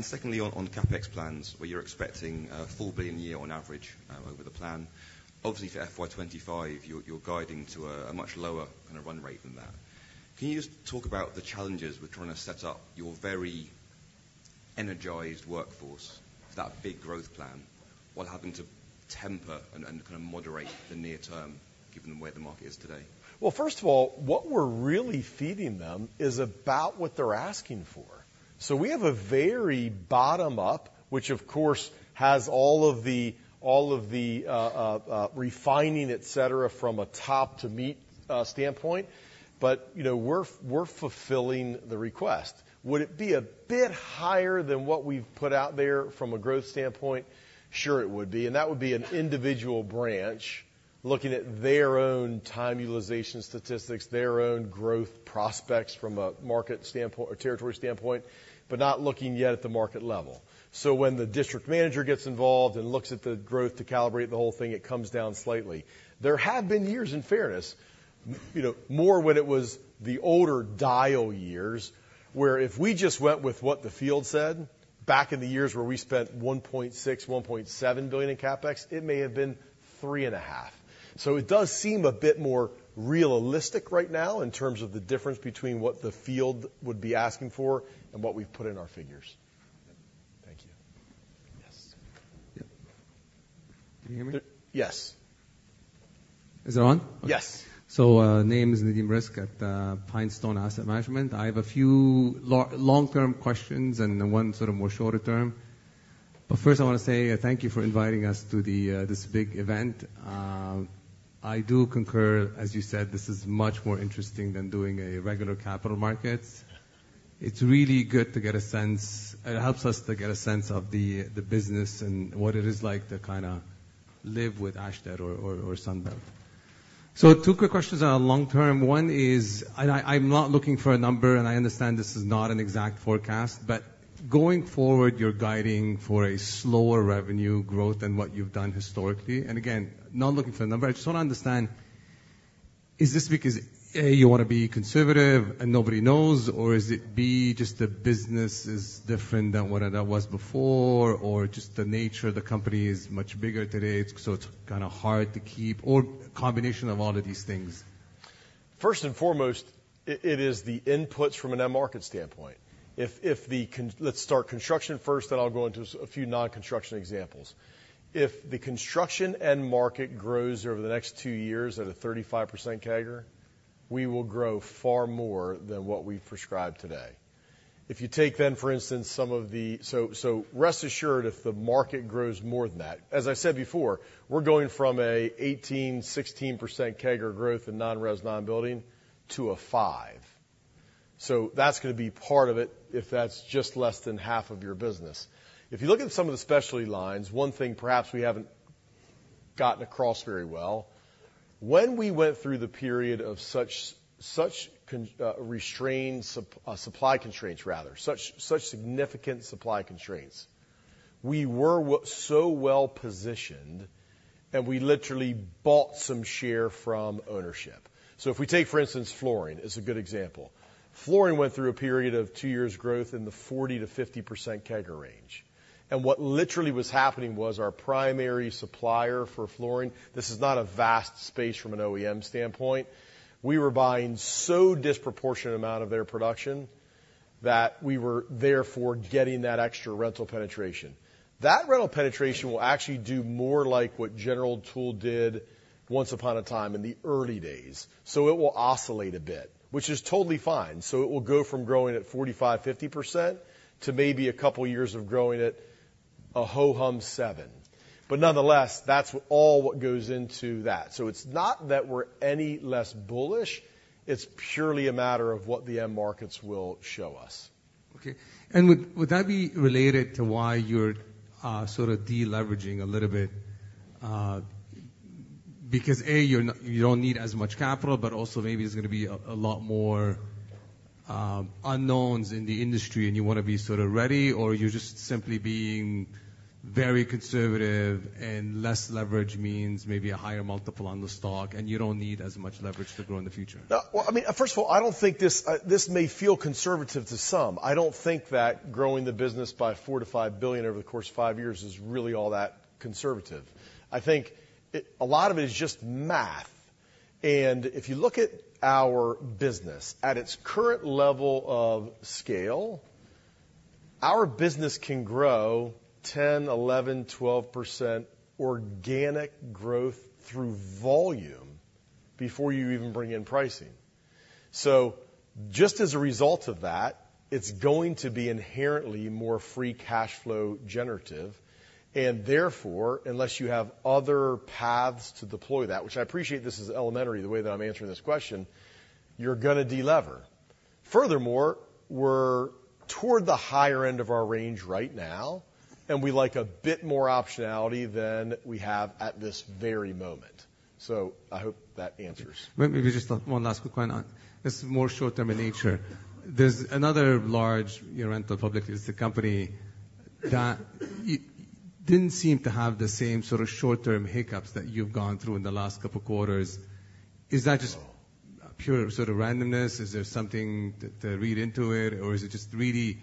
Secondly, on CapEx plans, where you're expecting a full $1 billion a year on average over the plan. Obviously, for FY 2025, you're guiding to a much lower kind of run rate than that. Can you just talk about the challenges with trying to set up your very energized workforce, that big growth plan, what happened to temper and kind of moderate the near term, given where the market is today? Well, first of all, what we're really feeding them is about what they're asking for. So we have a very bottom-up, which, of course, has all of the refining, et cetera, from a top-down standpoint, but, you know, we're fulfilling the request. Would it be a bit higher than what we've put out there from a growth standpoint? Sure, it would be. And that would be an individual branch looking at their own time utilization statistics, their own growth prospects from a market standpoint or territory standpoint, but not looking yet at the market level. So when the district manager gets involved and looks at the growth to calibrate the whole thing, it comes down slightly. There have been years, in fairness, you know, more when it was the older dial years, where if we just went with what the field said, back in the years where we spent $1.6 billion, $1.7 billion in CapEx, it may have been $3.5 billion. So it does seem a bit more realistic right now in terms of the difference between what the field would be asking for and what we've put in our figures. Thank you. Yes. Yep. Can you hear me? Yes. Is it on? Yes. So, name is Nadim Rizk at PineStone Asset Management. I have a few long-term questions and one sort of more shorter term. But first, I want to say thank you for inviting us to the, this big event. I do concur, as you said, this is much more interesting than doing a regular capital markets. It's really good to get a sense... It helps us to get a sense of the business and what it is like to kinda live with Ashtead or Sunbelt. So two quick questions on long term. One is, I'm not looking for a number, and I understand this is not an exact forecast, but going forward, you're guiding for a slower revenue growth than what you've done historically. Again, not looking for a number, I just want to understand, is this because, A, you want to be conservative and nobody knows, or is it, B, just the business is different than what it was before, or just the nature of the company is much bigger today, so it's kinda hard to keep or combination of all of these things? First and foremost, it is the inputs from an end market standpoint. If the construction—let's start construction first, then I'll go into a few non-construction examples. If the construction end market grows over the next two years at a 35% CAGR, we will grow far more than what we've prescribed today. If you take then, for instance, some of the... So rest assured, if the market grows more than that, as I said before, we're going from an 18%-16% CAGR growth in non-res, non-building to a 5%. So that's gonna be part of it, if that's just less than half of your business. If you look at some of the Specialty lines, one thing perhaps we haven't gotten across very well, when we went through the period of such significant supply constraints, we were so well positioned, and we literally bought some share from ownership. So if we take, for instance, Flooring is a good example. Flooring went through a period of two years growth in the 40%-50% CAGR range. And what literally was happening was our primary supplier for Flooring, this is not a vast space from an OEM standpoint, we were buying so disproportionate amount of their production that we were therefore getting that extra rental penetration. That rental penetration will actually do more like what General Tool did once upon a time in the early days. So it will oscillate a bit, which is totally fine. So it will go from growing at 45%-50% to maybe a couple of years of growing at a ho-hum 7%.... But nonetheless, that's all what goes into that. So it's not that we're any less bullish, it's purely a matter of what the end markets will show us. Okay. And would that be related to why you're sort of de-leveraging a little bit? Because, A, you're not—you don't need as much capital, but also maybe there's gonna be a lot more unknowns in the industry, and you wanna be sort of ready, or you're just simply being very conservative, and less leverage means maybe a higher multiple on the stock, and you don't need as much leverage to grow in the future? Well, I mean, first of all, I don't think this, this may feel conservative to some. I don't think that growing the business by $4 billion-$5 billion over the course of five years is really all that conservative. I think it, a lot of it is just math. And if you look at our business, at its current level of scale, our business can grow 10, 11, 12% organic growth through volume before you even bring in pricing. So just as a result of that, it's going to be inherently more free cash flow generative, and therefore, unless you have other paths to deploy that, which I appreciate, this is elementary, the way that I'm answering this question, you're gonna de-lever. Furthermore, we're toward the higher end of our range right now, and we like a bit more optionality than we have at this very moment. I hope that answers. Maybe just one last quick one on... This is more short-term in nature. There's another large rental public listed company that didn't seem to have the same sort of short-term hiccups that you've gone through in the last couple quarters. Is that just pure sort of randomness? Is there something to, to read into it, or is it just really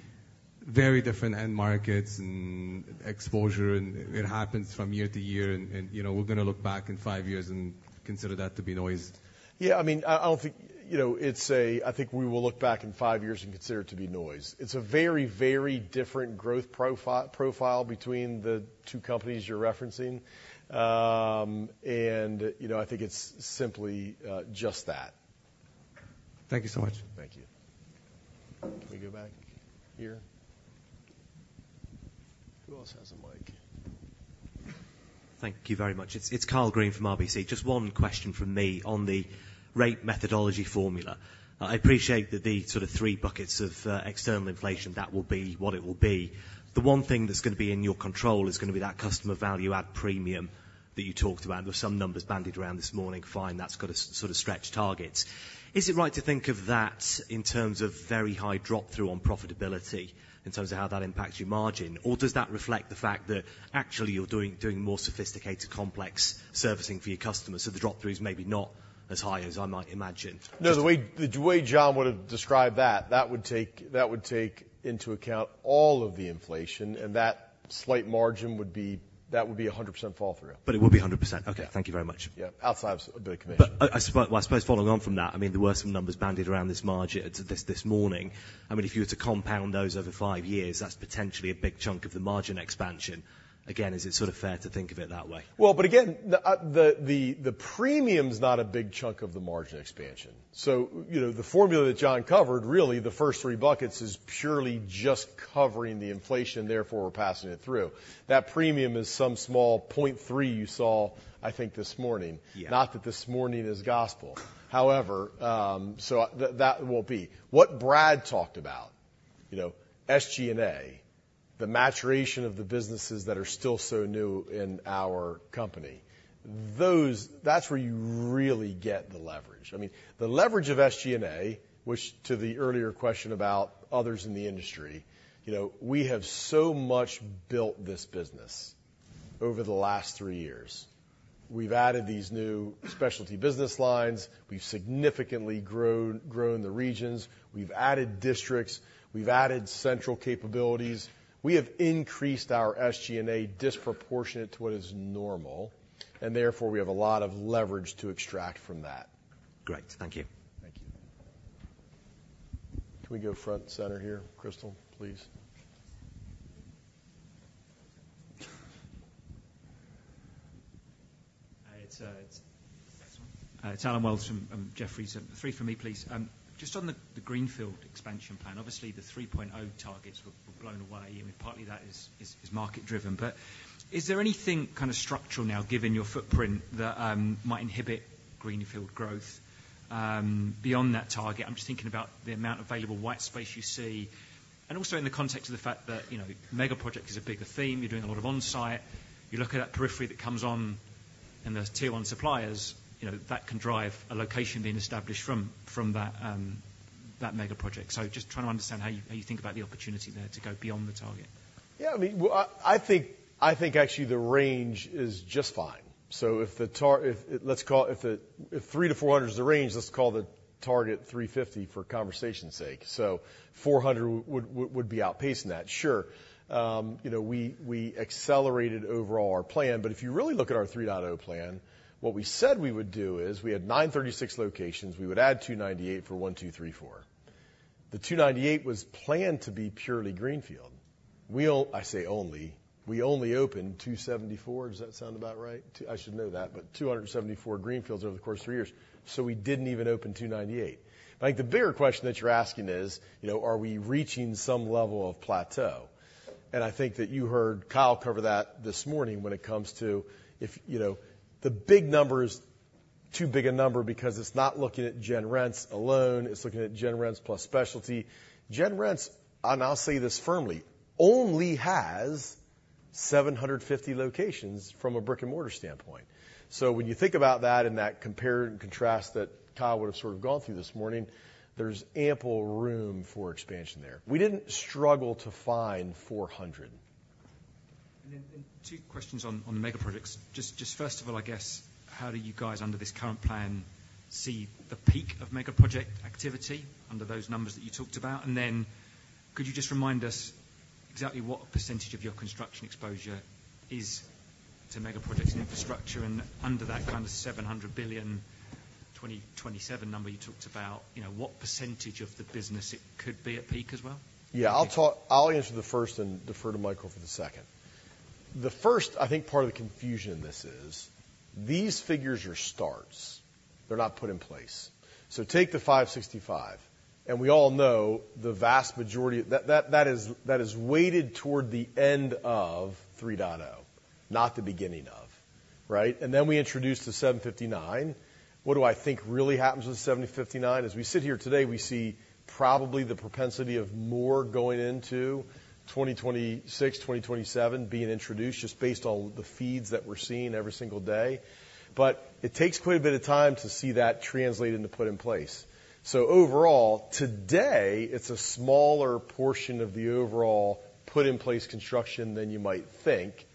very different end markets and exposure, and it happens from year to year, and, and, you know, we're gonna look back in five years and consider that to be noise? Yeah, I mean, I don't think, you know, I think we will look back in five years and consider it to be noise. It's a very, very different growth profile between the two companies you're referencing. And, you know, I think it's simply just that. Thank you so much. Thank you. Can we go back here? Who else has a mic? Thank you very much. It's Karl Green from RBC. Just one question from me on the rate methodology formula. I appreciate that the sort of three buckets of external inflation, that will be what it will be. The one thing that's gonna be in your control is gonna be that customer value add premium that you talked about. There were some numbers bandied around this morning. Fine, that's gotta sort of stretch targets. Is it right to think of that in terms of very high drop-through on profitability, in terms of how that impacts your margin? Or does that reflect the fact that actually you're doing more sophisticated, complex servicing for your customers, so the drop-through is maybe not as high as I might imagine? No, the way John would have described that, that would take into account all of the inflation, and that slight margin would be 100% fall-through. But it would be 100%? Yeah. Okay, thank you very much. Yeah, outside of the commission. Well, I suppose following on from that, I mean, there were some numbers bandied around this margin this morning. I mean, if you were to compound those over five years, that's potentially a big chunk of the margin expansion. Again, is it sort of fair to think of it that way? Well, but again, the premium's not a big chunk of the margin expansion. So, you know, the formula that John covered, really, the first three buckets is purely just covering the inflation, therefore, we're passing it through. That premium is some small 0.3 you saw, I think, this morning. Yeah. Not that this morning is gospel. However, so that, that will be. What Brad talked about, you know, SG&A, the maturation of the businesses that are still so new in our company, those. That's where you really get the leverage. I mean, the leverage of SG&A, which to the earlier question about others in the industry, you know, we have so much built this business over the last three years. We've added these new Specialty business lines. We've significantly grown the regions. We've added districts. We've added central capabilities. We have increased our SG&A disproportionate to what is normal, and therefore, we have a lot of leverage to extract from that. Great. Thank you. Thank you. Can we go front and center here, Crystal, please? Hi, it's Allen Wells from Jefferies. Three from me, please. Just on the greenfield expansion plan, obviously, the 3.0 targets were blown away. I mean, partly that is market-driven. But is there anything kind of structural now, given your footprint, that might inhibit greenfield growth beyond that target? I'm just thinking about the amount of available white space you see, and also in the context of the fact that, you know, megaproject is a bigger theme. You're doing a lot of on-site. You look at that periphery that comes on, and there's tier one suppliers, you know, that can drive a location being established from that megaproject. So just trying to understand how you think about the opportunity there to go beyond the target. Yeah, I mean, well, I think actually the range is just fine. So if the 300-400 is the range, let's call the target 350 for conversation's sake. So 400 would be outpacing that, sure. You know, we accelerated overall our plan, but if you really look at our 3.0 plan, what we said we would do is, we had 936 locations. We would add 298, for 1, 2, 3, 4. The 298 was planned to be purely greenfield. We only opened 274. Does that sound about right? I should know that, but 274 greenfields over the course of three years, so we didn't even open 298. I think the bigger question that you're asking is, you know, are we reaching some level of plateau? And I think that you heard Kyle cover that this morning when it comes to, you know, the big numbers being too big a number because it's not looking at Gen Rents alone, it's looking at Gen Rents plus Specialty. Gen Rents, and I'll say this firmly, only has 750 locations from a brick-and-mortar standpoint. So when you think about that, and the compare and contrast that Kyle would have sort of gone through this morning, there's ample room for expansion there. We didn't struggle to find 400. Two questions on the mega projects. Just first of all, I guess, how do you guys, under this current plan, see the peak of mega project activity under those numbers that you talked about? And then could you just remind us exactly what percentage of your construction exposure is to mega projects and infrastructure, and under that kind of $700 billion 2027 number you talked about, you know, what percentage of the business it could be at peak as well? Yeah, I'll talk. I'll answer the first and defer to Michael for the second. The first, I think, part of the confusion in this is, these figures are starts, they're not put in place. So take the $565, and we all know the vast majority... That is weighted toward the end of 3.0, not the beginning of, right? And then we introduced the $759. What do I think really happens with $759? As we sit here today, we see probably the propensity of more going into 2026, 2027 being introduced just based on the feeds that we're seeing every single day. But it takes quite a bit of time to see that translated into put in place. So overall, today, it's a smaller portion of the overall put in place construction than you might think.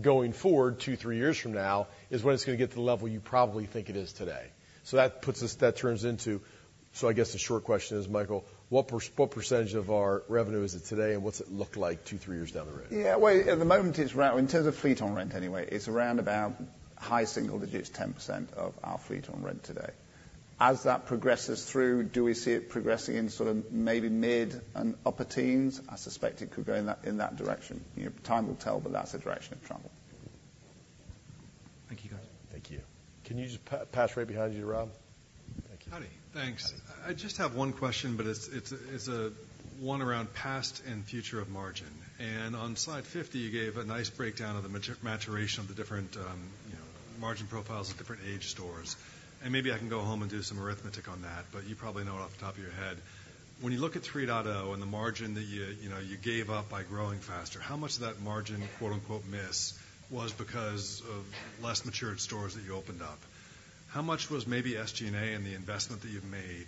Going forward, 2-3 years from now, is when it's gonna get to the level you probably think it is today. So that puts us - that turns into... So I guess the short question is, Michael, what percentage of our revenue is it today, and what's it look like 2-3 years down the road? Yeah, well, at the moment, it's around, in terms of fleet on rent anyway, it's around about high single digits, 10% of our fleet on rent today. As that progresses through, do we see it progressing in sort of maybe mid- and upper teens? I suspect it could go in that, in that direction. You know, time will tell, but that's the direction of travel. Thank you, guys. Thank you. Can you just pass right behind you, Rob? Thank you. Howdy! Thanks. Howdy. I just have one question, but it's one around past and future of margin. And on slide 50, you gave a nice breakdown of the maturation of the different, you know, margin profiles of different age stores. And maybe I can go home and do some arithmetic on that, but you probably know it off the top of your head. When you look at 3.0 and the margin that you know you gave up by growing faster, how much of that margin, quote unquote, "miss" was because of less matured stores that you opened up? How much was maybe SG&A and the investment that you've made?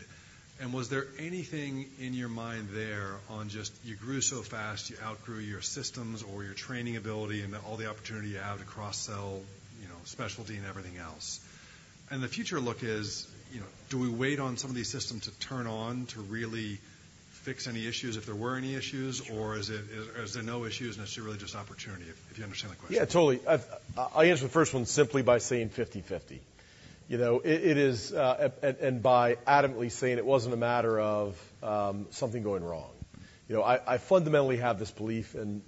And was there anything in your mind there on just you grew so fast, you outgrew your systems or your training ability and all the opportunity you have to cross-sell, you know, Specialty and everything else? The future look is, you know, do we wait on some of these systems to turn on to really fix any issues, if there were any issues? Sure. Or is it, is there no issues, and it's really just opportunity, if you understand the question? Yeah, totally. I've, I'll answer the first one simply by saying 50/50. You know, it, it is... And, and by adamantly saying it wasn't a matter of something going wrong. You know, I, I fundamentally have this belief, and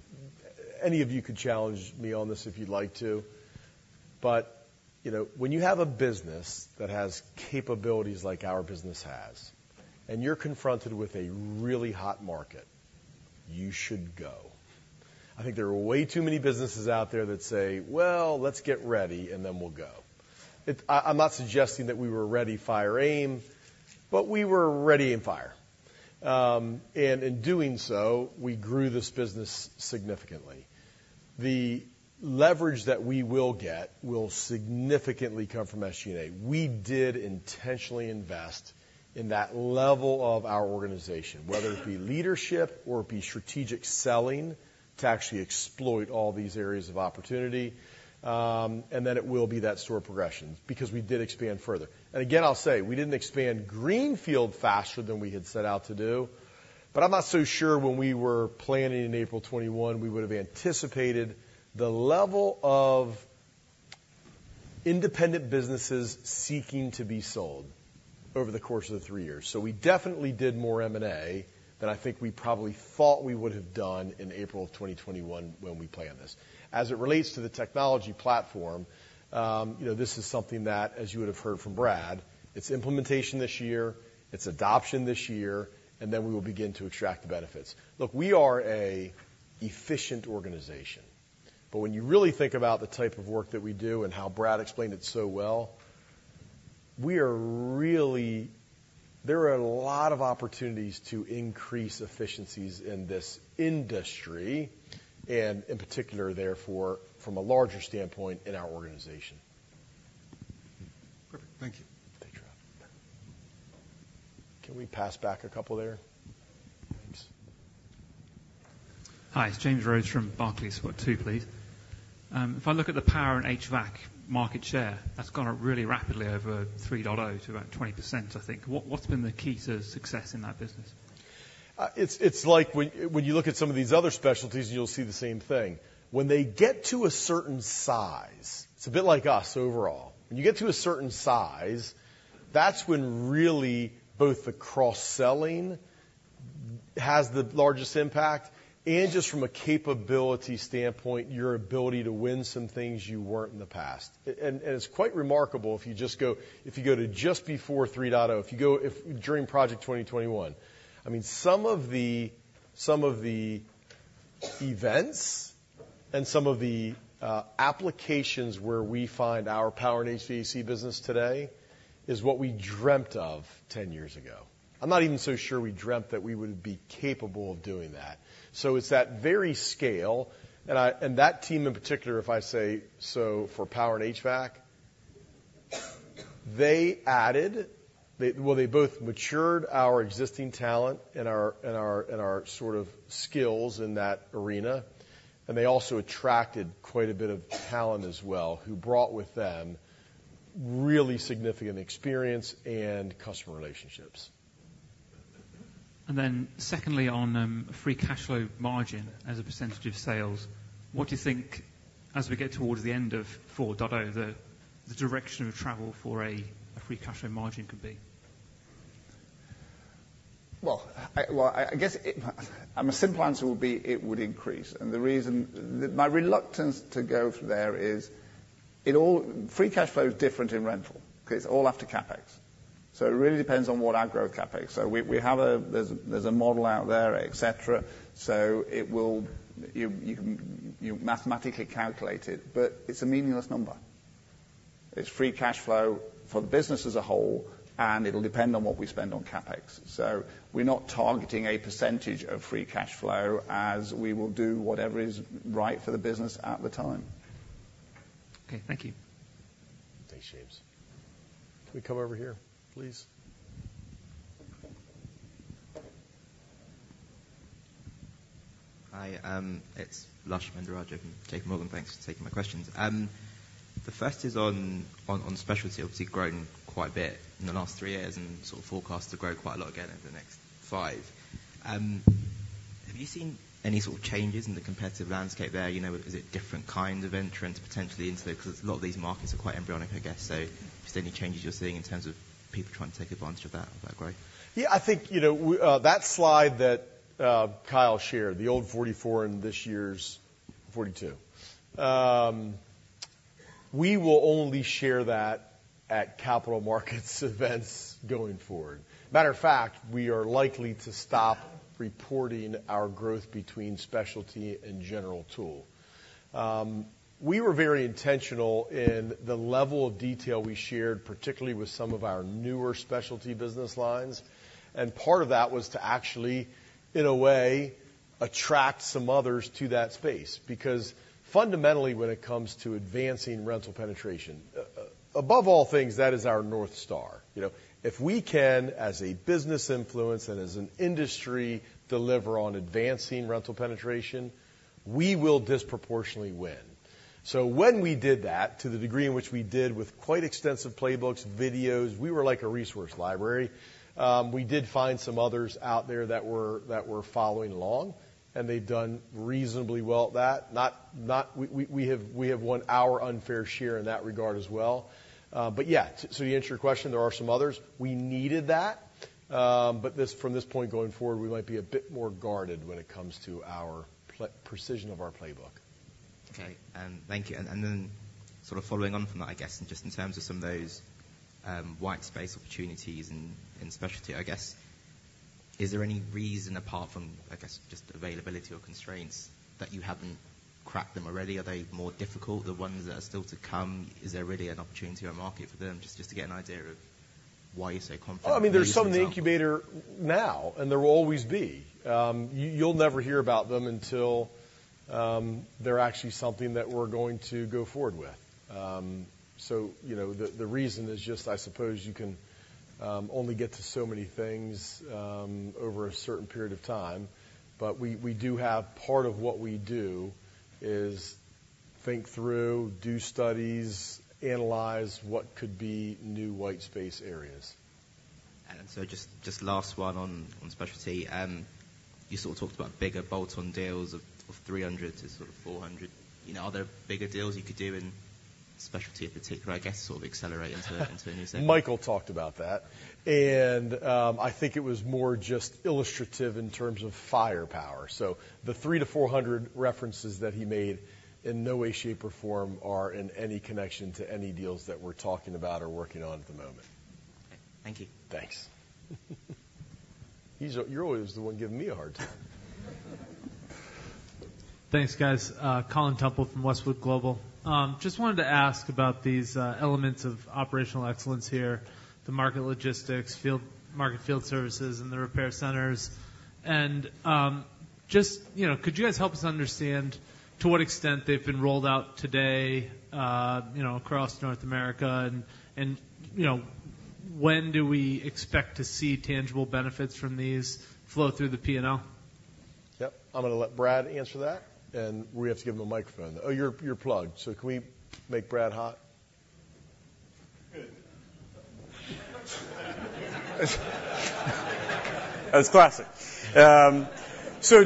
any of you could challenge me on this if you'd like to, but, you know, when you have a business that has capabilities like our business has, and you're confronted with a really hot market, you should go. I think there are way too many businesses out there that say, "Well, let's get ready, and then we'll go." It... I, I'm not suggesting that we were ready, fire, aim, but we were ready and fire. And in doing so, we grew this business significantly. The leverage that we will get will significantly come from SGNA. We did intentionally invest in that level of our organization, whether it be leadership or it be strategic selling, to actually exploit all these areas of opportunity. And then it will be that store progression because we did expand further. And again, I'll say: We didn't expand greenfield faster than we had set out to do, but I'm not so sure when we were planning in April 2021, we would have anticipated the level of independent businesses seeking to be sold over the course of the three years. So we definitely did more M&A than I think we probably thought we would have done in April of 2021 when we planned this. As it relates to the technology platform, you know, this is something that, as you would have heard from Brad, it's implementation this year, it's adoption this year, and then we will begin to extract the benefits. Look, we are a efficient organization, but when you really think about the type of work that we do and how Brad explained it so well, there are a lot of opportunities to increase efficiencies in this industry, and in particular, therefore, from a larger standpoint in our organization. Perfect. Thank you. Thank you. Can we pass back a couple there? Thanks. Hi, James Rose from Barclays. Two, please. If I look at the Power & HVAC market share, that's gone up really rapidly over 3.0 to about 20%, I think. What's been the key to success in that business? It's like when you look at some of these other specialties, you'll see the same thing. When they get to a certain size, it's a bit like us overall. When you get to a certain size, that's when really both the cross-selling has the largest impact and just from a capability standpoint, your ability to win some things you weren't in the past. And it's quite remarkable if you just go to just before 3.0, if during Project 2021. I mean, some of the events and some of the applications where we find our Power & HVAC business today is what we dreamt of ten years ago. I'm not even so sure we dreamt that we would be capable of doing that. So it's that very scale, and that team in particular. If I say, so for Power & HVAC, they added. Well, they both matured our existing talent and our sort of skills in that arena, and they also attracted quite a bit of talent as well, who brought with them really significant experience and customer relationships. Then, secondly, on free cash flow margin as a percentage of sales, what do you think as we get towards the end of 4.0, the direction of travel for a free cash flow margin could be? Well, I guess it, a simple answer would be it would increase. And the reason my reluctance to go there is it all free cash flow is different in rental because it's all after CapEx. So it really depends on what our growth CapEx. So we have a, there's a model out there, et cetera. So it will. You mathematically calculate it, but it's a meaningless number. It's free cash flow for the business as a whole, and it'll depend on what we spend on CapEx. So we're not targeting a percentage of free cash flow, as we will do whatever is right for the business at the time. Okay, thank you. Thanks, James. Can we come over here, please? Hi, it's Lush Mahendrarajah from JPMorgan. Thanks for taking my questions. The first is on Specialty. Obviously, growing quite a bit in the last three years and sort of forecast to grow quite a lot again in the next five. Have you seen any sort of changes in the competitive landscape there? You know, is it different kinds of entrants potentially into the... Because a lot of these markets are quite embryonic, I guess. So just any changes you're seeing in terms of people trying to take advantage of that growth? Yeah, I think, you know, we, that slide that Kyle shared, the old 44, and this year's 42. We will only share that at capital markets events going forward. Matter of fact, we are likely to stop reporting our growth between Specialty and General Tool. We were very intentional in the level of detail we shared, particularly with some of our newer Specialty business lines, and part of that was to actually, in a way, attract some others to that space. Because fundamentally, when it comes to advancing rental penetration, above all things, that is our North Star. You know, if we can, as a business influence and as an industry, deliver on advancing rental penetration, we will disproportionately win. So when we did that, to the degree in which we did with quite extensive playbooks, videos, we were like a resource library. We did find some others out there that were following along, and they've done reasonably well at that. Not, we have won our unfair share in that regard as well. But yeah, so to answer your question, there are some others. We needed that, but from this point going forward, we might be a bit more guarded when it comes to our precision of our playbook. Okay, and thank you. And then sort of following on from that, I guess, just in terms of some of those, white space opportunities in Specialty, I guess, is there any reason, apart from, I guess, just availability or constraints, that you haven't cracked them already? Are they more difficult, the ones that are still to come? Is there really an opportunity or market for them? Just, just to get an idea of why you're so confident. Well, I mean, there's some in the incubator now, and there will always be. You'll never hear about them until they're actually something that we're going to go forward with. So you know, the reason is just, I suppose you can only get to so many things over a certain period of time. But we do have part of what we do is think through, do studies, analyze what could be new white space areas. And so just last one on Specialty. You sort of talked about bigger bolt-on deals of $300 to sort of $400. You know, are there bigger deals you could do in Specialty in particular, I guess, to sort of accelerate into a new segment? Michael talked about that, and, I think it was more just illustrative in terms of firepower. So the 300-400 references that he made in no way, shape, or form are in any connection to any deals that we're talking about or working on at the moment. Thank you. Thanks. You're always the one giving me a hard time. Thanks, guys. Colin Temple from Westwood Global. Just wanted to ask about these elements of operational excellence here, the Market Logistics, field—Market Field Services and the repair centers. And, just, you know, could you guys help us understand to what extent they've been rolled out today, you know, across North America? And, and, you know, when do we expect to see tangible benefits from these flow through the P&L? Yep, I'm gonna let Brad answer that, and we have to give him a microphone. Oh, you're, you're plugged. So can we make Brad hot? Good. That's classic. So,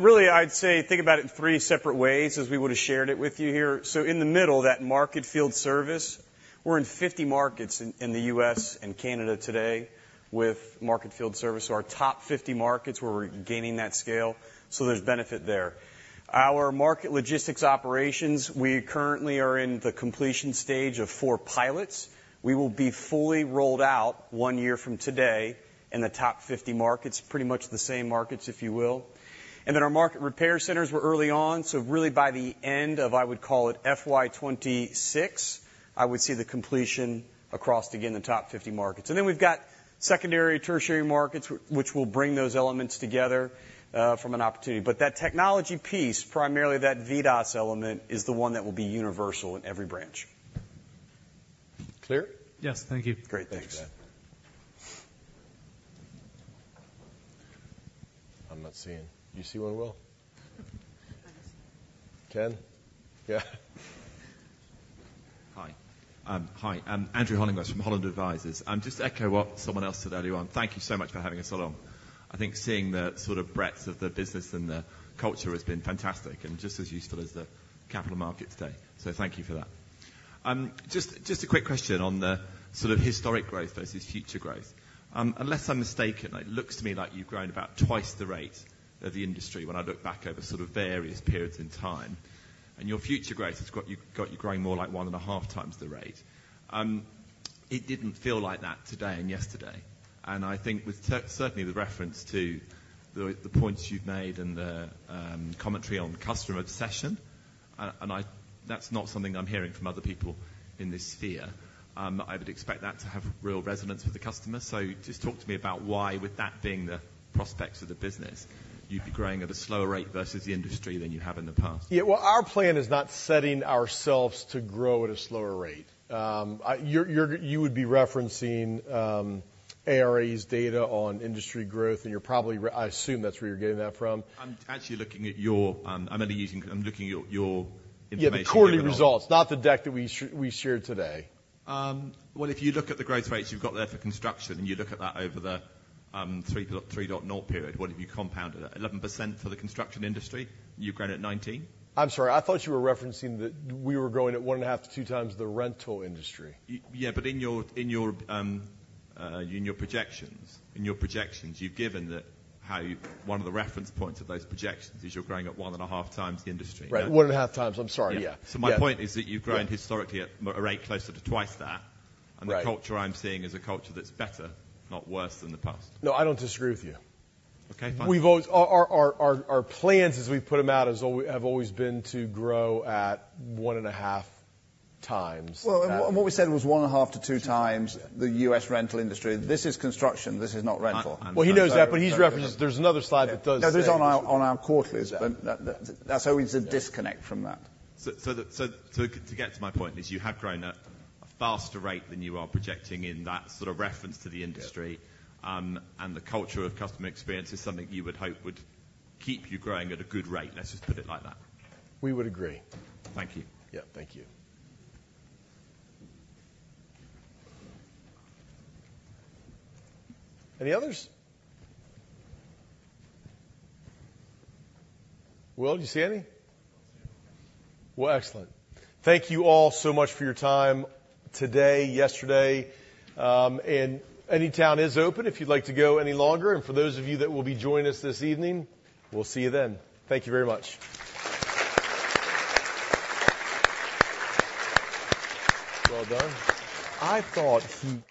really, I'd say think about it in three separate ways, as we would have shared it with you here. So in the middle, that Market Field Service, we're in 50 markets in the U.S. and Canada today with Market Field Service. So our top 50 markets where we're gaining that scale, so there's benefit there. Our Market Logistics operations, we currently are in the completion stage of 4 pilots. We will be fully rolled out one year from today in the top 50 markets, pretty much the same markets, if you will. And then our Market Repair Centers were early on, so really, by the end of, I would call it FY 2026, I would see the completion across, again, the top 50 markets. And then we've got secondary, tertiary markets, which will bring those elements together, from an opportunity. But that technology piece, primarily that VDOS element, is the one that will be universal in every branch. Clear? Yes. Thank you. Great. Thanks. Thanks, Dan. I'm not seeing. Do you see one, Will? Ken? Yeah. Hi, hi. Andrew Hollingworth from Holland Advisors. Just to echo what someone else said earlier on, thank you so much for having us along. I think seeing the sort of breadth of the business and the culture has been fantastic and just as useful as the capital market today. So thank you for that. Just a quick question on the sort of historic growth versus future growth. Unless I'm mistaken, it looks to me like you've grown about twice the rate of the industry when I look back over sort of various periods in time. And your future growth has got you growing more like 1.5x the rate. It didn't feel like that today and yesterday. And I think, certainly, with reference to the points you've made and the commentary on customer obsession, and I... That's not something I'm hearing from other people in this sphere. I would expect that to have real resonance with the customer. So just talk to me about why, with that being the prospects of the business, you'd be growing at a slower rate versus the industry than you have in the past. Yeah, well, our plan is not setting ourselves to grow at a slower rate. You're referencing ARA's data on industry growth, and you're probably – I assume that's where you're getting that from. I'm actually looking at your information. Yeah, the quarterly results, not the deck that we shared today. Well, if you look at the growth rates you've got there for construction, and you look at that over the Sunbelt 3.0 period, what have you compounded that? 11% for the construction industry, you've grown at 19%. I'm sorry. I thought you were referencing that we were growing at 1.5x-2x the rental industry. Yeah, but in your projections, you've given that one of the reference points of those projections is you're growing at one and a half times the industry. Right. 1.5x. I'm sorry, yeah. My point is that you've grown historically at a rate closer to twice that. Right. The culture I'm seeing is a culture that's better, not worse than the past. No, I don't disagree with you. Okay, fine. Our plans as we've put them out have always been to grow at 1.5x. Well, and what we said was 1.5x-2x the U.S. rental industry. This is construction. This is not rental. Well, he knows that, but he's referencing... There's another slide that does- There is on our quarterlies, but that's always a disconnect from that. So, to get to my point is, you have grown at a faster rate than you are projecting in that sort of reference to the industry. Yeah. And the culture of customer experience is something you would hope would keep you growing at a good rate. Let's just put it like that. We would agree. Thank you. Yeah, thank you. Any others? Will, do you see any? I don't see any. Well, excellent. Thank you all so much for your time today, yesterday, and Anytown is open if you'd like to go any longer. For those of you that will be joining us this evening, we'll see you then. Thank you very much. Well done. I thought he-